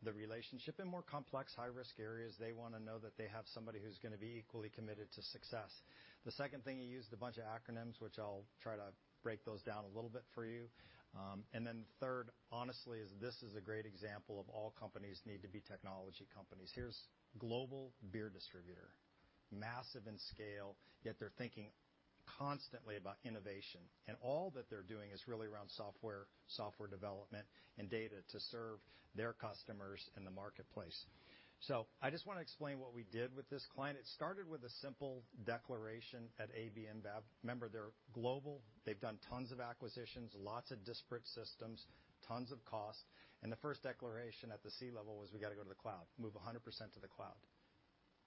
the relationship in more complex, high-risk areas, they want to know that they have somebody who's going to be equally committed to success. The second thing, he used a bunch of acronyms, which I'll try to break those down a little bit for you. Then third, honestly, is this is a great example of all companies need to be technology companies. Here's global beer distributor, massive in scale, yet they're thinking constantly about innovation. All that they're doing is really around software development, and data to serve their customers in the marketplace. I just want to explain what we did with this client. It started with a simple declaration at AB InBev. Remember, they're global. They've done tons of acquisitions, lots of disparate systems, tons of costs. The first declaration at the C-level was we got to go to the cloud, move 100% to the cloud.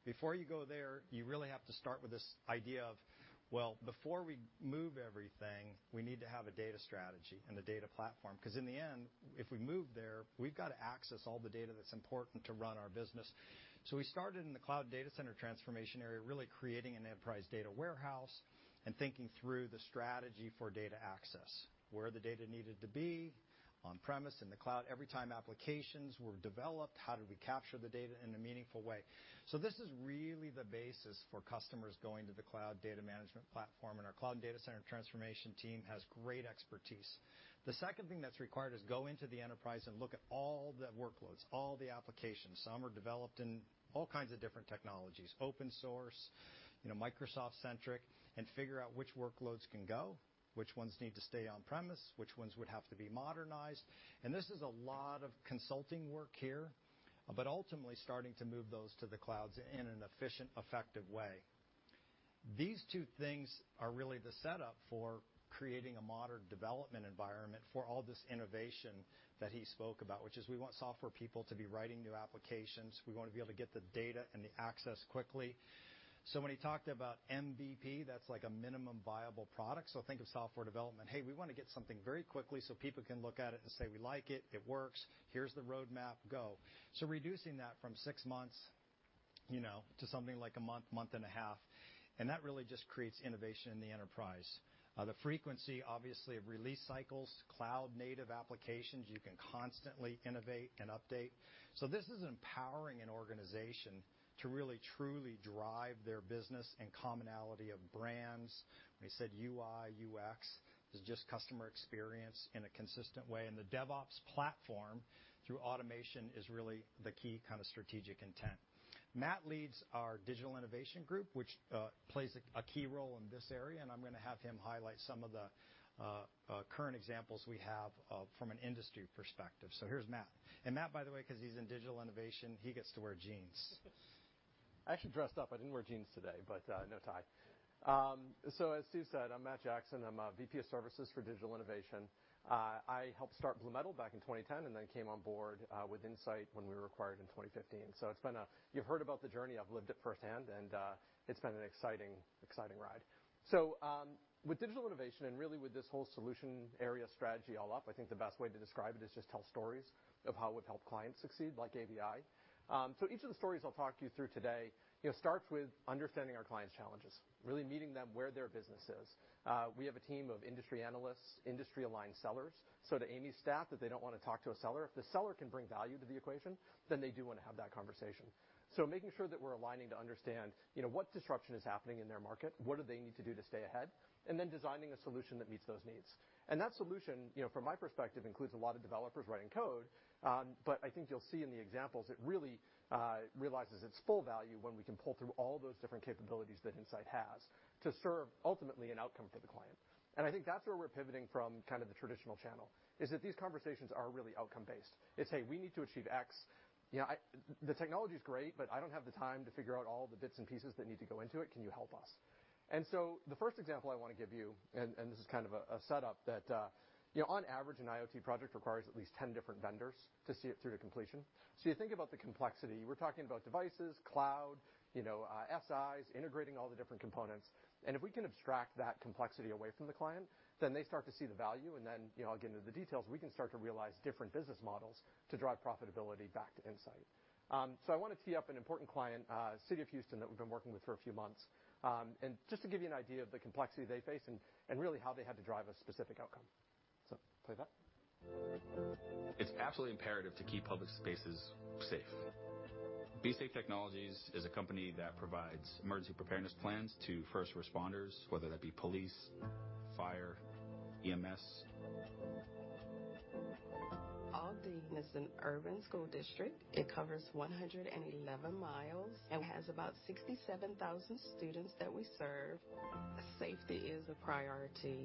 Before you go there, you really have to start with this idea of, well, before we move everything, we need to have a data strategy and a data platform, because in the end, if we move there, we've got to access all the data that's important to run our business. We started in the cloud data center transformation area, really creating an enterprise data warehouse and thinking through the strategy for data access, where the data needed to be on premise in the cloud. Every time applications were developed, how do we capture the data in a meaningful way? This is really the basis for customers going to the cloud data management platform. Our cloud data center transformation team has great expertise. The second thing that's required is go into the enterprise and look at all the workloads, all the applications. Some are developed in all kinds of different technologies, open source, Microsoft-centric, and figure out which workloads can go, which ones need to stay on-premise, which ones would have to be modernized. This is a lot of consulting work here, but ultimately starting to move those to the clouds in an efficient, effective way. These two things are really the setup for creating a modern development environment for all this innovation that he spoke about, which is we want software people to be writing new applications. We want to be able to get the data and the access quickly. When he talked about MVP, that's like a minimum viable product. Think of software development. Hey, we want to get something very quickly so people can look at it and say, "We like it works. Here's the roadmap. Go." Reducing that from six months to something like a month and a half, that really just creates innovation in the enterprise. The frequency, obviously, of release cycles, cloud native applications, you can constantly innovate and update. This is empowering an organization to really, truly drive their business and commonality of brands. When he said UI/UX is just customer experience in a consistent way. The DevOps platform through automation is really the key strategic intent. Matt leads our Digital Innovation group, which plays a key role in this area. I'm going to have him highlight some of the current examples we have from an industry perspective. Here's Matt. Matt, by the way, because he's in Digital Innovation, he gets to wear jeans. I actually dressed up. I didn't wear jeans today, but no tie. As Steve said, I'm Matt Jackson. I'm a VP of Services for Digital Innovation. I helped start BlueMetal back in 2010 and then came on board with Insight when we were acquired in 2015. You've heard about the journey, I've lived it firsthand, and it's been an exciting ride. With Digital Innovation and really with this whole solution area strategy all up, I think the best way to describe it is just tell stories of how we've helped clients succeed, like ABI. Each of the stories I'll talk you through today starts with understanding our clients' challenges, really meeting them where their business is. We have a team of industry analysts, industry aligned sellers. To Amy's staff, that they don't want to talk to a seller. If the seller can bring value to the equation, then they do want to have that conversation. Making sure that we're aligning to understand what disruption is happening in their market, what do they need to do to stay ahead, and then designing a solution that meets those needs. That solution, from my perspective, includes a lot of developers writing code. I think you'll see in the examples, it really realizes its full value when we can pull through all those different capabilities that Insight has to serve, ultimately, an outcome for the client. I think that's where we're pivoting from the traditional channel, is that these conversations are really outcome based. It's, "Hey, we need to achieve X. The technology's great, but I don't have the time to figure out all the bits and pieces that need to go into it. Can you help us?" The first example I want to give you, and this is kind of a setup, that on average, an IoT project requires at least 10 different vendors to see it through to completion. You think about the complexity. We're talking about devices, cloud, SIs, integrating all the different components, and if we can abstract that complexity away from the client, then they start to see the value, and then I'll get into the details. We can start to realize different business models to drive profitability back to Insight. I want to tee up an important client, City of Houston, that we've been working with for a few months. Just to give you an idea of the complexity they face and really how they had to drive a specific outcome. Play that. It's absolutely imperative to keep public spaces safe. BeSafe Technologies is a company that provides emergency preparedness plans to first responders, whether that be police- Fire, EMS. Aldine ISD is an urban school district. It covers 111 miles and has about 67,000 students that we serve. Safety is a priority.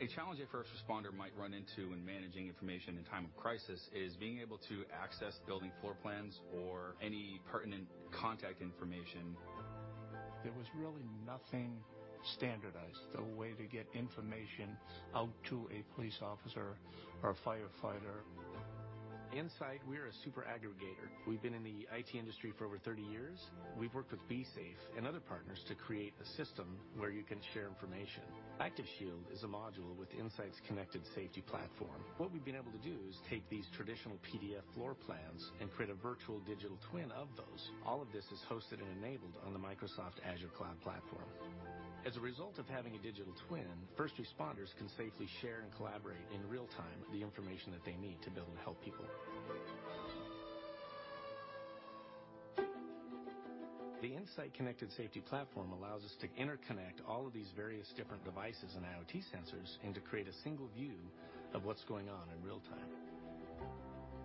A challenge a first responder might run into when managing information in time of crisis is being able to access building floor plans or any pertinent contact information. There was really nothing standardized, the way to get information out to a police officer or a firefighter. Insight, we're a super aggregator. We've been in the IT industry for over 30 years. We've worked with BeSafe and other partners to create a system where you can share information. ActiveShield is a module with Insight's Connected Safety Platform. What we've been able to do is take these traditional PDF floor plans and create a virtual digital twin of those. All of this is hosted and enabled on the Microsoft Azure Cloud platform. As a result of having a digital twin, first responders can safely share and collaborate in real time the information that they need to be able to help people. The Insight Connected Safety Platform allows us to interconnect all of these various different devices and IoT sensors and to create a single view of what's going on in real time.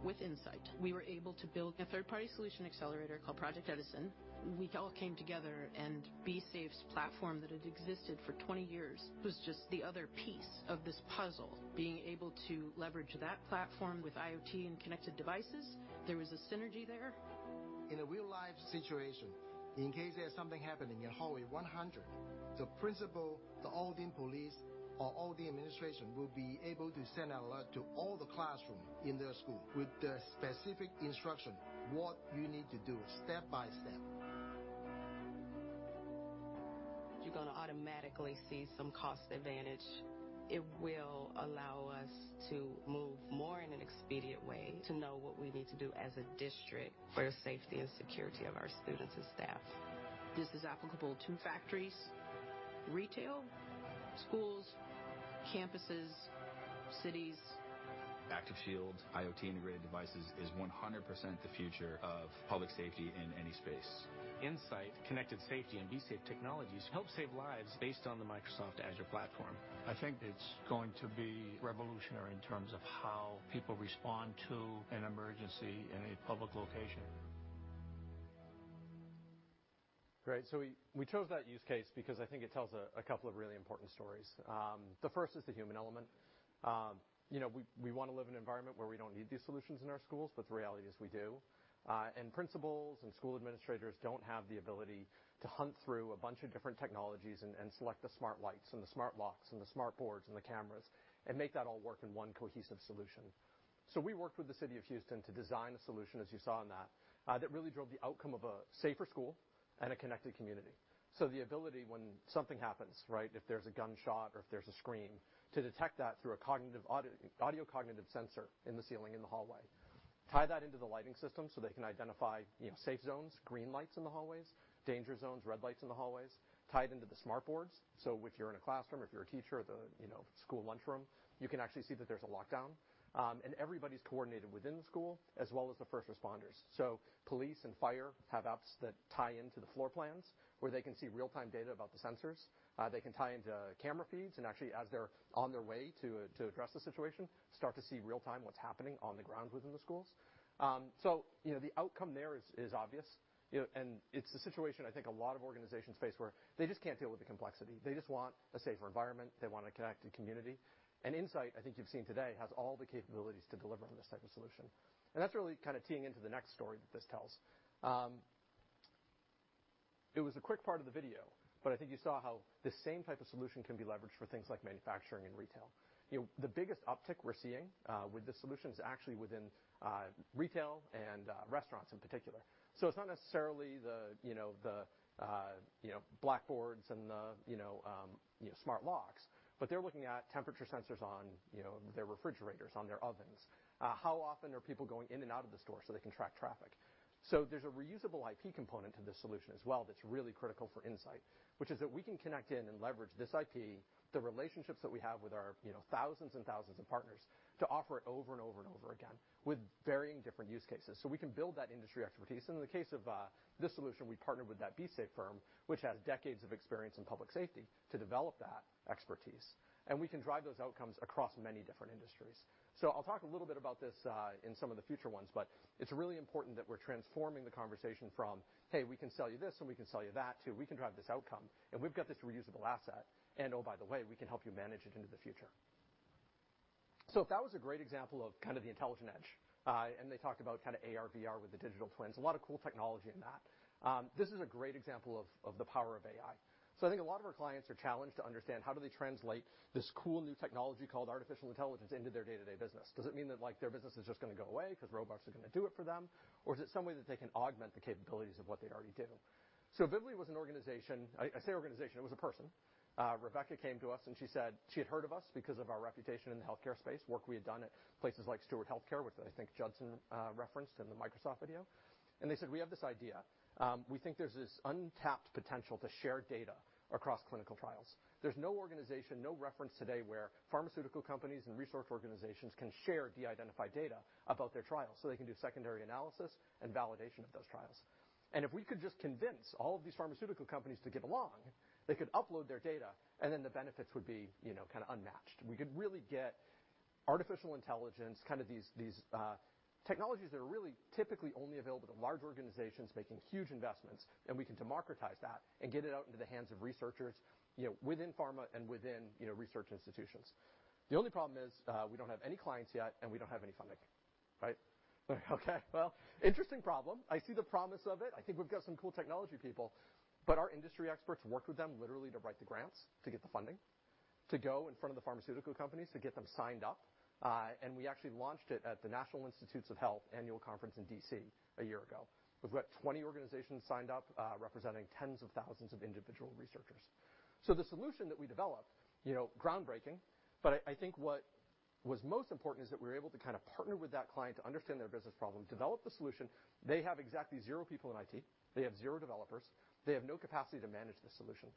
With Insight, we were able to build a third-party solution accelerator called Project Edison. We all came together and BeSafe's platform that had existed for 20 years was just the other piece of this puzzle. Being able to leverage that platform with IoT and connected devices, there was a synergy there. In a real-life situation, in case there's something happening in hallway 100, the principal, the Aldine police, or Aldine administration will be able to send an alert to all the classrooms in their school with the specific instruction what you need to do step by step. You're going to automatically see some cost advantage. It will allow us to move more in an expedient way to know what we need to do as a district for the safety and security of our students and staff. This is applicable to factories, retail, schools, campuses, cities. ActiveShield IoT integrated devices is 100% the future of public safety in any space. Insight Connected Safety and BeSafe Technologies help save lives based on the Microsoft Azure platform. I think it's going to be revolutionary in terms of how people respond to an emergency in a public location. Great. We chose that use case because I think it tells a couple of really important stories. The first is the human element. We want to live in an environment where we don't need these solutions in our schools, but the reality is we do. Principals and school administrators don't have the ability to hunt through a bunch of different technologies and select the smart lights and the smart locks and the smart boards and the cameras and make that all work in one cohesive solution. We worked with the City of Houston to design a solution, as you saw in that really drove the outcome of a safer school and a connected community. The ability when something happens, right, if there's a gunshot or if there's a scream, to detect that through an audio cognitive sensor in the ceiling in the hallway. Tie that into the lighting system so they can identify safe zones, green lights in the hallways, danger zones, red lights in the hallways. Tie it into the smart boards. If you're in a classroom or if you're a teacher at the school lunchroom, you can actually see that there's a lockdown. Everybody's coordinated within the school as well as the first responders. Police and fire have apps that tie into the floor plans where they can see real-time data about the sensors. They can tie into camera feeds and actually as they're on their way to address the situation, start to see real-time what's happening on the ground within the schools. The outcome there is obvious, and it's the situation I think a lot of organizations face where they just can't deal with the complexity. They just want a safer environment. They want a connected community. Insight, I think you've seen today, has all the capabilities to deliver on this type of solution. That's really kind of teeing into the next story that this tells. It was a quick part of the video, but I think you saw how the same type of solution can be leveraged for things like manufacturing and retail. The biggest uptick we're seeing with this solution is actually within retail and restaurants in particular. It's not necessarily the blackboards and the smart locks, but they're looking at temperature sensors on their refrigerators, on their ovens. How often are people going in and out of the store so they can track traffic? There's a reusable IP component to this solution as well that's really critical for Insight, which is that we can connect in and leverage this IP, the relationships that we have with our thousands and thousands of partners to offer it over and over and over again with varying different use cases. We can build that industry expertise. In the case of this solution, we partnered with that BeSafe firm, which has decades of experience in public safety to develop that expertise. We can drive those outcomes across many different industries. I'll talk a little bit about this in some of the future ones, but it's really important that we're transforming the conversation from, "Hey, we can sell you this," and, "We can sell you that," to, "We can drive this outcome, and we've got this reusable asset. Oh, by the way, we can help you manage it into the future." That was a great example of kind of the intelligent edge. They talked about kind of AR/VR with the digital twins. A lot of cool technology in that. This is a great example of the power of AI. I think a lot of our clients are challenged to understand how do they translate this cool new technology called artificial intelligence into their day-to-day business. Does it mean that their business is just going to go away because robots are going to do it for them? Is it some way that they can augment the capabilities of what they already do? Vivli was an organization, I say organization, it was a person. Rebecca came to us and she said she had heard of us because of our reputation in the healthcare space, work we had done at places like Steward Health Care, which I think Judson referenced in the Microsoft video. They said, "We have this idea. We think there's this untapped potential to share data across clinical trials. There's no organization, no reference today where pharmaceutical companies and research organizations can share de-identified data about their trials so they can do secondary analysis and validation of those trials. If we could just convince all of these pharmaceutical companies to get along, they could upload their data and then the benefits would be unmatched. Artificial intelligence, these technologies that are really typically only available to large organizations making huge investments, and we can democratize that and get it out into the hands of researchers within pharma and within research institutions. The only problem is we don't have any clients yet, and we don't have any funding. Right? Okay. Well, interesting problem. I see the promise of it. I think we've got some cool technology people. Our industry experts work with them literally to write the grants to get the funding to go in front of the pharmaceutical companies to get them signed up. We actually launched it at the National Institutes of Health annual conference in D.C. a year ago. We've got 20 organizations signed up, representing tens of thousands of individual researchers. The solution that we developed, groundbreaking, but I think what was most important is that we were able to partner with that client to understand their business problem, develop the solution. They have exactly zero people in IT. They have zero developers. They have no capacity to manage the solution.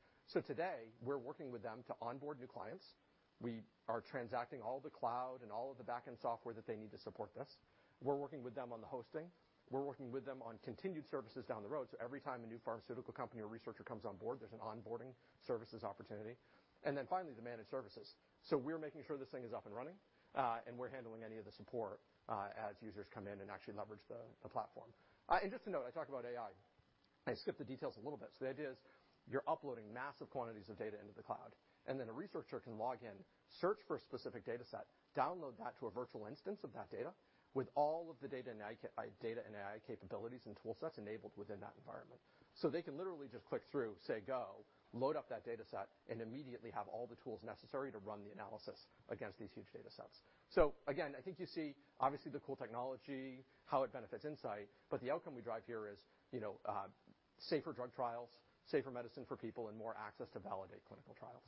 Today, we're working with them to onboard new clients. We are transacting all the cloud and all of the back-end software that they need to support this. We're working with them on the hosting. We're working with them on continued services down the road. Every time a new pharmaceutical company or researcher comes on board, there's an onboarding services opportunity. Finally, the managed services. We're making sure this thing is up and running, and we're handling any of the support as users come in and actually leverage the platform. Just to note, I talked about AI, and I skipped the details a little bit. The idea is you're uploading massive quantities of data into the cloud, and then a researcher can log in, search for a specific dataset, download that to a virtual instance of that data with all of the data and AI capabilities and tool sets enabled within that environment. They can literally just click through, say go, load up that dataset, and immediately have all the tools necessary to run the analysis against these huge datasets. Again, I think you see, obviously, the cool technology, how it benefits Insight, but the outcome we drive here is safer drug trials, safer medicine for people, and more access to validate clinical trials.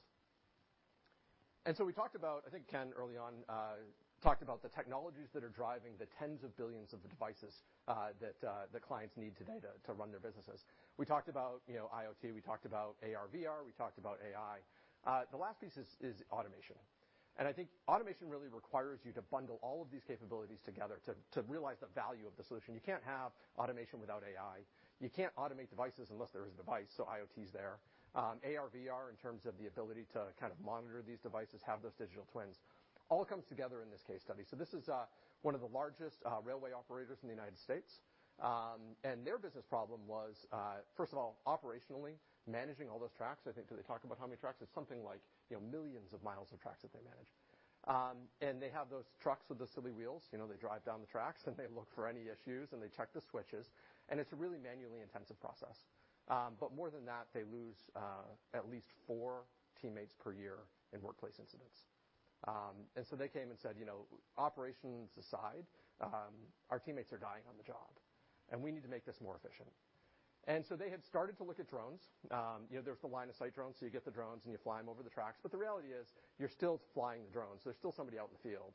We talked about, I think Ken early on, talked about the technologies that are driving the tens of billions of the devices that the clients need today to run their businesses. We talked about IoT, we talked about AR/VR, we talked about AI. The last piece is automation. I think automation really requires you to bundle all of these capabilities together to realize the value of the solution. You can't have automation without AI. You can't automate devices unless there is a device, so IoT's there. AR/VR in terms of the ability to monitor these devices, have those digital twins, all comes together in this case study. This is one of the largest railway operators in the U.S. Their business problem was, first of all, operationally managing all those tracks. I think did they talk about how many tracks? It's something like millions of miles of tracks that they manage. They have those trucks with the silly wheels. They drive down the tracks, they look for any issues, they check the switches. It's a really manually intensive process. More than that, they lose at least four teammates per year in workplace incidents. They came and said, "Operations aside, our teammates are dying on the job, and we need to make this more efficient." They had started to look at drones. There's the line of sight drones, you get the drones, you fly them over the tracks. The reality is you're still flying the drone. There's still somebody out in the field,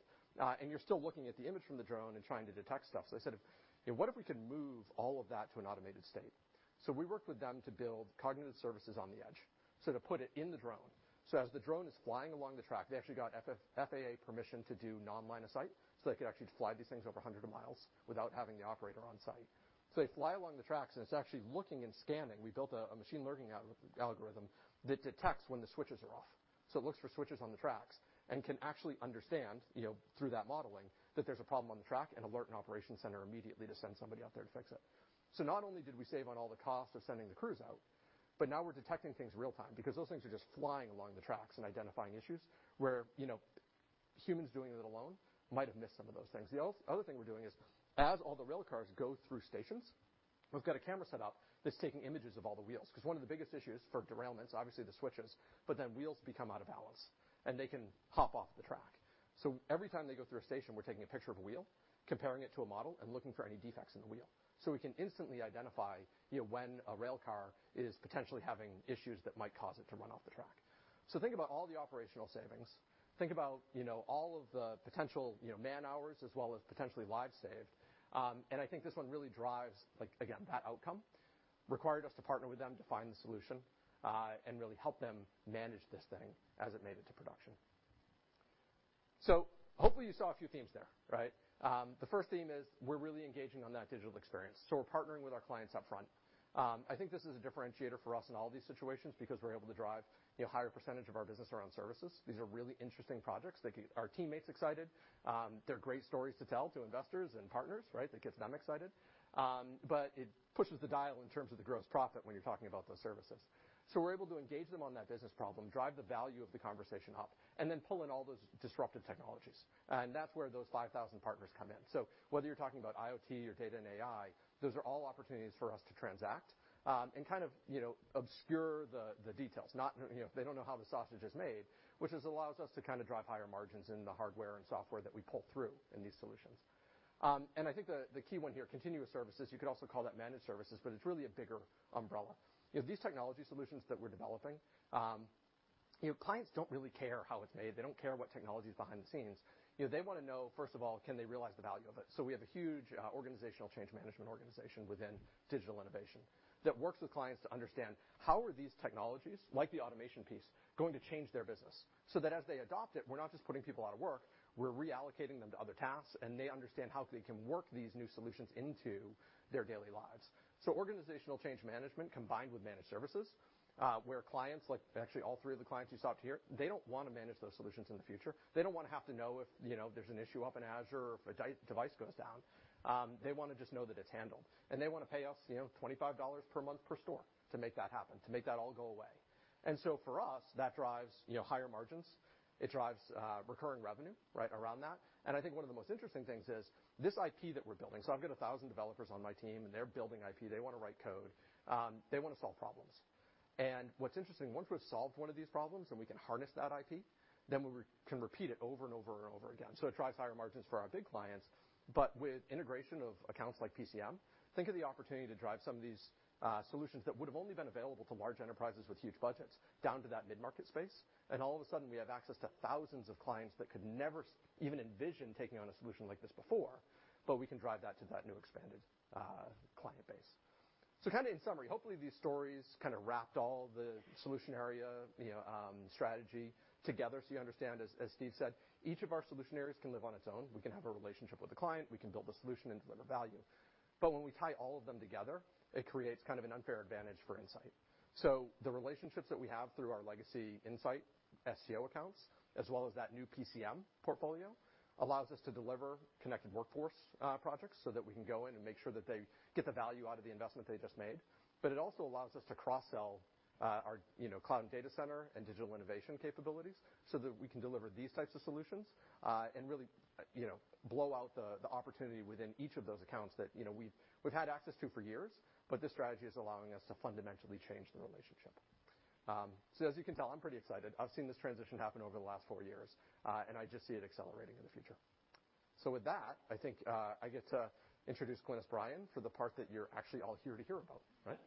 you're still looking at the image from the drone trying to detect stuff. They said, "What if we can move all of that to an automated state?" We worked with them to build cognitive services on the edge. To put it in the drone. As the drone is flying along the track, they actually got FAA permission to do non-line of sight, so they could actually fly these things over 100 miles without having the operator on site. They fly along the tracks, and it's actually looking and scanning. We built a machine learning algorithm that detects when the switches are off. It looks for switches on the tracks and can actually understand, through that modeling, that there's a problem on the track and alert an operation center immediately to send somebody out there to fix it. Not only did we save on all the cost of sending the crews out, but now we're detecting things real-time because those things are just flying along the tracks and identifying issues where humans doing it alone might have missed some of those things. The other thing we're doing is as all the rail cars go through stations, we've got a camera set up that's taking images of all the wheels. One of the biggest issues for derailments, obviously, the switches, wheels become out of balance, and they can hop off the track. Every time they go through a station, we're taking a picture of a wheel, comparing it to a model, and looking for any defects in the wheel. We can instantly identify when a rail car is potentially having issues that might cause it to run off the track. Think about all the operational savings. Think about all of the potential man-hours as well as potentially lives saved. I think this one really drives, again, that outcome. Required us to partner with them to find the solution, and really help them manage this thing as it made it to production. Hopefully you saw a few themes there. Right? The first theme is we're really engaging on that digital experience. We're partnering with our clients upfront. I think this is a differentiator for us in all of these situations because we're able to drive a higher percentage of our business around services. These are really interesting projects that get our teammates excited. They're great stories to tell to investors and partners, right? That gets them excited. It pushes the dial in terms of the gross profit when you're talking about those services. We're able to engage them on that business problem, drive the value of the conversation up, and then pull in all those disruptive technologies. That's where those 5,000 partners come in. Whether you're talking about IoT or data and AI, those are all opportunities for us to transact and obscure the details. They don't know how the sausage is made, which just allows us to drive higher margins in the hardware and software that we pull through in these solutions. I think the key one here, continuous services, you could also call that managed services, but it's really a bigger umbrella. These technology solutions that we're developing, clients don't really care how it's made. They don't care what technology's behind the scenes. They want to know, first of all, can they realize the value of it? We have a huge organizational change management organization within Digital Innovation that works with clients to understand how are these technologies, like the automation piece, going to change their business. That as they adopt it, we're not just putting people out of work, we're reallocating them to other tasks, and they understand how they can work these new solutions into their daily lives. Organizational change management combined with managed services, where clients, like actually all three of the clients you saw up here, they don't want to manage those solutions in the future. They don't want to have to know if there's an issue up in Azure or if a device goes down. They want to just know that it's handled. They want to pay us $25 per month per store to make that happen, to make that all go away. For us, that drives higher margins. It drives recurring revenue around that. I think one of the most interesting things is this IP that we're building. I've got 1,000 developers on my team, and they're building IP. They want to write code. They want to solve problems. What's interesting, once we've solved one of these problems and we can harness that IP, then we can repeat it over and over and over again. It drives higher margins for our big clients. With integration of accounts like PCM, think of the opportunity to drive some of these solutions that would've only been available to large enterprises with huge budgets down to that mid-market space. All of a sudden, we have access to thousands of clients that could never even envision taking on a solution like this before, but we can drive that to that new expanded client base. In summary, hopefully these stories wrapped all the solution area strategy together so you understand, as Steve said, each of our solution areas can live on its own. We can have a relationship with the client. We can build a solution and deliver value. When we tie all of them together, it creates an unfair advantage for Insight. The relationships that we have through our legacy Insight SCO accounts, as well as that new PCM portfolio, allows us to deliver connected workforce projects so that we can go in and make sure that they get the value out of the investment they just made. It also allows us to cross-sell our cloud and data center and digital innovation capabilities so that we can deliver these types of solutions, and really blow out the opportunity within each of those accounts that we've had access to for years. This strategy is allowing us to fundamentally change the relationship. As you can tell, I'm pretty excited. I've seen this transition happen over the last four years. I just see it accelerating in the future. With that, I think I get to introduce Glynis Bryan for the part that you're actually all here to hear about, right?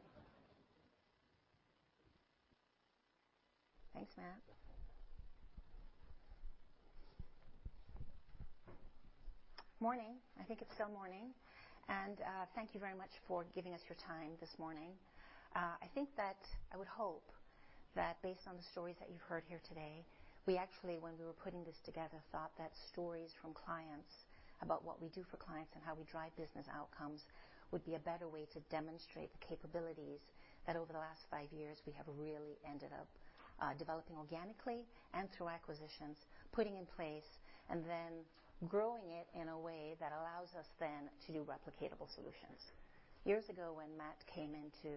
Thanks, Matt. Morning. I think it's still morning. Thank you very much for giving us your time this morning. I would hope that based on the stories that you've heard here today, we actually, when we were putting this together, thought that stories from clients about what we do for clients and how we drive business outcomes would be a better way to demonstrate the capabilities that over the last five years, we have really ended up developing organically and through acquisitions, putting in place, and then growing it in a way that allows us then to do replicatable solutions. Years ago, when Matt came into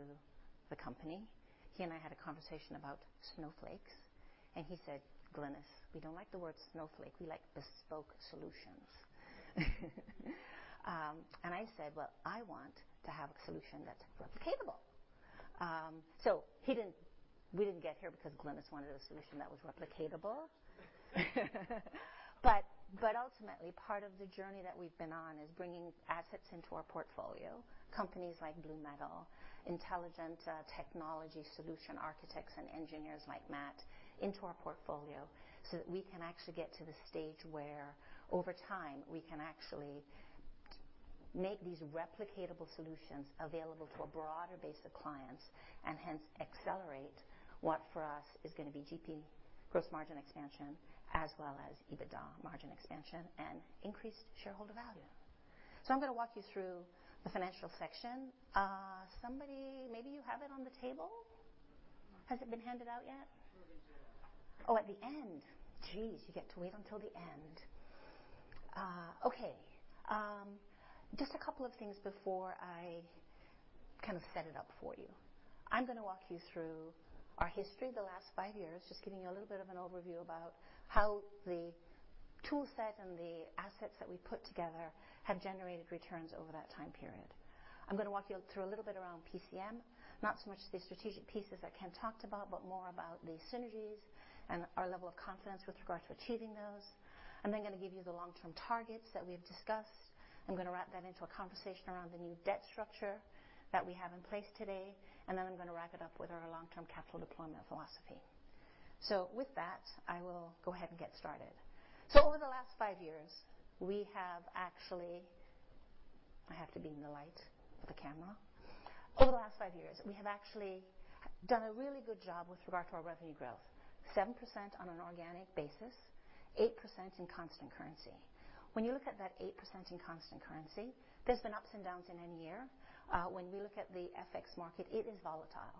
the company, he and I had a conversation about snowflakes, he said, "Glynis, we don't like the word snowflake. We like bespoke solutions." I said, "Well, I want to have a solution that's replicatable." We didn't get here because Glynis wanted a solution that was replicatable. Ultimately, part of the journey that we've been on is bringing assets into our portfolio, companies like BlueMetal, intelligent technology solution architects and engineers like Matt into our portfolio, so that we can actually get to the stage where over time, we can actually make these replicatable solutions available to a broader base of clients, and hence accelerate what for us is going to be GP gross margin expansion, as well as EBITDA margin expansion and increased shareholder value. I'm going to walk you through the financial section. Somebody, maybe you have it on the table? Has it been handed out yet? It will be at the end. Oh, at the end. Geez, you get to wait until the end. Okay. Just a couple of things before I set it up for you. I'm going to walk you through our history the last five years, just giving you a little bit of an overview about how the tool set and the assets that we put together have generated returns over that time period. I'm going to walk you through a little bit around PCM, not so much the strategic pieces that Ken talked about, but more about the synergies and our level of confidence with regard to achieving those. I'm going to give you the long-term targets that we have discussed. I'm going to wrap that into a conversation around the new debt structure that we have in place today. I'm going to wrap it up with our long-term capital deployment philosophy. With that, I will go ahead and get started. Over the last five years, we have actually I have to be in the light of the camera. Over the last five years, we have actually done a really good job with regard to our revenue growth, 7% on an organic basis, 8% in constant currency. When you look at that 8% in constant currency, there's been ups and downs in any year. When we look at the FX market, it is volatile.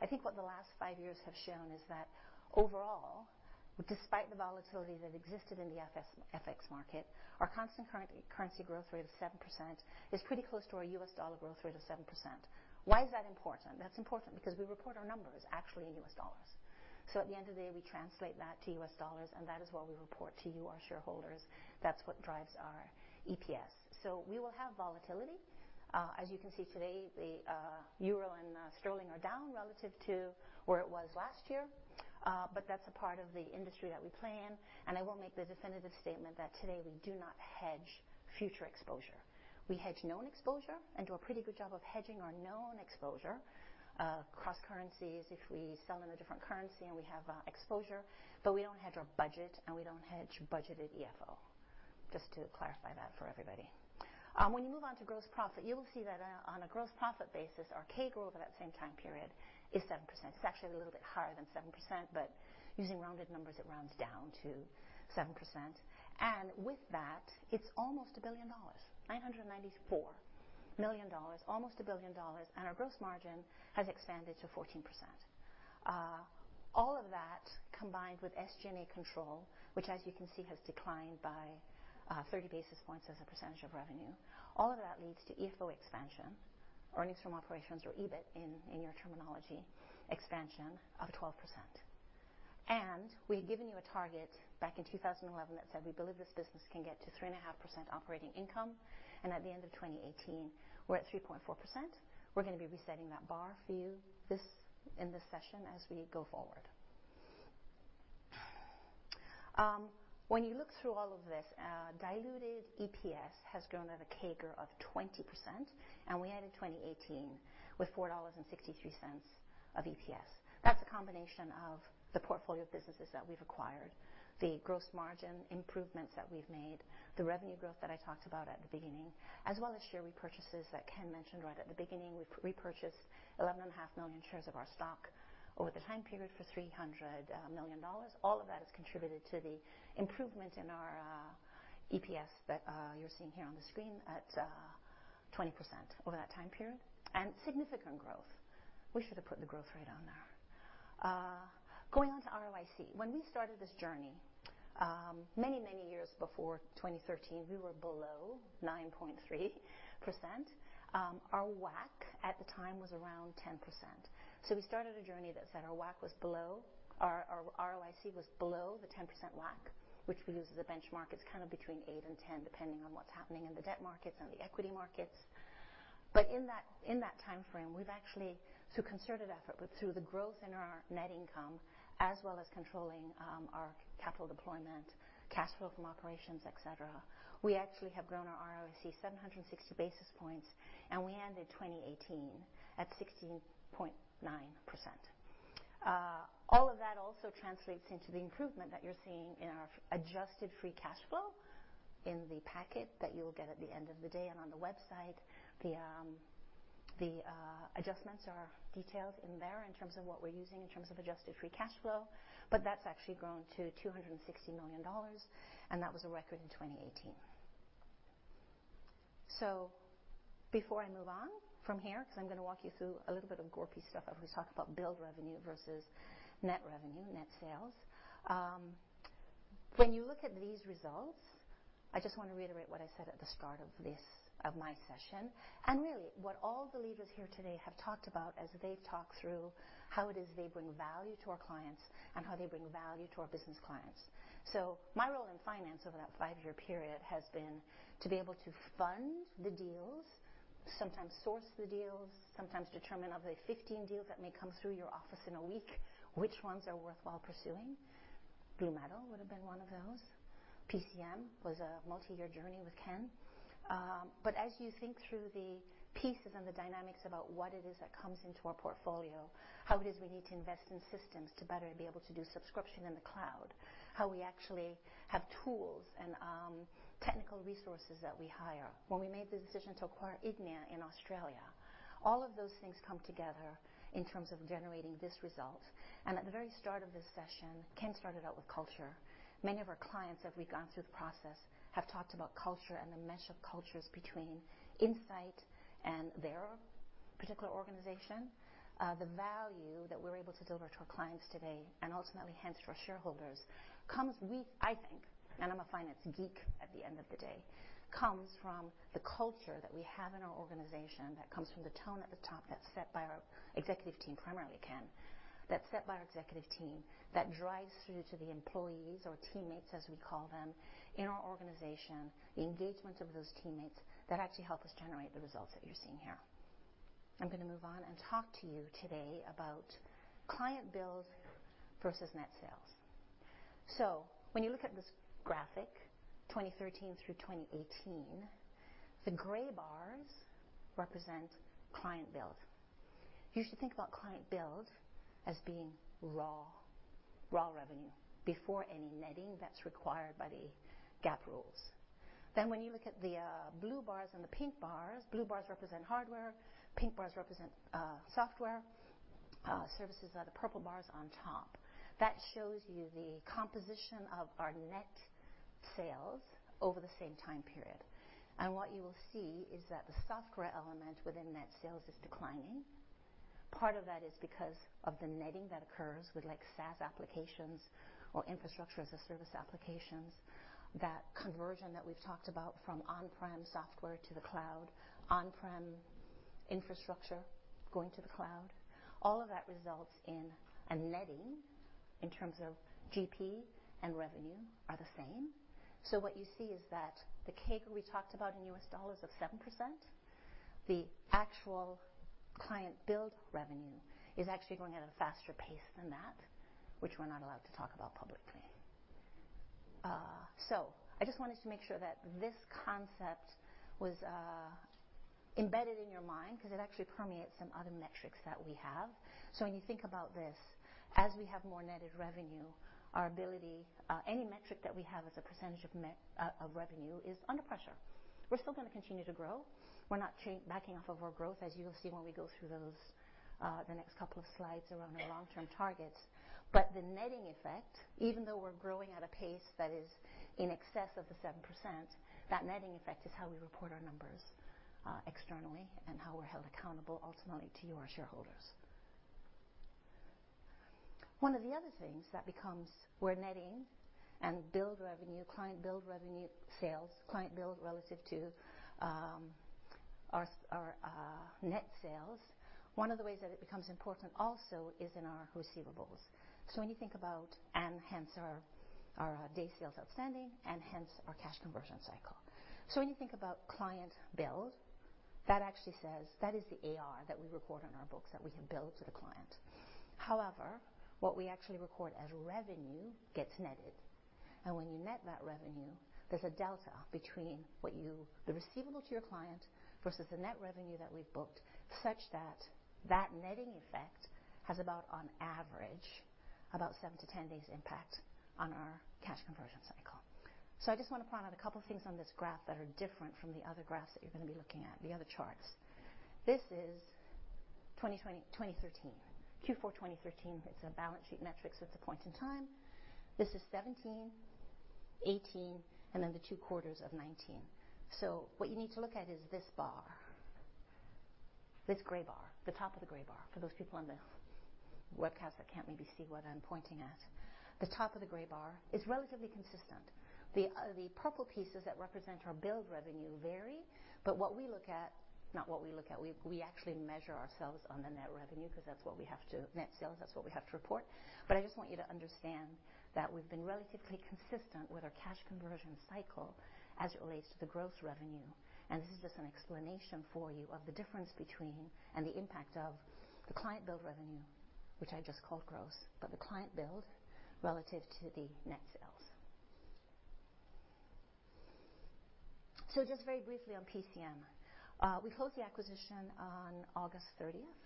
I think what the last five years have shown is that overall, despite the volatility that existed in the FX market, our constant currency growth rate of 7% is pretty close to our U.S. dollar growth rate of 7%. Why is that important? That's important because we report our numbers actually in U.S. dollars. At the end of the day, we translate that to US dollars, and that is what we report to you, our shareholders. That's what drives our EPS. We will have volatility. As you can see today, the EUR and GBP are down relative to where it was last year. That's a part of the industry that we plan, and I will make the definitive statement that today we do not hedge future exposure. We hedge known exposure and do a pretty good job of hedging our known exposure, cross-currencies if we sell in a different currency and we have exposure, but we don't hedge our budget and we don't hedge budgeted EFO. Just to clarify that for everybody. When you move on to gross profit, you will see that on a gross profit basis, our CAGR over that same time period is 7%. It's actually a little bit higher than 7%, but using rounded numbers, it rounds down to 7%. With that, it's almost a billion dollars, $994 million, almost a billion dollars. Our gross margin has expanded to 14%. All of that combined with SG&A control, which as you can see, has declined by 30 basis points as a percentage of revenue. All of that leads to EFO expansion, earnings from operations or EBIT in your terminology, expansion of 12%. We had given you a target back in 2011 that said we believe this business can get to 3.5% operating income, and at the end of 2018, we're at 3.4%. We're going to be resetting that bar for you in this session as we go forward. When you look through all of this, diluted EPS has grown at a CAGR of 20%, and we ended 2018 with $4.63 of EPS. That's a combination of the portfolio of businesses that we've acquired, the gross margin improvements that we've made, the revenue growth that I talked about at the beginning, as well as share repurchases that Ken mentioned right at the beginning. We repurchased 11.5 million shares of our stock over the time period for $300 million. All of that has contributed to the improvement in our EPS that you're seeing here on the screen at 20% over that time period, and significant growth. We should have put the growth rate on there. Going on to ROIC. When we started this journey, many years before 2013, we were below 9.3%. Our WACC at the time was around 10%. We started a journey that said our ROIC was below the 10% WACC, which we use as a benchmark. It's kind of between 8 and 10, depending on what's happening in the debt markets and the equity markets. In that timeframe, we've actually, through concerted effort, but through the growth in our net income, as well as controlling our capital deployment, cash flow from operations, et cetera, we actually have grown our ROIC 760 basis points, and we ended 2018 at 16.9%. All of that also translates into the improvement that you're seeing in our adjusted free cash flow in the packet that you'll get at the end of the day and on the website. The adjustments are detailed in there in terms of what we're using in terms of adjusted free cash flow. That's actually grown to $260 million, and that was a record in 2018. Before I move on from here, because I'm going to walk you through a little bit of gorpy stuff as we talk about billed revenue versus net revenue, net sales. When you look at these results, I just want to reiterate what I said at the start of my session, and really what all the leaders here today have talked about as they've talked through how it is they bring value to our clients and how they bring value to our business clients. My role in finance over that five-year period has been to be able to fund the deals, sometimes source the deals, sometimes determine of the 15 deals that may come through your office in a week, which ones are worthwhile pursuing. BlueMetal would've been one of those. PCM was a multi-year journey with Ken. As you think through the pieces and the dynamics about what it is that comes into our portfolio, how it is we need to invest in systems to better be able to do subscription in the cloud, how we actually have tools and technical resources that we hire. When we made the decision to acquire Ignia in Australia. All of those things come together in terms of generating this result. At the very start of this session, Ken started out with culture. Many of our clients, as we've gone through the process, have talked about culture and the mesh of cultures between Insight and their particular organization. The value that we're able to deliver to our clients today and ultimately hence to our shareholders, I think, and I'm a finance geek at the end of the day, comes from the culture that we have in our organization, that comes from the tone at the top that's set by our executive team, primarily Ken. That's set by our executive team that drives through to the employees or teammates, as we call them, in our organization, the engagement of those teammates that actually help us generate the results that you're seeing here. I'm going to move on and talk to you today about client bills versus net sales. When you look at this graphic, 2013 through 2018, the gray bars represent client bills. You should think about client bills as being raw revenue before any netting that's required by the GAAP rules. When you look at the blue bars and the pink bars, blue bars represent hardware, pink bars represent software. Services are the purple bars on top. That shows you the composition of our net sales over the same time period. What you will see is that the software element within net sales is declining. Part of that is because of the netting that occurs with SaaS applications or Infrastructure as a Service applications. That conversion that we've talked about from on-prem software to the cloud, on-prem infrastructure going to the cloud, all of that results in a netting in terms of GP and revenue are the same. What you see is that the CAGR we talked about in USD of 7%, the actual client billed revenue is actually growing at a faster pace than that, which we're not allowed to talk about publicly. I just wanted to make sure that this concept was embedded in your mind, because it actually permeates some other metrics that we have. When you think about this, as we have more netted revenue, any metric that we have as a percentage of revenue is under pressure. We're still going to continue to grow. We're not backing off of our growth, as you will see when we go through the next couple of slides around our long-term targets. The netting effect, even though we're growing at a pace that is in excess of the 7%, that netting effect is how we report our numbers externally and how we're held accountable ultimately to you, our shareholders. We're netting and client billed revenue sales, client billed relative to our net sales. One of the ways that it becomes important also is in our receivables. Hence our day sales outstanding and hence our cash conversion cycle. When you think about client billed, that is the AR that we report on our books that we have billed to the client. However, what we actually record as revenue gets netted. When you net that revenue, there's a delta between the receivable to your client versus the net revenue that we've booked, such that that netting effect has about on average, about 7 to 10 days impact on our cash conversion cycle. I just want to point out a couple of things on this graph that are different from the other graphs that you're going to be looking at, the other charts. This is Q4 2013. It's a balance sheet metrics at a point in time. This is 2017, 2018, and then the 2 quarters of 2019. What you need to look at is this bar, this gray bar, the top of the gray bar, for those people on the webcast that can't maybe see what I'm pointing at. The top of the gray bar is relatively consistent. The purple pieces that represent our billed revenue vary, but what we look at, not what we look at, we actually measure ourselves on the net revenue because that's what we have to net sell. That's what we have to report. I just want you to understand that we've been relatively consistent with our cash conversion cycle as it relates to the gross revenue. This is just an explanation for you of the difference between and the impact of the client billed revenue, which I just called gross. The client billed relative to the net sales. Just very briefly on PCM. We closed the acquisition on August 30th.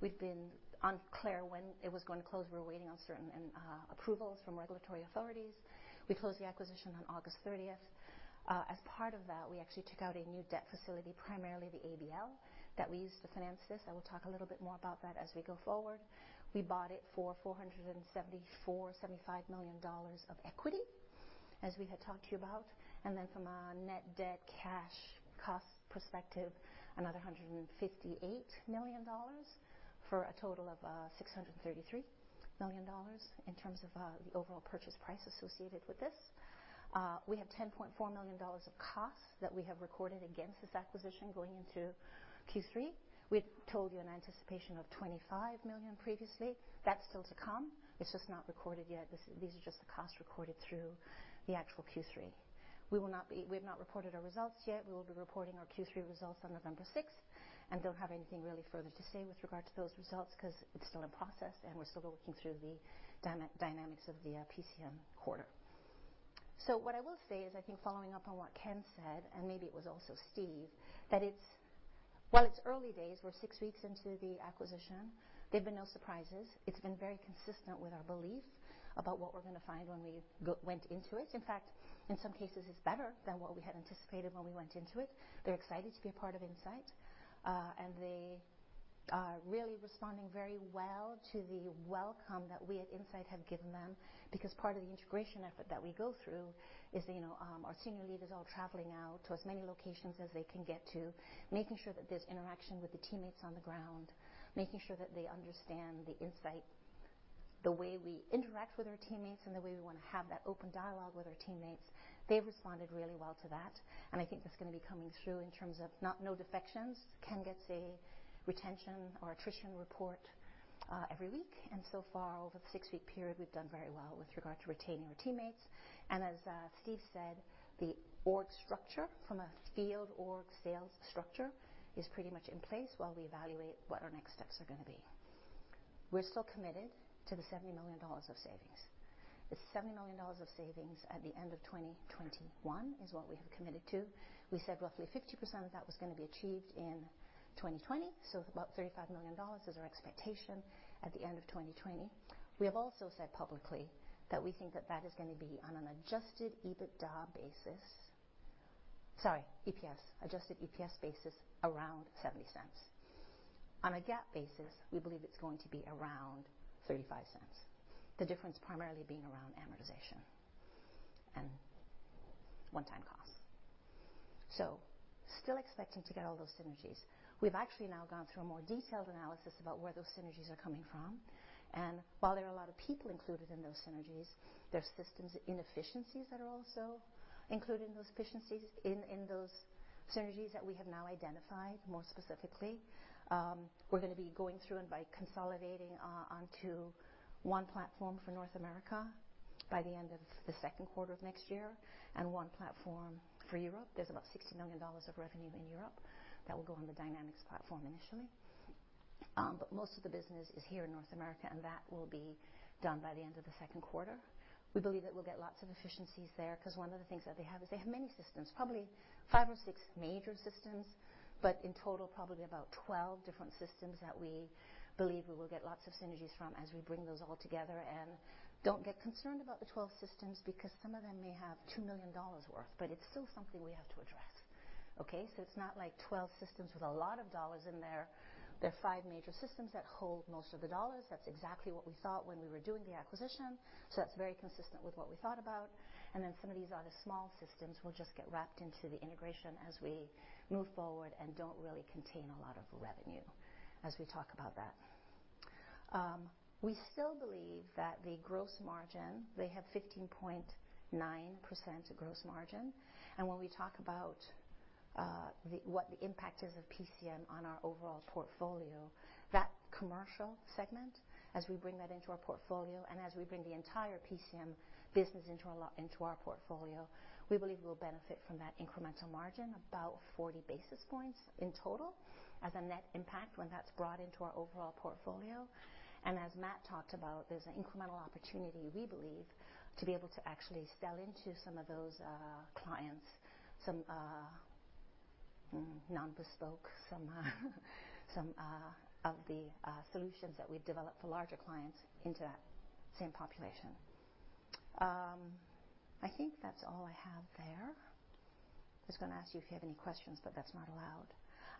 We've been unclear when it was going to close. We were waiting on certain approvals from regulatory authorities. We closed the acquisition on August 30th. As part of that, we actually took out a new debt facility, primarily the ABL, that we used to finance this. I will talk a little bit more about that as we go forward. We bought it for $474, $75 million of equity, as we had talked to you about. From a net debt cash cost perspective, another $158 million for a total of $633 million in terms of the overall purchase price associated with this. We have $10.4 million of costs that we have recorded against this acquisition going into Q3. We told you in anticipation of $25 million previously. That's still to come. It's just not recorded yet. These are just the costs recorded through the actual Q3. We've not reported our results yet. We will be reporting our Q3 results on November 6th, and don't have anything really further to say with regard to those results because it's still in process and we're still working through the dynamics of the PCM quarter. What I will say is, I think following up on what Ken said, and maybe it was also Steve, that while it's early days, we're six weeks into the acquisition. There've been no surprises. It's been very consistent with our belief about what we're going to find when we went into it. In fact, in some cases, it's better than what we had anticipated when we went into it. They're excited to be a part of Insight, and they are really responding very well to the welcome that we at Insight have given them because part of the integration effort that we go through is our senior leaders all traveling out to as many locations as they can get to, making sure that there's interaction with the teammates on the ground, making sure that they understand the Insight, the way we interact with our teammates and the way we want to have that open dialogue with our teammates. They've responded really well to that, and I think that's going to be coming through in terms of no defections. Ken gets a retention or attrition report every week, and so far, over the six-week period, we've done very well with regard to retaining our teammates. As Steve said, the org structure from a field org sales structure is pretty much in place while we evaluate what our next steps are going to be. We're still committed to the $70 million of savings. The $70 million of savings at the end of 2021 is what we have committed to. We said roughly 50% of that was going to be achieved in 2020. About $35 million is our expectation at the end of 2020. We have also said publicly that we think that that is going to be on an adjusted EBITDA basis. Sorry, EPS, adjusted EPS basis around $0.70. On a GAAP basis, we believe it's going to be around $0.35. The difference primarily being around amortization and one-time costs. Still expecting to get all those synergies. We've actually now gone through a more detailed analysis about where those synergies are coming from. While there are a lot of people included in those synergies, there's systems inefficiencies that are also included in those synergies that we have now identified more specifically. We're going to be going through and by consolidating onto one platform for North America by the end of the second quarter of next year and one platform for Europe. There's about $60 million of revenue in Europe that will go on the Dynamics platform initially. Most of the business is here in North America, and that will be done by the end of the second quarter. We believe that we'll get lots of efficiencies there, because one of the things that they have is they have many systems, probably five or six major systems, but in total probably about 12 different systems that we believe we will get lots of synergies from as we bring those all together. Don't get concerned about the 12 systems because some of them may have $2 million worth, but it's still something we have to address. Okay. It's not like 12 systems with a lot of dollars in there. There are five major systems that hold most of the dollars. That's exactly what we thought when we were doing the acquisition. That's very consistent with what we thought about. Some of these other small systems will just get wrapped into the integration as we move forward and don't really contain a lot of revenue as we talk about that. We still believe that the gross margin, they have 15.9% gross margin. When we talk about what the impact is of PCM on our overall portfolio, that commercial segment, as we bring that into our portfolio and as we bring the entire PCM business into our portfolio, we believe we'll benefit from that incremental margin about 40 basis points in total as a net impact when that's brought into our overall portfolio. As Matt talked about, there's an incremental opportunity, we believe, to be able to actually sell into some of those clients, some non-bespoke, some of the solutions that we've developed for larger clients into that same population. I think that's all I have there. I was going to ask you if you have any questions, but that's not allowed.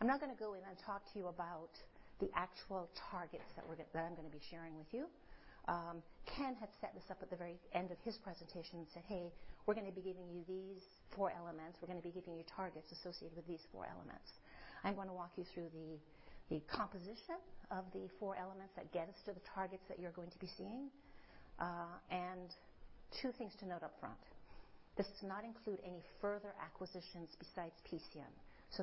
I'm now going to go in and talk to you about the actual targets that I'm going to be sharing with you. Ken had set this up at the very end of his presentation and said, "Hey, we're going to be giving you these four elements." We're going to be giving you targets associated with these four elements. I'm going to walk you through the composition of the four elements that get us to the targets that you're going to be seeing. Two things to note upfront. This does not include any further acquisitions besides PCM.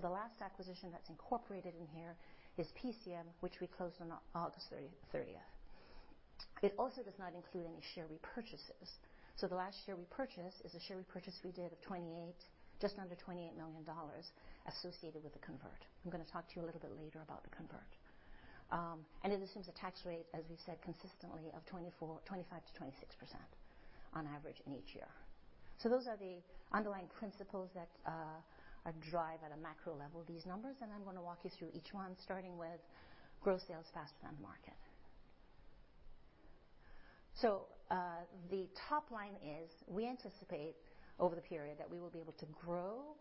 The last acquisition that's incorporated in here is PCM, which we closed on August 30th. It also does not include any share repurchases. The last share repurchase is a share repurchase we did of just under $28 million associated with the convert. I'm going to talk to you a little bit later about the convert. It assumes a tax rate, as we've said, consistently of 25%-26% on average in each year. Those are the underlying principles that drive at a macro level these numbers, and I'm going to walk you through each one, starting with growth sales faster than market. The top line is we anticipate over the period that we will be able to grow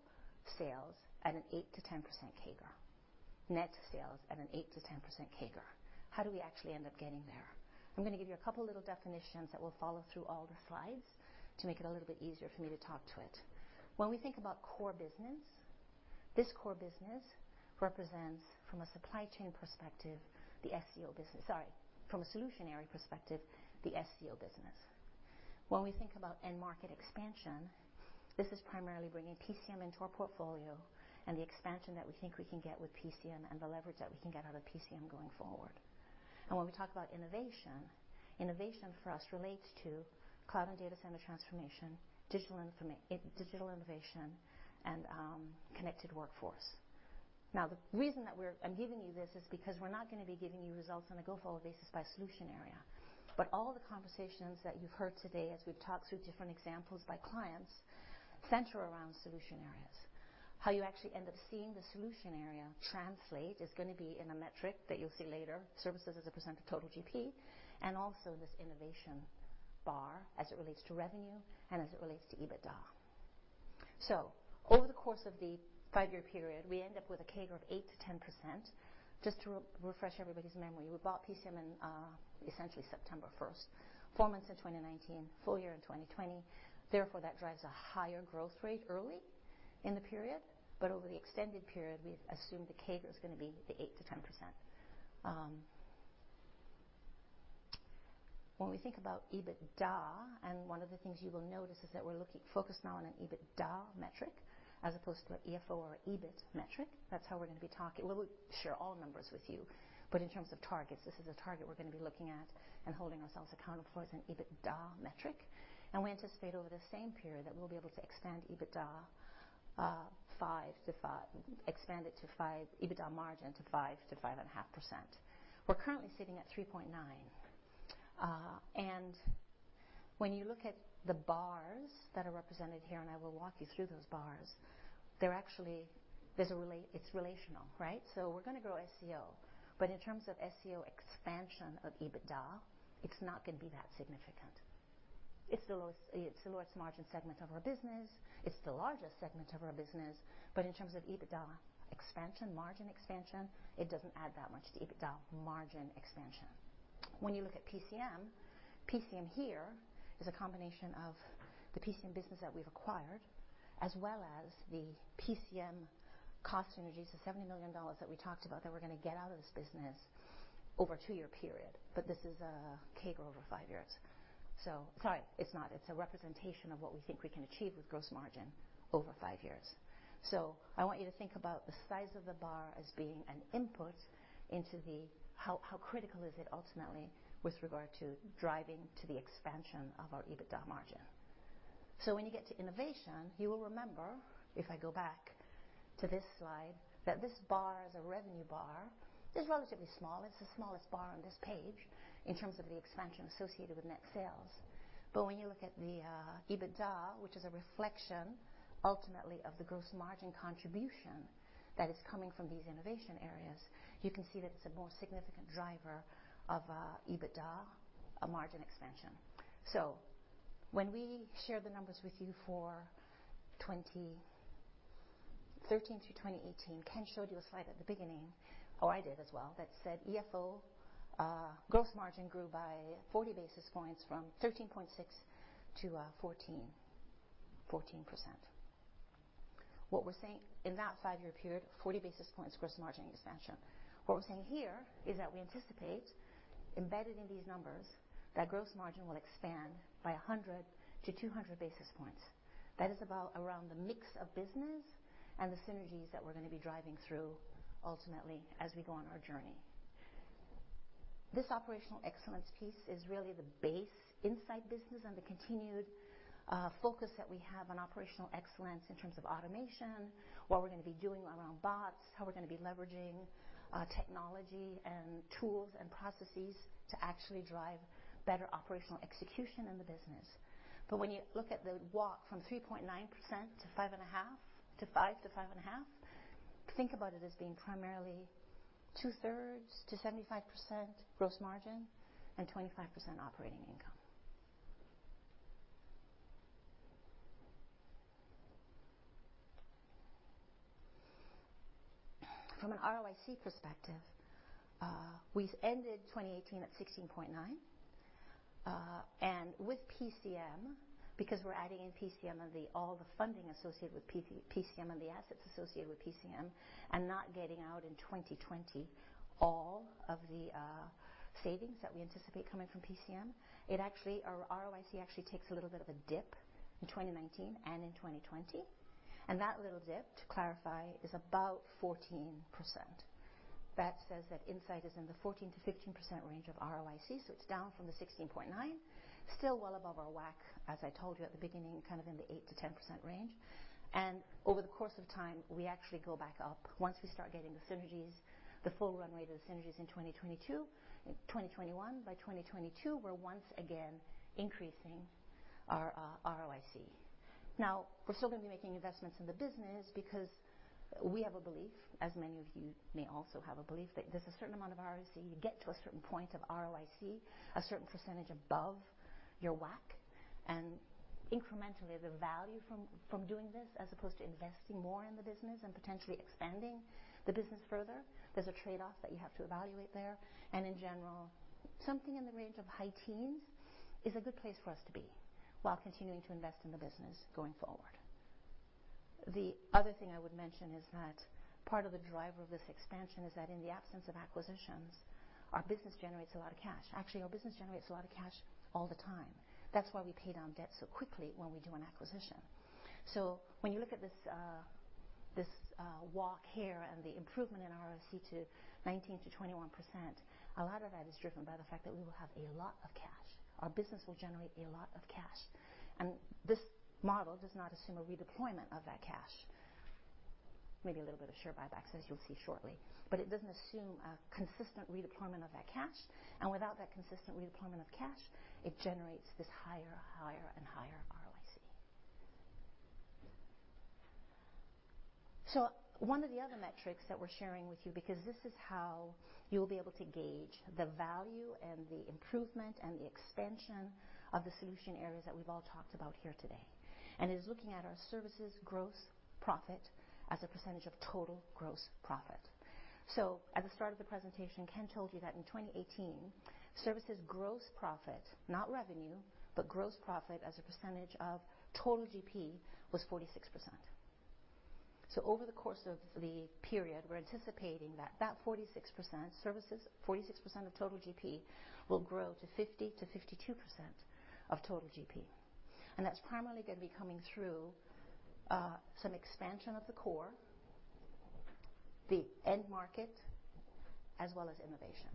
sales at an 8%-10% CAGR. Net sales at an 8%-10% CAGR. How do we actually end up getting there? I'm going to give you a couple little definitions that will follow through all the slides to make it a little bit easier for me to talk to it. When we think about core business, this core business represents from a supply chain perspective, the SCO business. From a solution area perspective, the SCO business. When we think about end market expansion, this is primarily bringing PCM into our portfolio and the expansion that we think we can get with PCM and the leverage that we can get out of PCM going forward. When we talk about innovation for us relates to cloud and data center transformation, digital innovation, and connected workforce. The reason that I'm giving you this is because we're not going to be giving you results on a go-forward basis by solution area. All the conversations that you've heard today as we've talked through different examples by clients center around solution areas. How you actually end up seeing the solution area translate is going to be in a metric that you'll see later, services as a % of total GP, and also this innovation bar as it relates to revenue and as it relates to EBITDA. Over the course of the 5-year period, we end up with a CAGR of 8% to 10%. Just to refresh everybody's memory, we bought PCM in essentially September 1st, 4 months in 2019, full year in 2020. That drives a higher growth rate early in the period. Over the extended period, we've assumed the CAGR is going to be the 8% to 10%. When we think about EBITDA, one of the things you will notice is that we're focused now on an EBITDA metric as opposed to an EFO or EBIT metric. Well, we share all numbers with you, but in terms of targets, this is a target we're going to be looking at and holding ourselves accountable for is an EBITDA metric. We anticipate over the same period that we'll be able to expand EBITDA margin to 5%-5.5%. We're currently sitting at 3.9%. When you look at the bars that are represented here, and I will walk you through those bars, it's relational, right? We're going to grow SCO. In terms of SCO expansion of EBITDA, it's not going to be that significant. It's the lowest margin segment of our business. It's the largest segment of our business. In terms of EBITDA expansion, margin expansion, it doesn't add that much to EBITDA margin expansion. When you look at PCM here is a combination of the PCM business that we've acquired, as well as the PCM cost synergies, the $70 million that we talked about that we're going to get out of this business over a two-year period. This is a CAGR over five years. Sorry, it's not. It's a representation of what we think we can achieve with gross margin over five years. I want you to think about the size of the bar as being an input into how critical is it ultimately with regard to driving to the expansion of our EBITDA margin. When you get to innovation, you will remember, if I go back to this slide, that this bar is a revenue bar. It's relatively small. It's the smallest bar on this page in terms of the expansion associated with net sales. When you look at the EBITDA, which is a reflection ultimately of the gross margin contribution that is coming from these innovation areas, you can see that it's a more significant driver of EBITDA margin expansion. When we share the numbers with you for 2013 through 2018, Ken showed you a slide at the beginning, or I did as well, that said, "EFO gross margin grew by 40 basis points from 13.6 to 14%." In that five-year period, 40 basis points gross margin expansion. What we're saying here is that we anticipate, embedded in these numbers, that gross margin will expand by 100 to 200 basis points. That is about around the mix of business and the synergies that we're going to be driving through ultimately as we go on our journey. This operational excellence piece is really the base Insight business and the continued focus that we have on operational excellence in terms of automation, what we're going to be doing around bots, how we're going to be leveraging technology and tools and processes to actually drive better operational execution in the business. When you look at the walk from 3.9% to 5.5%, think about it as being primarily two-thirds to 75% gross margin and 25% operating income. From an ROIC perspective, we ended 2018 at 16.9%. With PCM, because we're adding in PCM and all the funding associated with PCM and the assets associated with PCM and not getting out in 2020 all of the savings that we anticipate coming from PCM, our ROIC actually takes a little bit of a dip in 2019 and in 2020. That little dip, to clarify, is about 14%. That says that Insight is in the 14%-15% range of ROIC. It's down from the 16.9%, still well above our WACC, as I told you at the beginning, kind of in the 8%-10% range. Over the course of time, we actually go back up once we start getting the synergies, the full runway to the synergies in 2021. By 2022, we're once again increasing our ROIC. We're still going to be making investments in the business because we have a belief, as many of you may also have a belief, that there's a certain amount of ROIC. You get to a certain point of ROIC, a certain percentage above your WACC. Incrementally, the value from doing this, as opposed to investing more in the business and potentially expanding the business further, there's a trade-off that you have to evaluate there. In general, something in the range of high teens is a good place for us to be while continuing to invest in the business going forward. The other thing I would mention is that part of the driver of this expansion is that in the absence of acquisitions, our business generates a lot of cash. Actually, our business generates a lot of cash all the time. That's why we pay down debt so quickly when we do an acquisition. When you look at this walk here and the improvement in ROIC to 19%-21%, a lot of that is driven by the fact that we will have a lot of cash. Our business will generate a lot of cash. This model does not assume a redeployment of that cash. Maybe a little bit of share buybacks, as you'll see shortly. It doesn't assume a consistent redeployment of that cash. Without that consistent redeployment of cash, it generates this higher and higher ROIC. One of the other metrics that we're sharing with you, because this is how you'll be able to gauge the value and the improvement and the expansion of the solution areas that we've all talked about here today, and is looking at our services gross profit as a percentage of total gross profit. At the start of the presentation, Ken told you that in 2018, services gross profit, not revenue, but gross profit as a percentage of total GP, was 46%. Over the course of the period, we're anticipating that that 46% services, 46% of total GP, will grow to 50%-52% of total GP. That's primarily going to be coming through some expansion of the core, the end market, as well as innovation.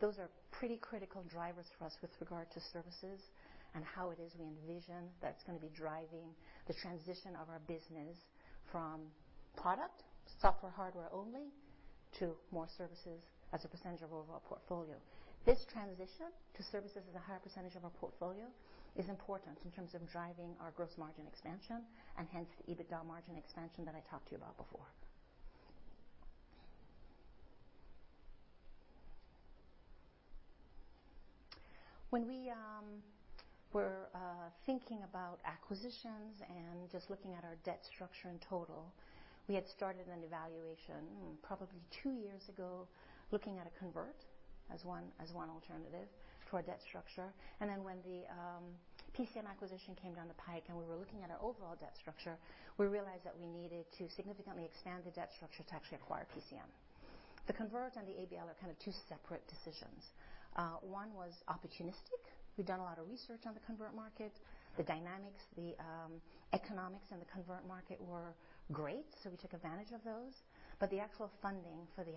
Those are pretty critical drivers for us with regard to services and how it is we envision that's going to be driving the transition of our business from product, software, hardware only, to more services as a percentage of our portfolio. This transition to services as a higher percentage of our portfolio is important in terms of driving our gross margin expansion and hence the EBITDA margin expansion that I talked to you about before. We were thinking about acquisitions and just looking at our debt structure in total, we had started an evaluation, probably two years ago, looking at a convert as one alternative to our debt structure. When the PCM acquisition came down the pike and we were looking at our overall debt structure, we realized that we needed to significantly expand the debt structure to actually acquire PCM. The convert and the ABL are two separate decisions. One was opportunistic. We've done a lot of research on the convert market. The dynamics, the economics in the convert market were great, so we took advantage of those. The actual funding for the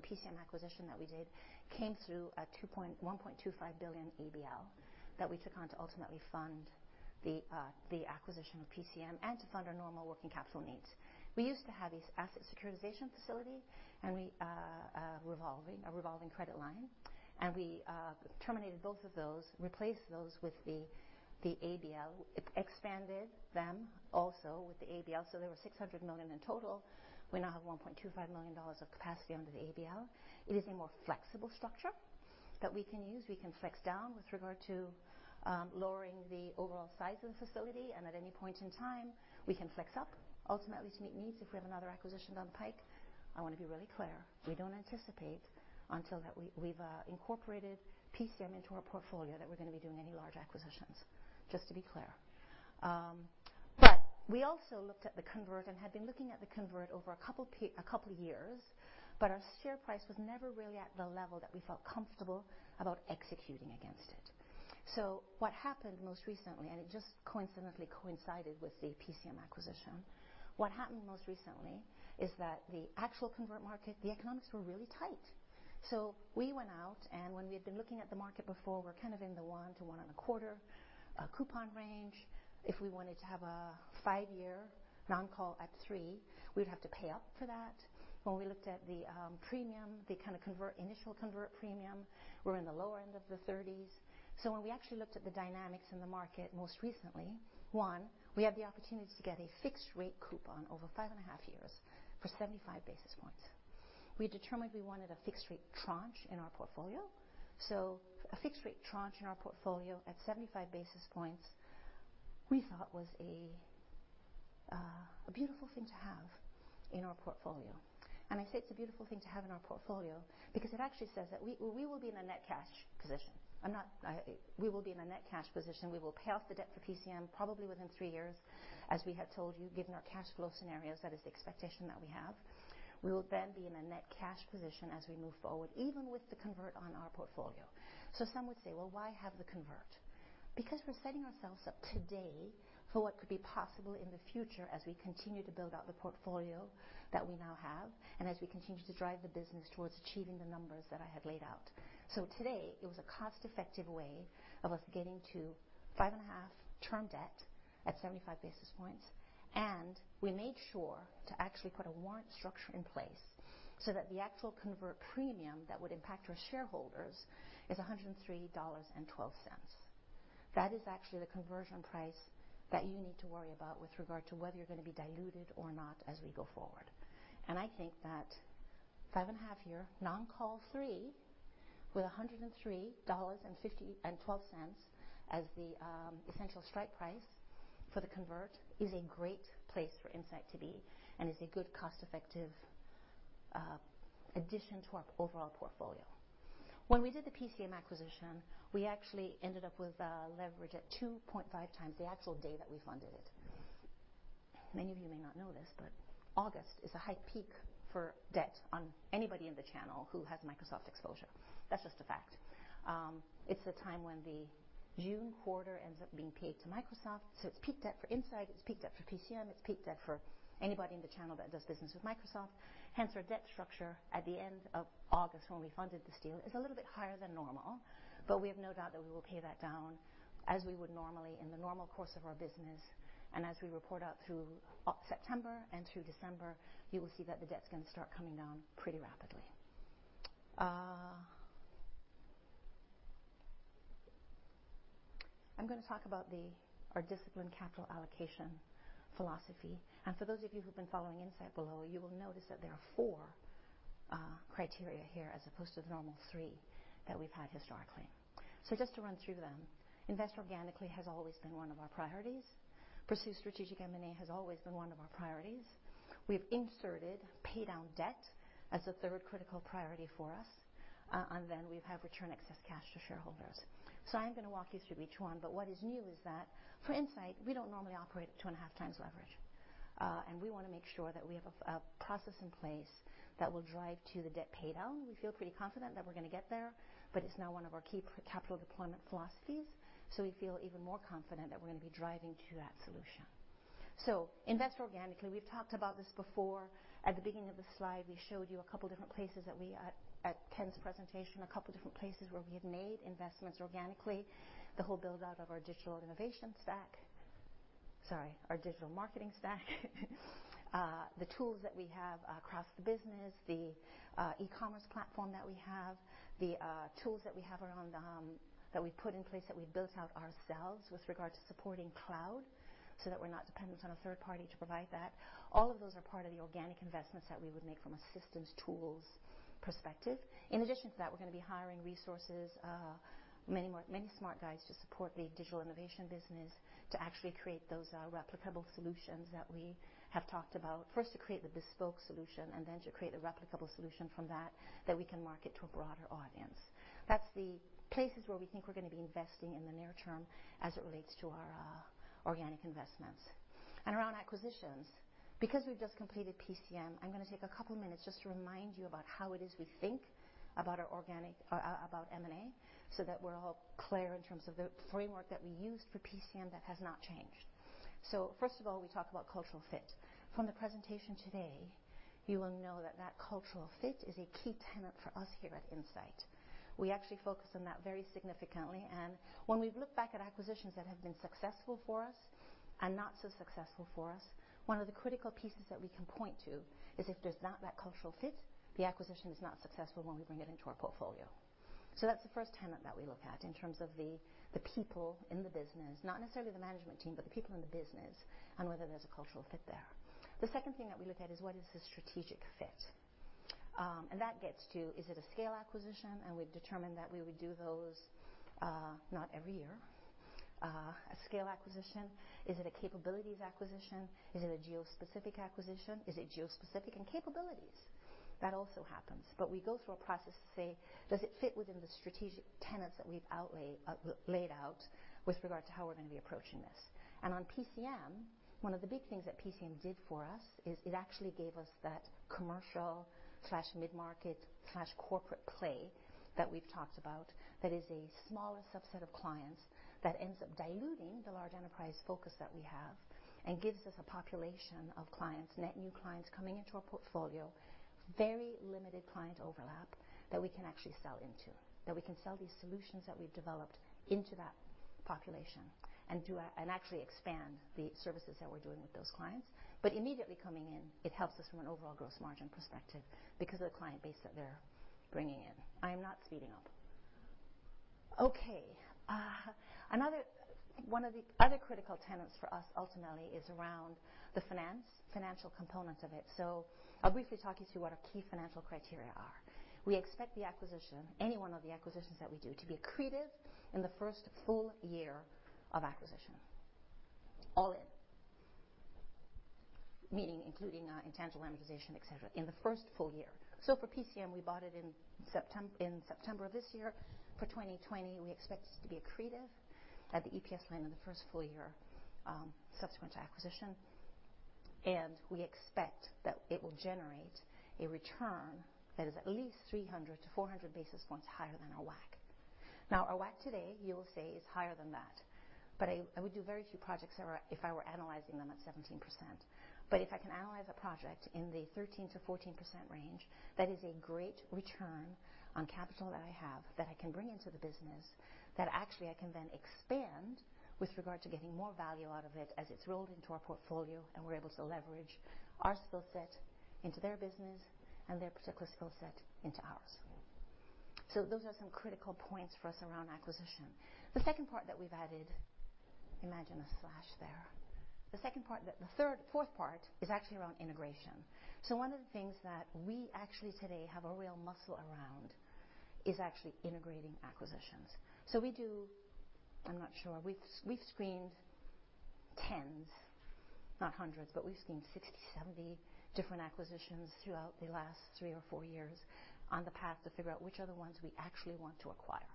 PCM acquisition that we did came through a $1.25 billion ABL that we took on to ultimately fund the acquisition of PCM and to fund our normal working capital needs. We used to have an asset securitization facility, a revolving credit line, and we terminated both of those, replaced those with the ABL. It expanded them also with the ABL. They were $600 million in total. We now have $1.25 million of capacity under the ABL. It is a more flexible structure that we can use. We can flex down with regard to lowering the overall size of the facility, and at any point in time, we can flex up ultimately to meet needs if we have another acquisition down the pike. I want to be really clear, we don't anticipate until we've incorporated PCM into our portfolio that we're going to be doing any large acquisitions, just to be clear. We also looked at the convert and had been looking at the convert over a couple of years, but our share price was never really at the level that we felt comfortable about executing against it. What happened most recently, and it just coincidentally coincided with the PCM acquisition, what happened most recently is that the actual convert market, the economics were really tight. We went out, and when we had been looking at the market before, we're in the 1 to 1.25 coupon range. If we wanted to have a 5-year non-call at three, we'd have to pay up for that. When we looked at the initial convert premium, we're in the lower end of the 30s. When we actually looked at the dynamics in the market most recently, one, we had the opportunity to get a fixed rate coupon over 5.5 years for 75 basis points. We determined we wanted a fixed rate tranche in our portfolio. A fixed rate tranche in our portfolio at 75 basis points we thought was a beautiful thing to have in our portfolio. I say it's a beautiful thing to have in our portfolio because it actually says that we will be in a net cash position. We will pay off the debt for PCM probably within three years, as we had told you, given our cash flow scenarios, that is the expectation that we have. We will then be in a net cash position as we move forward, even with the convert on our portfolio. Some would say, "Well, why have the convert?" Because we're setting ourselves up today for what could be possible in the future as we continue to build out the portfolio that we now have, and as we continue to drive the business towards achieving the numbers that I had laid out. Today, it was a cost-effective way of us getting to 5.5-year term debt at 75 basis points. We made sure to actually put a warrant structure in place so that the actual convert premium that would impact our shareholders is $103.12. That is actually the conversion price that you need to worry about with regard to whether you're going to be diluted or not as we go forward. I think that 5.5-year non-call three with $103.12 as the essential strike price for the convert is a great place for Insight to be and is a good cost-effective addition to our overall portfolio. When we did the PCM acquisition, we actually ended up with leverage at 2.5 times the actual day that we funded it. Many of you may not know this, August is a high peak for debt on anybody in the channel who has Microsoft exposure. That's just a fact. It's the time when the June quarter ends up being paid to Microsoft. It's peak debt for Insight, it's peak debt for PCM, it's peak debt for anybody in the channel that does business with Microsoft. Hence our debt structure at the end of August when we funded this deal is a little bit higher than normal, but we have no doubt that we will pay that down as we would normally in the normal course of our business. As we report out through September and through December, you will see that the debt's going to start coming down pretty rapidly. I'm going to talk about our disciplined capital allocation philosophy. For those of you who've been following Insight below, you will notice that there are four criteria here as opposed to the normal three that we've had historically. Just to run through them, invest organically has always been one of our priorities. Pursue strategic M&A has always been one of our priorities. We've inserted pay down debt as a third critical priority for us. We've had return excess cash to shareholders. I'm going to walk you through each one, but what is new is that for Insight, we don't normally operate at two and a half times leverage. We want to make sure that we have a process in place that will drive to the debt pay down. We feel pretty confident that we're going to get there, but it's now one of our key capital deployment philosophies, so we feel even more confident that we're going to be driving to that solution. Invest organically. We've talked about this before. At the beginning of the slide, we showed you, at Ken's presentation, a couple of different places where we have made investments organically. The whole build-out of our digital marketing stack, the tools that we have across the business, the e-commerce platform that we have, the tools that we put in place that we built out ourselves with regard to supporting cloud so that we're not dependent on a third party to provide that. All of those are part of the organic investments that we would make from a systems tools perspective. In addition to that, we're going to be hiring resources, many smart guys to support the digital innovation business to actually create those replicable solutions that we have talked about. First, to create the bespoke solution and then to create a replicable solution from that we can market to a broader audience. That's the places where we think we're going to be investing in the near term as it relates to our organic investments. Around acquisitions. Because we've just completed PCM, I'm going to take a couple of minutes just to remind you about how it is we think about M&A, so that we're all clear in terms of the framework that we used for PCM that has not changed. First of all, we talk about cultural fit. From the presentation today, you will know that that cultural fit is a key tenet for us here at Insight. We actually focus on that very significantly. When we've looked back at acquisitions that have been successful for us and not so successful for us, one of the critical pieces that we can point to is if there's not that cultural fit, the acquisition is not successful when we bring it into our portfolio. That's the first tenet that we look at in terms of the people in the business, not necessarily the management team, but the people in the business, and whether there's a cultural fit there. The second thing that we look at is what is the strategic fit. That gets to, is it a scale acquisition? We've determined that we would do those, not every year. A scale acquisition. Is it a capabilities acquisition? Is it a geo-specific acquisition? Is it geo-specific and capabilities? That also happens. We go through a process to say, does it fit within the strategic tenets that we've laid out with regard to how we're going to be approaching this. On PCM, one of the big things that PCM did for us is it actually gave us that commercial/mid-market/corporate play that we've talked about that is a smaller subset of clients that ends up diluting the large enterprise focus that we have and gives us a population of clients, net new clients coming into our portfolio, very limited client overlap that we can actually sell into. We can sell these solutions that we've developed into that population and actually expand the services that we're doing with those clients. Immediately coming in, it helps us from an overall gross margin perspective because of the client base that they're bringing in. I am not speeding up. Okay. One of the other critical tenets for us ultimately is around the financial component of it. I'll briefly talk you through what our key financial criteria are. We expect the acquisition, any one of the acquisitions that we do, to be accretive in the first full year of acquisition. All in. Meaning including intangible amortization, et cetera, in the first full year. For PCM, we bought it in September of this year. For 2020, we expect it to be accretive at the EPS line in the first full year, subsequent to acquisition. We expect that it will generate a return that is at least 300 to 400 basis points higher than our WACC. Now, our WACC today, you will say, is higher than that. I would do very few projects if I were analyzing them at 17%. If I can analyze a project in the 13% to 14% range, that is a great return on capital that I have that I can bring into the business, that actually I can then expand with regard to getting more value out of it as it's rolled into our portfolio, and we're able to leverage our skill set into their business and their particular skill set into ours. Those are some critical points for us around acquisition. The fourth part is actually around integration. One of the things that we actually today have a real muscle around is actually integrating acquisitions. We do, I'm not sure. We've screened tens, not hundreds, but we've screened 60, 70 different acquisitions throughout the last three or four years on the path to figure out which are the ones we actually want to acquire.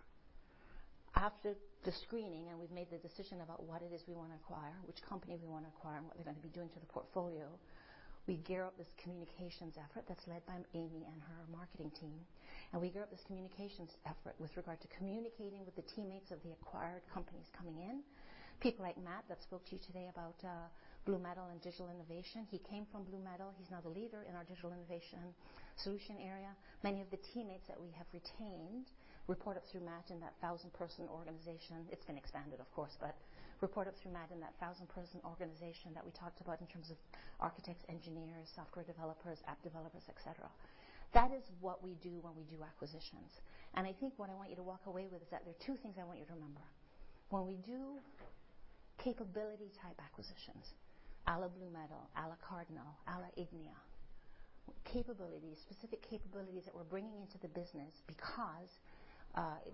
After the screening, and we've made the decision about what it is we want to acquire, which company we want to acquire, and what we're going to be doing to the portfolio, we gear up this communications effort that's led by Amy and her marketing team. We gear up this communications effort with regard to communicating with the teammates of the acquired companies coming in. People like Matt that spoke to you today about BlueMetal and digital innovation. He came from BlueMetal. He's now the leader in our digital innovation solution area. Many of the teammates that we have retained report up through Matt in that 1,000-person organization. It's been expanded, of course. Report up through Matt in that thousand-person organization that we talked about in terms of architects, engineers, software developers, app developers, et cetera. That is what we do when we do acquisitions. I think what I want you to walk away with is that there are two things I want you to remember. When we do capability type acquisitions, à la BlueMetal, à la Cardinal Solutions, à la Ignia. Capabilities, specific capabilities that we're bringing into the business because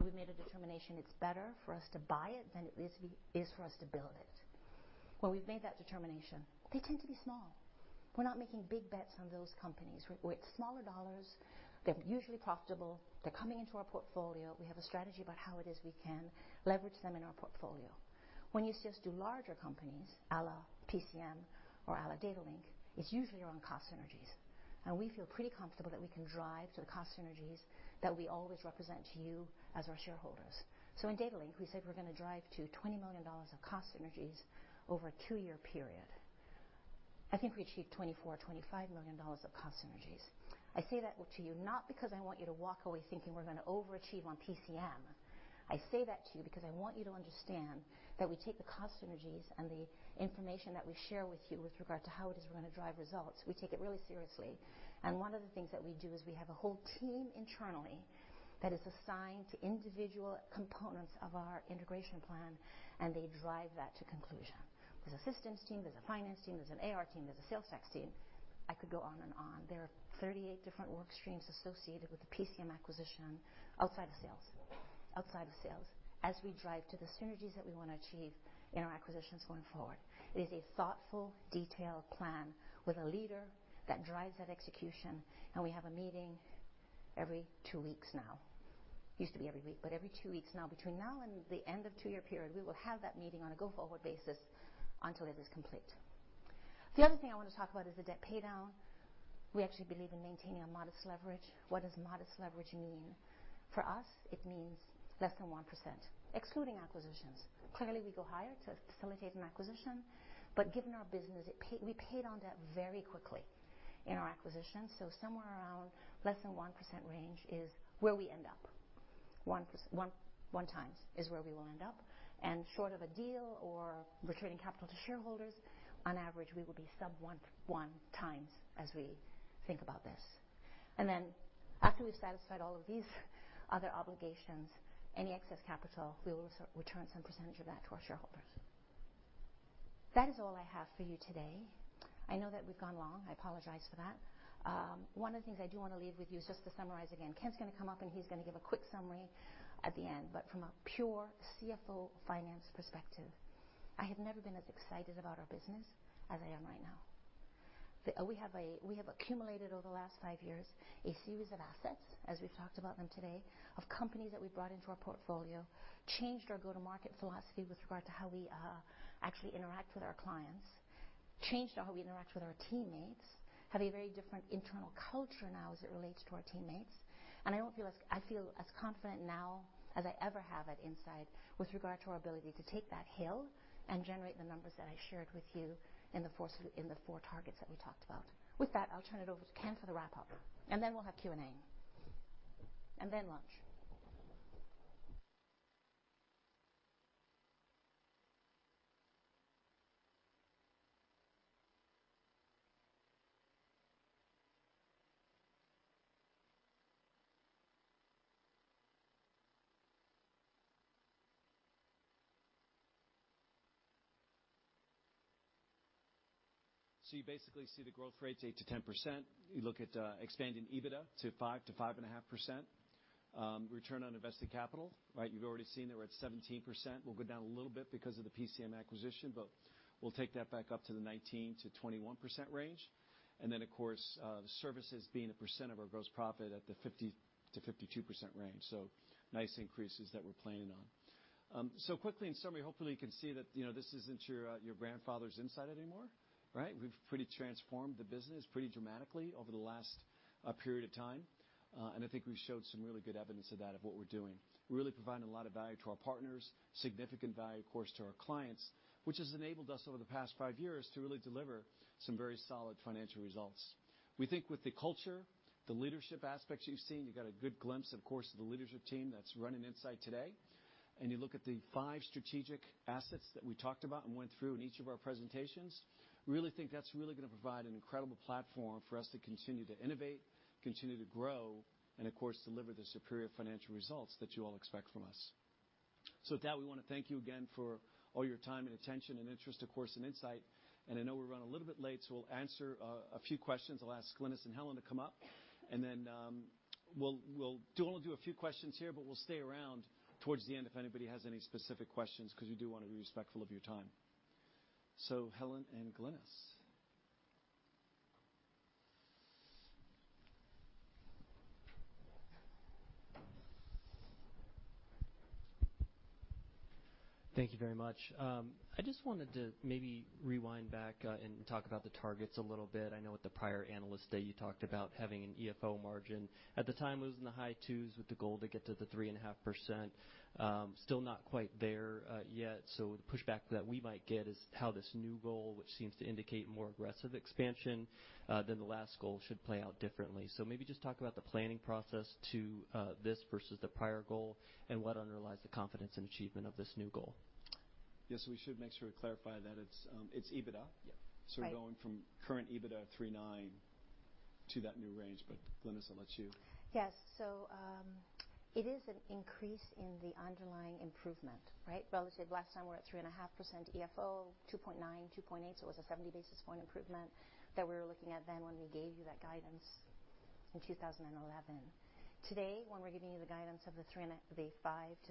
we've made a determination it's better for us to buy it than it is for us to build it. When we've made that determination, they tend to be small. We're not making big bets on those companies. With smaller dollars, they're usually profitable. They're coming into our portfolio. We have a strategy about how it is we can leverage them in our portfolio. When you see us do larger companies, à la PCM or à la Datalink, it's usually around cost synergies. We feel pretty comfortable that we can drive to the cost synergies that we always represent to you as our shareholders. In Datalink, we said we're going to drive to $20 million of cost synergies over a two-year period. I think we achieved $24, $25 million of cost synergies. I say that to you not because I want you to walk away thinking we're going to overachieve on PCM. I say that to you because I want you to understand that we take the cost synergies and the information that we share with you with regard to how it is we're going to drive results, we take it really seriously. One of the things that we do is we have a whole team internally that is assigned to individual components of our integration plan, and they drive that to conclusion. There's a systems team, there's a finance team, there's an AR team, there's a sales tax team. I could go on and on. There are 38 different work streams associated with the PCM acquisition outside of sales. Outside of sales. As we drive to the synergies that we want to achieve in our acquisitions going forward. It is a thoughtful, detailed plan with a leader that drives that execution. We have a meeting every two weeks now. It used to be every week, but every two weeks now. Between now and the end of two-year period, we will have that meeting on a go-forward basis until it is complete. The other thing I want to talk about is the debt paydown. We actually believe in maintaining a modest leverage. What does modest leverage mean? For us, it means less than 1%, excluding acquisitions. Clearly, we go higher to facilitate an acquisition, but given our business, we paid on debt very quickly in our acquisitions. Somewhere around less than 1% range is where we end up. One times is where we will end up. Short of a deal or returning capital to shareholders, on average, we will be sub one times as we think about this. After we've satisfied all of these other obligations, any excess capital, we will return some percentage of that to our shareholders. That is all I have for you today. I know that we've gone long. I apologize for that. One of the things I do want to leave with you is just to summarize again. Ken's going to come up, and he's going to give a quick summary at the end. From a pure CFO finance perspective, I have never been as excited about our business as I am right now. We have accumulated over the last five years a series of assets, as we've talked about them today, of companies that we've brought into our portfolio, changed our go-to-market philosophy with regard to how we actually interact with our clients, changed how we interact with our teammates, have a very different internal culture now as it relates to our teammates, and I feel as confident now as I ever have at Insight with regard to our ability to take that hill and generate the numbers that I shared with you in the four targets that we talked about. With that, I'll turn it over to Ken for the wrap-up, and then we'll have Q&A, and then lunch. You basically see the growth rates 8% to 10%. You look at expanding EBITDA to 5% to 5.5%. Return on invested capital, you've already seen that we're at 17%. We'll go down a little bit because of the PCM acquisition, but we'll take that back up to the 19%-21% range. Of course, the services being a % of our gross profit at the 50%-52% range. Nice increases that we're planning on. Quickly, in summary, hopefully you can see that this isn't your grandfather's Insight anymore, right? We've pretty transformed the business pretty dramatically over the last period of time. I think we've showed some really good evidence of that, of what we're doing. We're really providing a lot of value to our partners, significant value, of course, to our clients, which has enabled us over the past five years to really deliver some very solid financial results. We think with the culture, the leadership aspects you've seen, you've got a good glimpse, of course, of the leadership team that's running Insight today. You look at the five strategic assets that we talked about and went through in each of our presentations, we really think that's really going to provide an incredible platform for us to continue to innovate, continue to grow, and of course, deliver the superior financial results that you all expect from us. With that, we want to thank you again for all your time and attention and interest, of course, in Insight. I know we're running a little bit late, so we'll answer a few questions. I'll ask Glynis and Helen to come up, and then we'll do a few questions here, but we'll stay around towards the end if anybody has any specific questions, because we do want to be respectful of your time. Helen and Glynis. Thank you very much. I just wanted to maybe rewind back and talk about the targets a little bit. I know at the prior analyst day, you talked about having an EFO margin. At the time, it was in the high twos with the goal to get to the 3.5%. Still not quite there yet. The pushback that we might get is how this new goal, which seems to indicate more aggressive expansion than the last goal, should play out differently. Maybe just talk about the planning process to this versus the prior goal and what underlies the confidence and achievement of this new goal. Yes, we should make sure to clarify that it's EBITDA. Yeah. Right. We're going from current EBITDA of $3.9 to that new range. Glynis, I'll let you. Yes. It is an increase in the underlying improvement, right? Relative last time, we were at 3.5% EFO, 2.9, 2.8, so it was a 70-basis-point improvement that we were looking at then when we gave you that guidance in 2011. Today, when we're giving you the guidance of the 5%-5.5%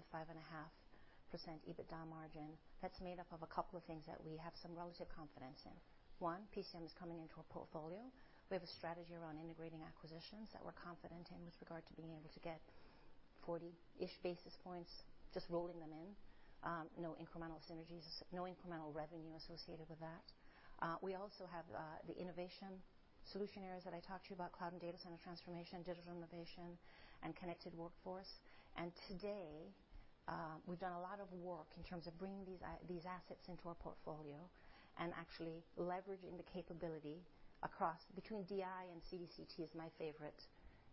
EBITDA margin, that's made up of a couple of things that we have some relative confidence in. One, PCM is coming into our portfolio. We have a strategy around integrating acquisitions that we're confident in with regard to being able to get 40-ish basis points just rolling them in. No incremental synergies, no incremental revenue associated with that. We also have the innovation solution areas that I talked to you about, cloud and data center transformation, digital innovation, and connected workforce. Today, we've done a lot of work in terms of bringing these assets into our portfolio and actually leveraging the capability across, between DI and CDCT is my favorite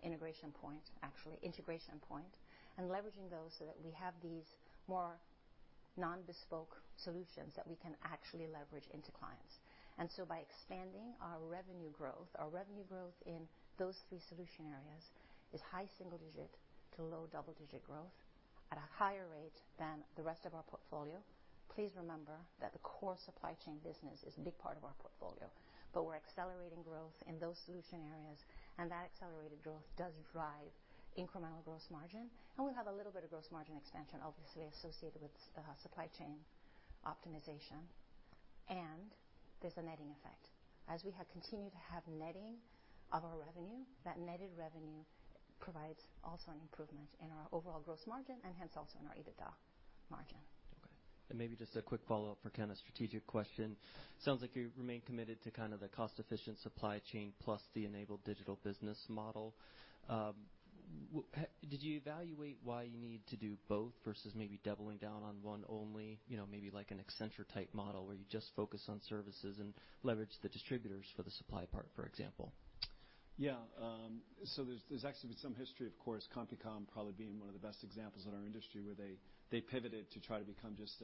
integration point, actually. Integration point. Leveraging those so that we have these more non-bespoke solutions that we can actually leverage into clients. By expanding our revenue growth in those three solution areas is high single digit to low double digit growth at a higher rate than the rest of our portfolio. Please remember that the core supply chain business is a big part of our portfolio, but we're accelerating growth in those solution areas, and that accelerated growth does drive incremental gross margin. We have a little bit of gross margin expansion, obviously, associated with supply chain optimization. There's a netting effect. As we have continued to have netting of our revenue, that netted revenue provides also an improvement in our overall gross margin and hence also in our EBITDA margin. Okay. Maybe just a quick follow-up for kind of strategic question. Sounds like you remain committed to the cost-efficient supply chain plus the enabled digital business model. Did you evaluate why you need to do both versus maybe doubling down on one only, maybe like an Accenture type model, where you just focus on services and leverage the distributors for the supply part, for example? There's actually been some history, of course, CompuCom probably being one of the best examples in our industry, where they pivoted to try to become just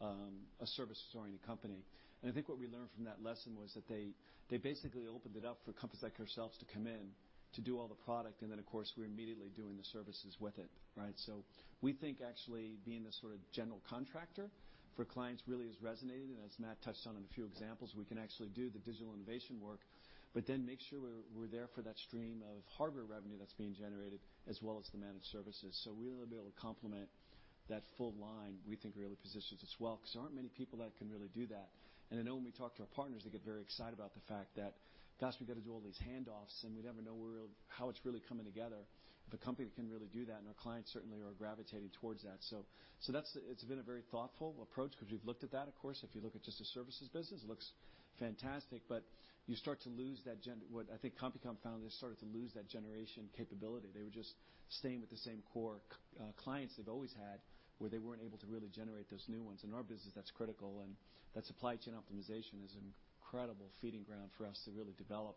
a service-oriented company. I think what we learned from that lesson was that they basically opened it up for companies like ourselves to come in to do all the product, then, of course, we're immediately doing the services with it, right? We think actually being the sort of general contractor for clients really has resonated. As Matt touched on in a few examples, we can actually do the digital innovation work, make sure we're there for that stream of hardware revenue that's being generated as well as the managed services. Really being able to complement that full line, we think really positions us well, because there aren't many people that can really do that. I know when we talk to our partners, they get very excited about the fact that, "Gosh, we got to do all these handoffs, and we never know how it's really coming together." CompuCom can really do that, and our clients certainly are gravitating towards that. It's been a very thoughtful approach because we've looked at that, of course. If you look at just the services business, it looks fantastic, but you start to lose that what I think CompuCom found, they started to lose that generation capability. They were just staying with the same core clients they've always had, where they weren't able to really generate those new ones. In our business, that's critical, and that supply chain optimization is an incredible feeding ground for us to really develop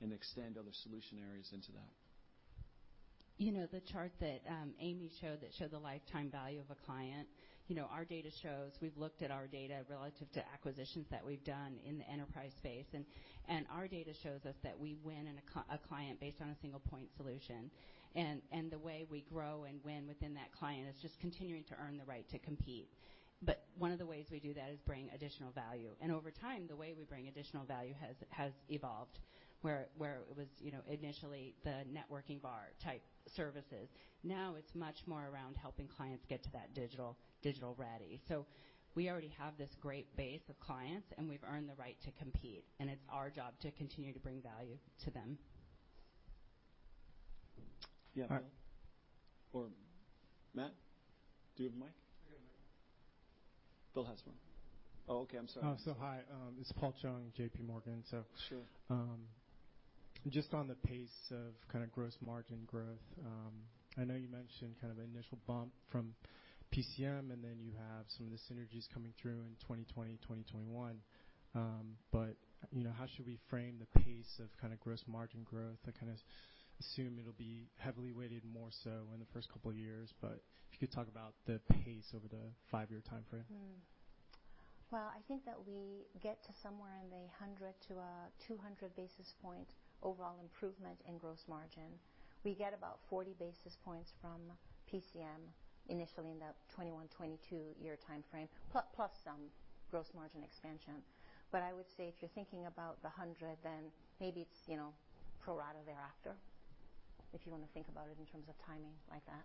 and extend other solution areas into that. The chart that Amy showed that showed the lifetime value of a client. We've looked at our data relative to acquisitions that we've done in the enterprise space, and our data shows us that we win a client based on a single point solution. The way we grow and win within that client is just continuing to earn the right to compete. One of the ways we do that is bring additional value. Over time, the way we bring additional value has evolved, where it was initially the networking bar type services. Now it's much more around helping clients get to that digital ready. We already have this great base of clients, and we've earned the right to compete, and it's our job to continue to bring value to them. Yeah. Matt, do you have a mic? I got a mic. Bill has one. Oh, okay. I'm sorry. Hi. It's Paul Chung, JPMorgan. Sure. On the pace of kind of gross margin growth. I know you mentioned kind of initial bump from PCM, and then you have some of the synergies coming through in 2020, 2021. How should we frame the pace of kind of gross margin growth? I kind of assume it'll be heavily weighted more so in the first couple of years, but if you could talk about the pace over the five-year timeframe. Well, I think that we get to somewhere in the 100 to 200 basis point overall improvement in gross margin. We get about 40 basis points from PCM initially in the 2021, 2022 year timeframe, plus some gross margin expansion. I would say if you're thinking about the 100, then maybe it's pro rata thereafter, if you want to think about it in terms of timing like that.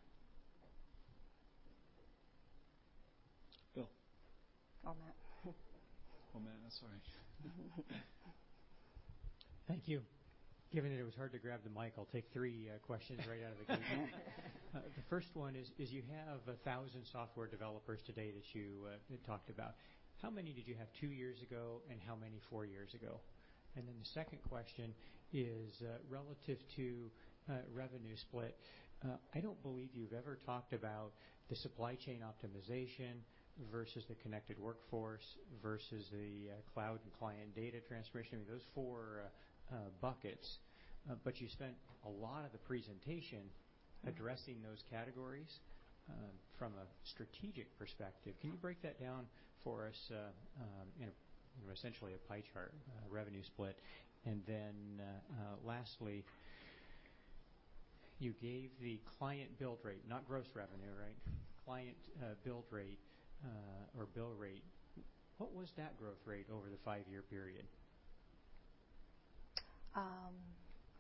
Bill. Matt. Matt, I'm sorry. Thank you. Given that it was hard to grab the mic, I'll take three questions right out of the gate. The first one is you have 1,000 software developers today that you talked about. How many did you have two years ago, and how many four years ago? The second question is relative to revenue split. I don't believe you've ever talked about the supply chain optimization versus the connected workforce versus the cloud and client data transformation, those four buckets. You spent a lot of the presentation addressing those categories from a strategic perspective. Can you break that down for us in essentially a pie chart, revenue split? Lastly, you gave the client billed rate, not gross revenue, right? Client billed rate or bill rate. What was that growth rate over the five-year period?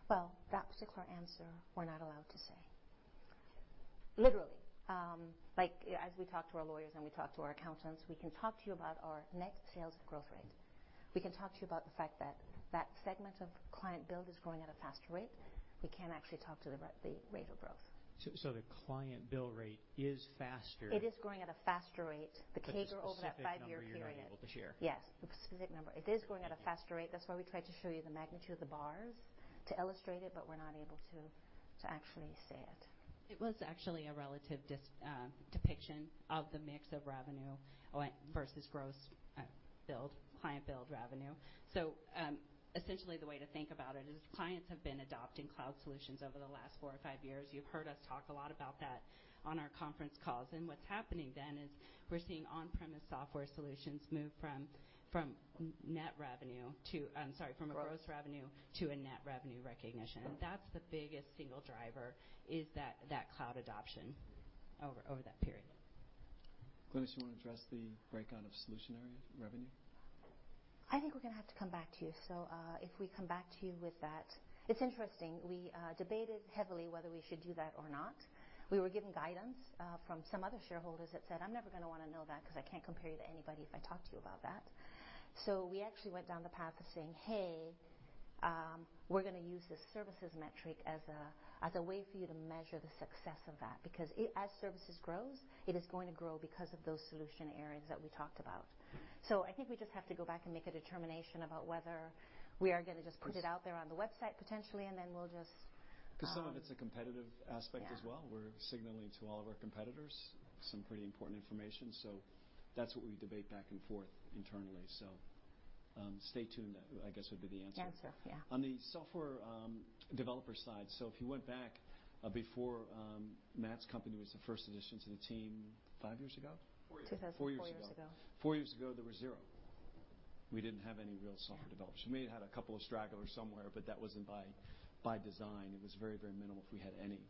Well, that particular answer, we're not allowed to say. Okay. Literally. As we talk to our lawyers and we talk to our accountants, we can talk to you about our net sales growth rate. We can talk to you about the fact that that segment of client billed is growing at a faster rate. We can't actually talk to the rate of growth. The client bill rate is. It is growing at a faster rate, the CAGR over that five-year period. The specific number you're not able to share. Yes, the specific number. It is growing at a faster rate. That's why we tried to show you the magnitude of the bars to illustrate it, but we're not able to actually say it. It was actually a relative depiction of the mix of revenue versus gross billed, client billed revenue. Essentially, the way to think about it is clients have been adopting cloud solutions over the last four or five years. You've heard us talk a lot about that on our conference calls. What's happening then is we're seeing on-premise software solutions move from net revenue to, I'm sorry, from a gross revenue to a net revenue recognition. That's the biggest single driver is that cloud adoption over that period. Glynis, you want to address the breakout of solution area revenue? I think we're going to have to come back to you. If we come back to you with that. It's interesting, we debated heavily whether we should do that or not. We were given guidance from some other shareholders that said, "I'm never going to want to know that because I can't compare you to anybody if I talk to you about that." We actually went down the path of saying, "Hey, we're going to use this services metric as a way for you to measure the success of that." As services grows, it is going to grow because of those solution areas that we talked about. I think we just have to go back and make a determination about whether we are going to just put it out there on the website, potentially, and then we'll just. Because some of it's a competitive aspect as well. Yeah. We're signaling to all of our competitors some pretty important information. That's what we debate back and forth internally. Stay tuned, I guess, would be the answer. Answer. Yeah. On the software developer side, if you went back before Matt's company was the first addition to the team five years ago? 2000. Four years ago. Four years ago, there were zero. We didn't have any real software developers. We may have had a couple of stragglers somewhere, but that wasn't by design. It was very minimal, if we had any.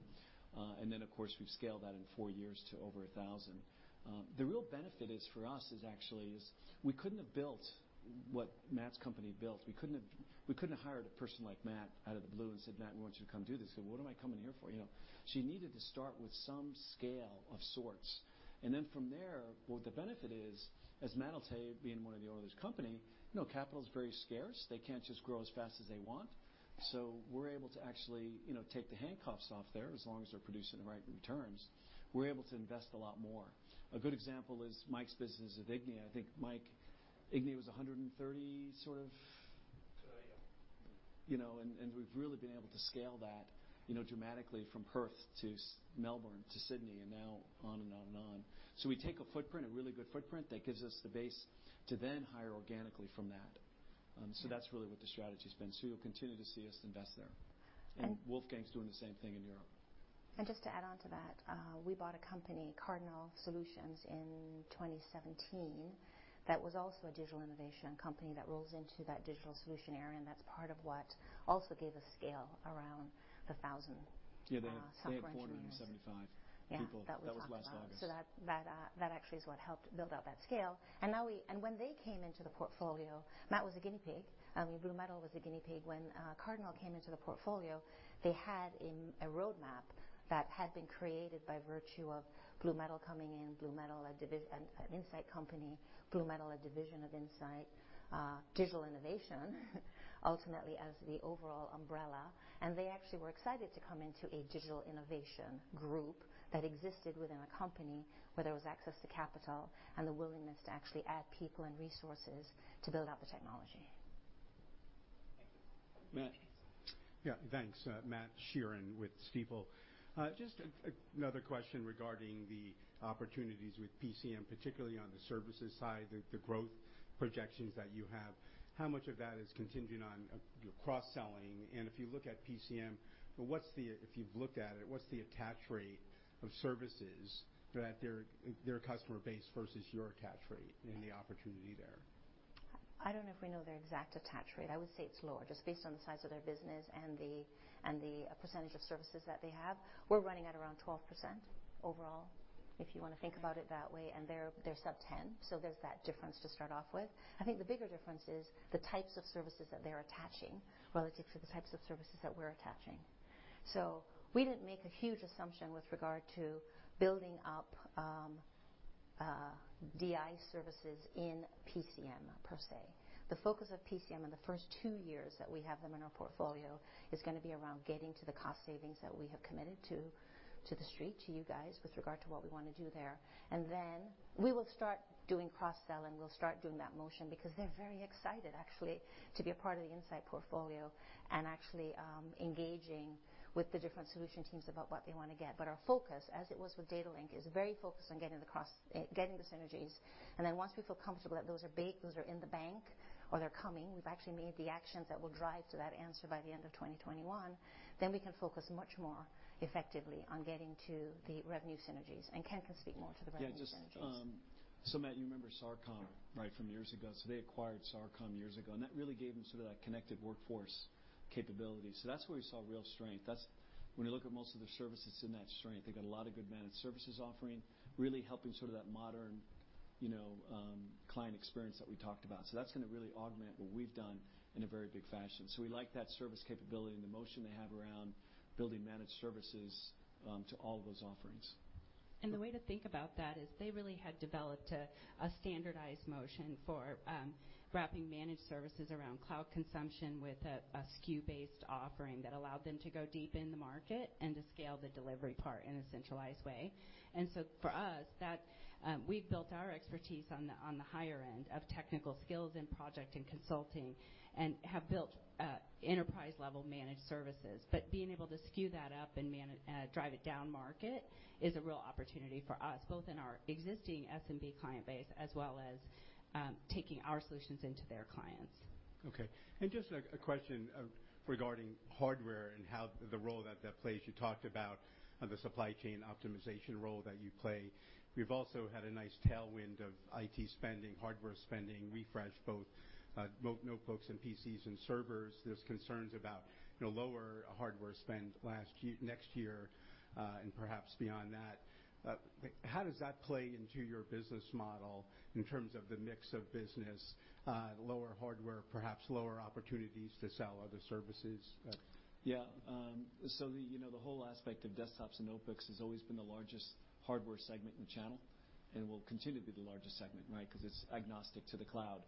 Of course, we've scaled that in four years to over 1,000. The real benefit is for us is actually is we couldn't have built what Matt's company built. We couldn't have hired a person like Matt out of the blue and said, "Matt, we want you to come do this." He'd go, "What am I coming here for?" You needed to start with some scale of sorts. From there, what the benefit is, as Matt will tell you, being one of the owner of this company, capital is very scarce. They can't just grow as fast as they want. Yeah. We're able to actually take the handcuffs off there, as long as they're producing the right returns. We're able to invest a lot more. A good example is Mike's business at Ignia. I think Mike, Ignia was 130. Yeah We've really been able to scale that dramatically from Perth to Melbourne to Sydney and now on and on and on. We take a footprint, a really good footprint that gives us the base to then hire organically from that. That's really what the strategy's been. You'll continue to see us invest there. And- Wolfgang's doing the same thing in Europe. Just to add onto that, we bought a company, Cardinal Solutions, in 2017 that was also a digital innovation company that rolls into that digital solution area, and that's part of what also gave us scale around the. Yeah. software engineers they have 475 people. Yeah. That we talked about. That was last August. That actually is what helped build out that scale. When they came into the portfolio, Matt was a guinea pig. I mean, BlueMetal was a guinea pig. When Cardinal came into the portfolio, they had a roadmap that had been created by virtue of BlueMetal coming in, BlueMetal, an Insight company, BlueMetal, a division of Insight, Digital Innovation, ultimately as the overall umbrella, and they actually were excited to come into a Digital Innovation group that existed within a company where there was access to capital and the willingness to actually add people and resources to build out the technology. Thank you. Matt. Yeah. Thanks. Matt Sheerin with Stifel. Just another question regarding the opportunities with PCM, particularly on the services side, the growth projections that you have. How much of that is contingent on your cross-selling? If you look at PCM, if you've looked at it, what's the attach rate of services that their customer base versus your attach rate. Yeah The opportunity there? I don't know if we know their exact attach rate. I would say it's lower, just based on the size of their business and the percentage of services that they have. We're running at around 12% overall, if you want to think about it that way, and they're sub 10, so there's that difference to start off with. I think the bigger difference is the types of services that they're attaching relative to the types of services that we're attaching. We didn't make a huge assumption with regard to building up DI services in PCM per se. The focus of PCM in the first two years that we have them in our portfolio is going to be around getting to the cost savings that we have committed to the Street, to you guys, with regard to what we want to do there. We will start doing cross-sell and we'll start doing that motion because they're very excited, actually, to be a part of the Insight portfolio and actually engaging with the different solution teams about what they want to get. Our focus, as it was with Datalink, is very focused on getting the synergies, and then once we feel comfortable that those are baked, those are in the bank or they're coming, we've actually made the actions that will drive to that answer by the end of 2021, then we can focus much more effectively on getting to the revenue synergies. Ken can speak more to the revenue synergies. Just Matt, you remember Sarcom, right, from years ago. They acquired Sarcom years ago, and that really gave them sort of that connected workforce capability. That's where we saw real strength. When you look at most of their services in that strength, they've got a lot of good managed services offering, really helping sort of that modern client experience that we talked about. That's going to really augment what we've done in a very big fashion. We like that service capability and the motion they have around building managed services to all those offerings. The way to think about that is they really had developed a standardized motion for wrapping managed services around cloud consumption with a SKU-based offering that allowed them to go deep in the market and to scale the delivery part in a centralized way. For us, we've built our expertise on the higher end of technical skills in project and consulting, and have built enterprise-level managed services. Being able to SKU that up and drive it down market is a real opportunity for us, both in our existing SMB client base as well as taking our solutions into their clients. Okay. Just a question regarding hardware and the role that that plays. You talked about the supply chain optimization role that you play. We've also had a nice tailwind of IT spending, hardware spending, refresh both notebooks and PCs and servers. There's concerns about lower hardware spend next year, and perhaps beyond that. How does that play into your business model in terms of the mix of business, lower hardware, perhaps lower opportunities to sell other services? Yeah. The whole aspect of desktops and notebooks has always been the largest hardware segment in the channel, and will continue to be the largest segment because it's agnostic to the cloud.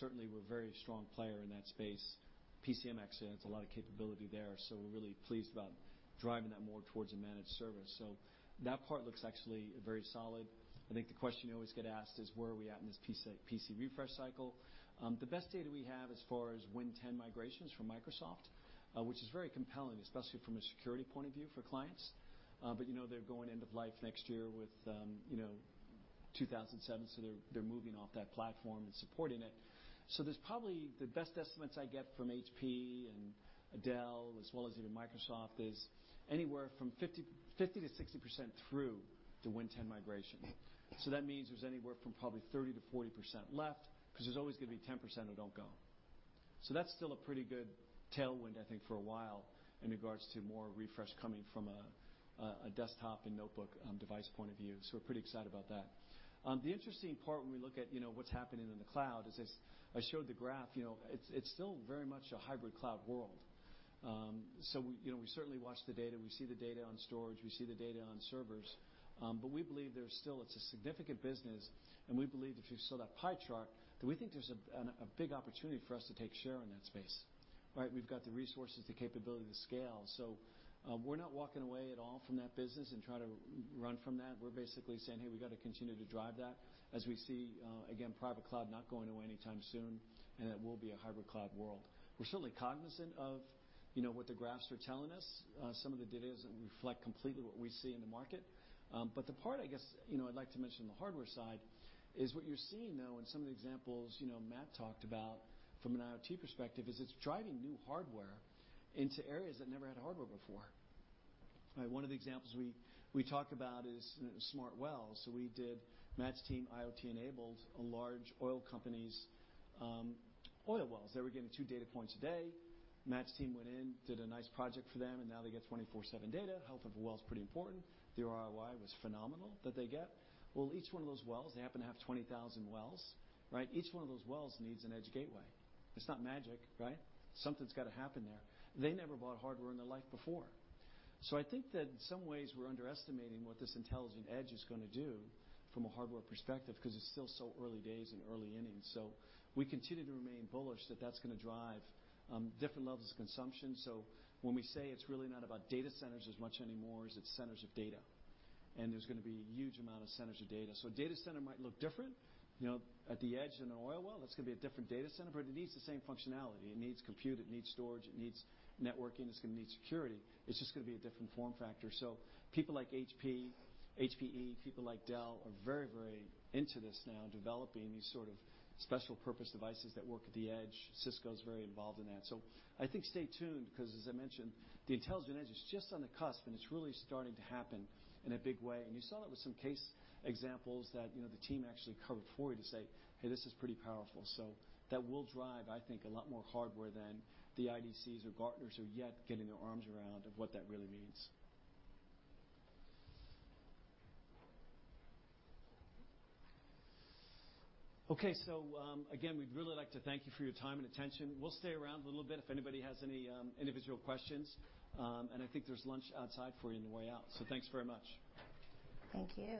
Certainly, we're a very strong player in that space. PCM actually adds a lot of capability there, so we're really pleased about driving that more towards a managed service. That part looks actually very solid. I think the question you always get asked is where are we at in this PC refresh cycle? The best data we have as far as Win 10 migration is from Microsoft, which is very compelling, especially from a security point of view for clients. They're going end of life next year with 2007, they're moving off that platform and supporting it. The best estimates I get from HP and Dell, as well as even Microsoft, is anywhere from 50% to 60% through the Win 10 migration. That means there's anywhere from probably 30% to 40% left, because there's always going to be 10% who don't go. That's still a pretty good tailwind, I think, for a while in regards to more refresh coming from a desktop and notebook device point of view. We're pretty excited about that. The interesting part when we look at what's happening in the cloud is, as I showed the graph, it's still very much a hybrid cloud world. We certainly watch the data. We see the data on storage, we see the data on servers. We believe there's still a significant business, and we believe, if you saw that pie chart, that we think there's a big opportunity for us to take share in that space. We've got the resources, the capability to scale. We're not walking away at all from that business and trying to run from that. We're basically saying, "Hey, we've got to continue to drive that," as we see, again, private cloud not going away anytime soon, and it will be a hybrid cloud world. We're certainly cognizant of what the graphs are telling us. Some of the data doesn't reflect completely what we see in the market. The part I guess I'd like to mention on the hardware side is what you're seeing, though, in some of the examples Matt Jackson talked about from an IoT perspective, is it's driving new hardware into areas that never had hardware before. One of the examples we talk about is smart wells. Matt Jackson's team IoT-enabled a large oil company's oil wells. They were getting two data points a day. Matt Jackson's team went in, did a nice project for them, and now they get 24/7 data. Health of a well is pretty important. The ROI was phenomenal, that they get. Each one of those wells, they happen to have 20,000 wells. Each one of those wells needs an edge gateway. It's not magic. Something's got to happen there. They never bought hardware in their life before. I think that in some ways, we're underestimating what this intelligent edge is going to do from a hardware perspective, because it's still so early days and early innings. We continue to remain bullish that that's going to drive different levels of consumption. When we say it's really not about data centers as much anymore as it's centers of data, and there's going to be a huge amount of centers of data. A data center might look different. At the edge in an oil well, that's going to be a different data center, but it needs the same functionality. It needs compute, it needs storage, it needs networking, it's going to need security. It's just going to be a different form factor. People like HP, HPE, people like Dell are very into this now, developing these sort of special-purpose devices that work at the edge. Cisco's very involved in that. I think stay tuned, because as I mentioned, the intelligent edge is just on the cusp, and it's really starting to happen in a big way. You saw that with some case examples that the team actually covered for you to say, "Hey, this is pretty powerful." That will drive, I think, a lot more hardware than the IDCs or Gartners who are yet getting their arms around of what that really means. Okay. Again, we'd really like to thank you for your time and attention. We'll stay around a little bit if anybody has any individual questions. I think there's lunch outside for you on your way out. Thanks very much. Thank you.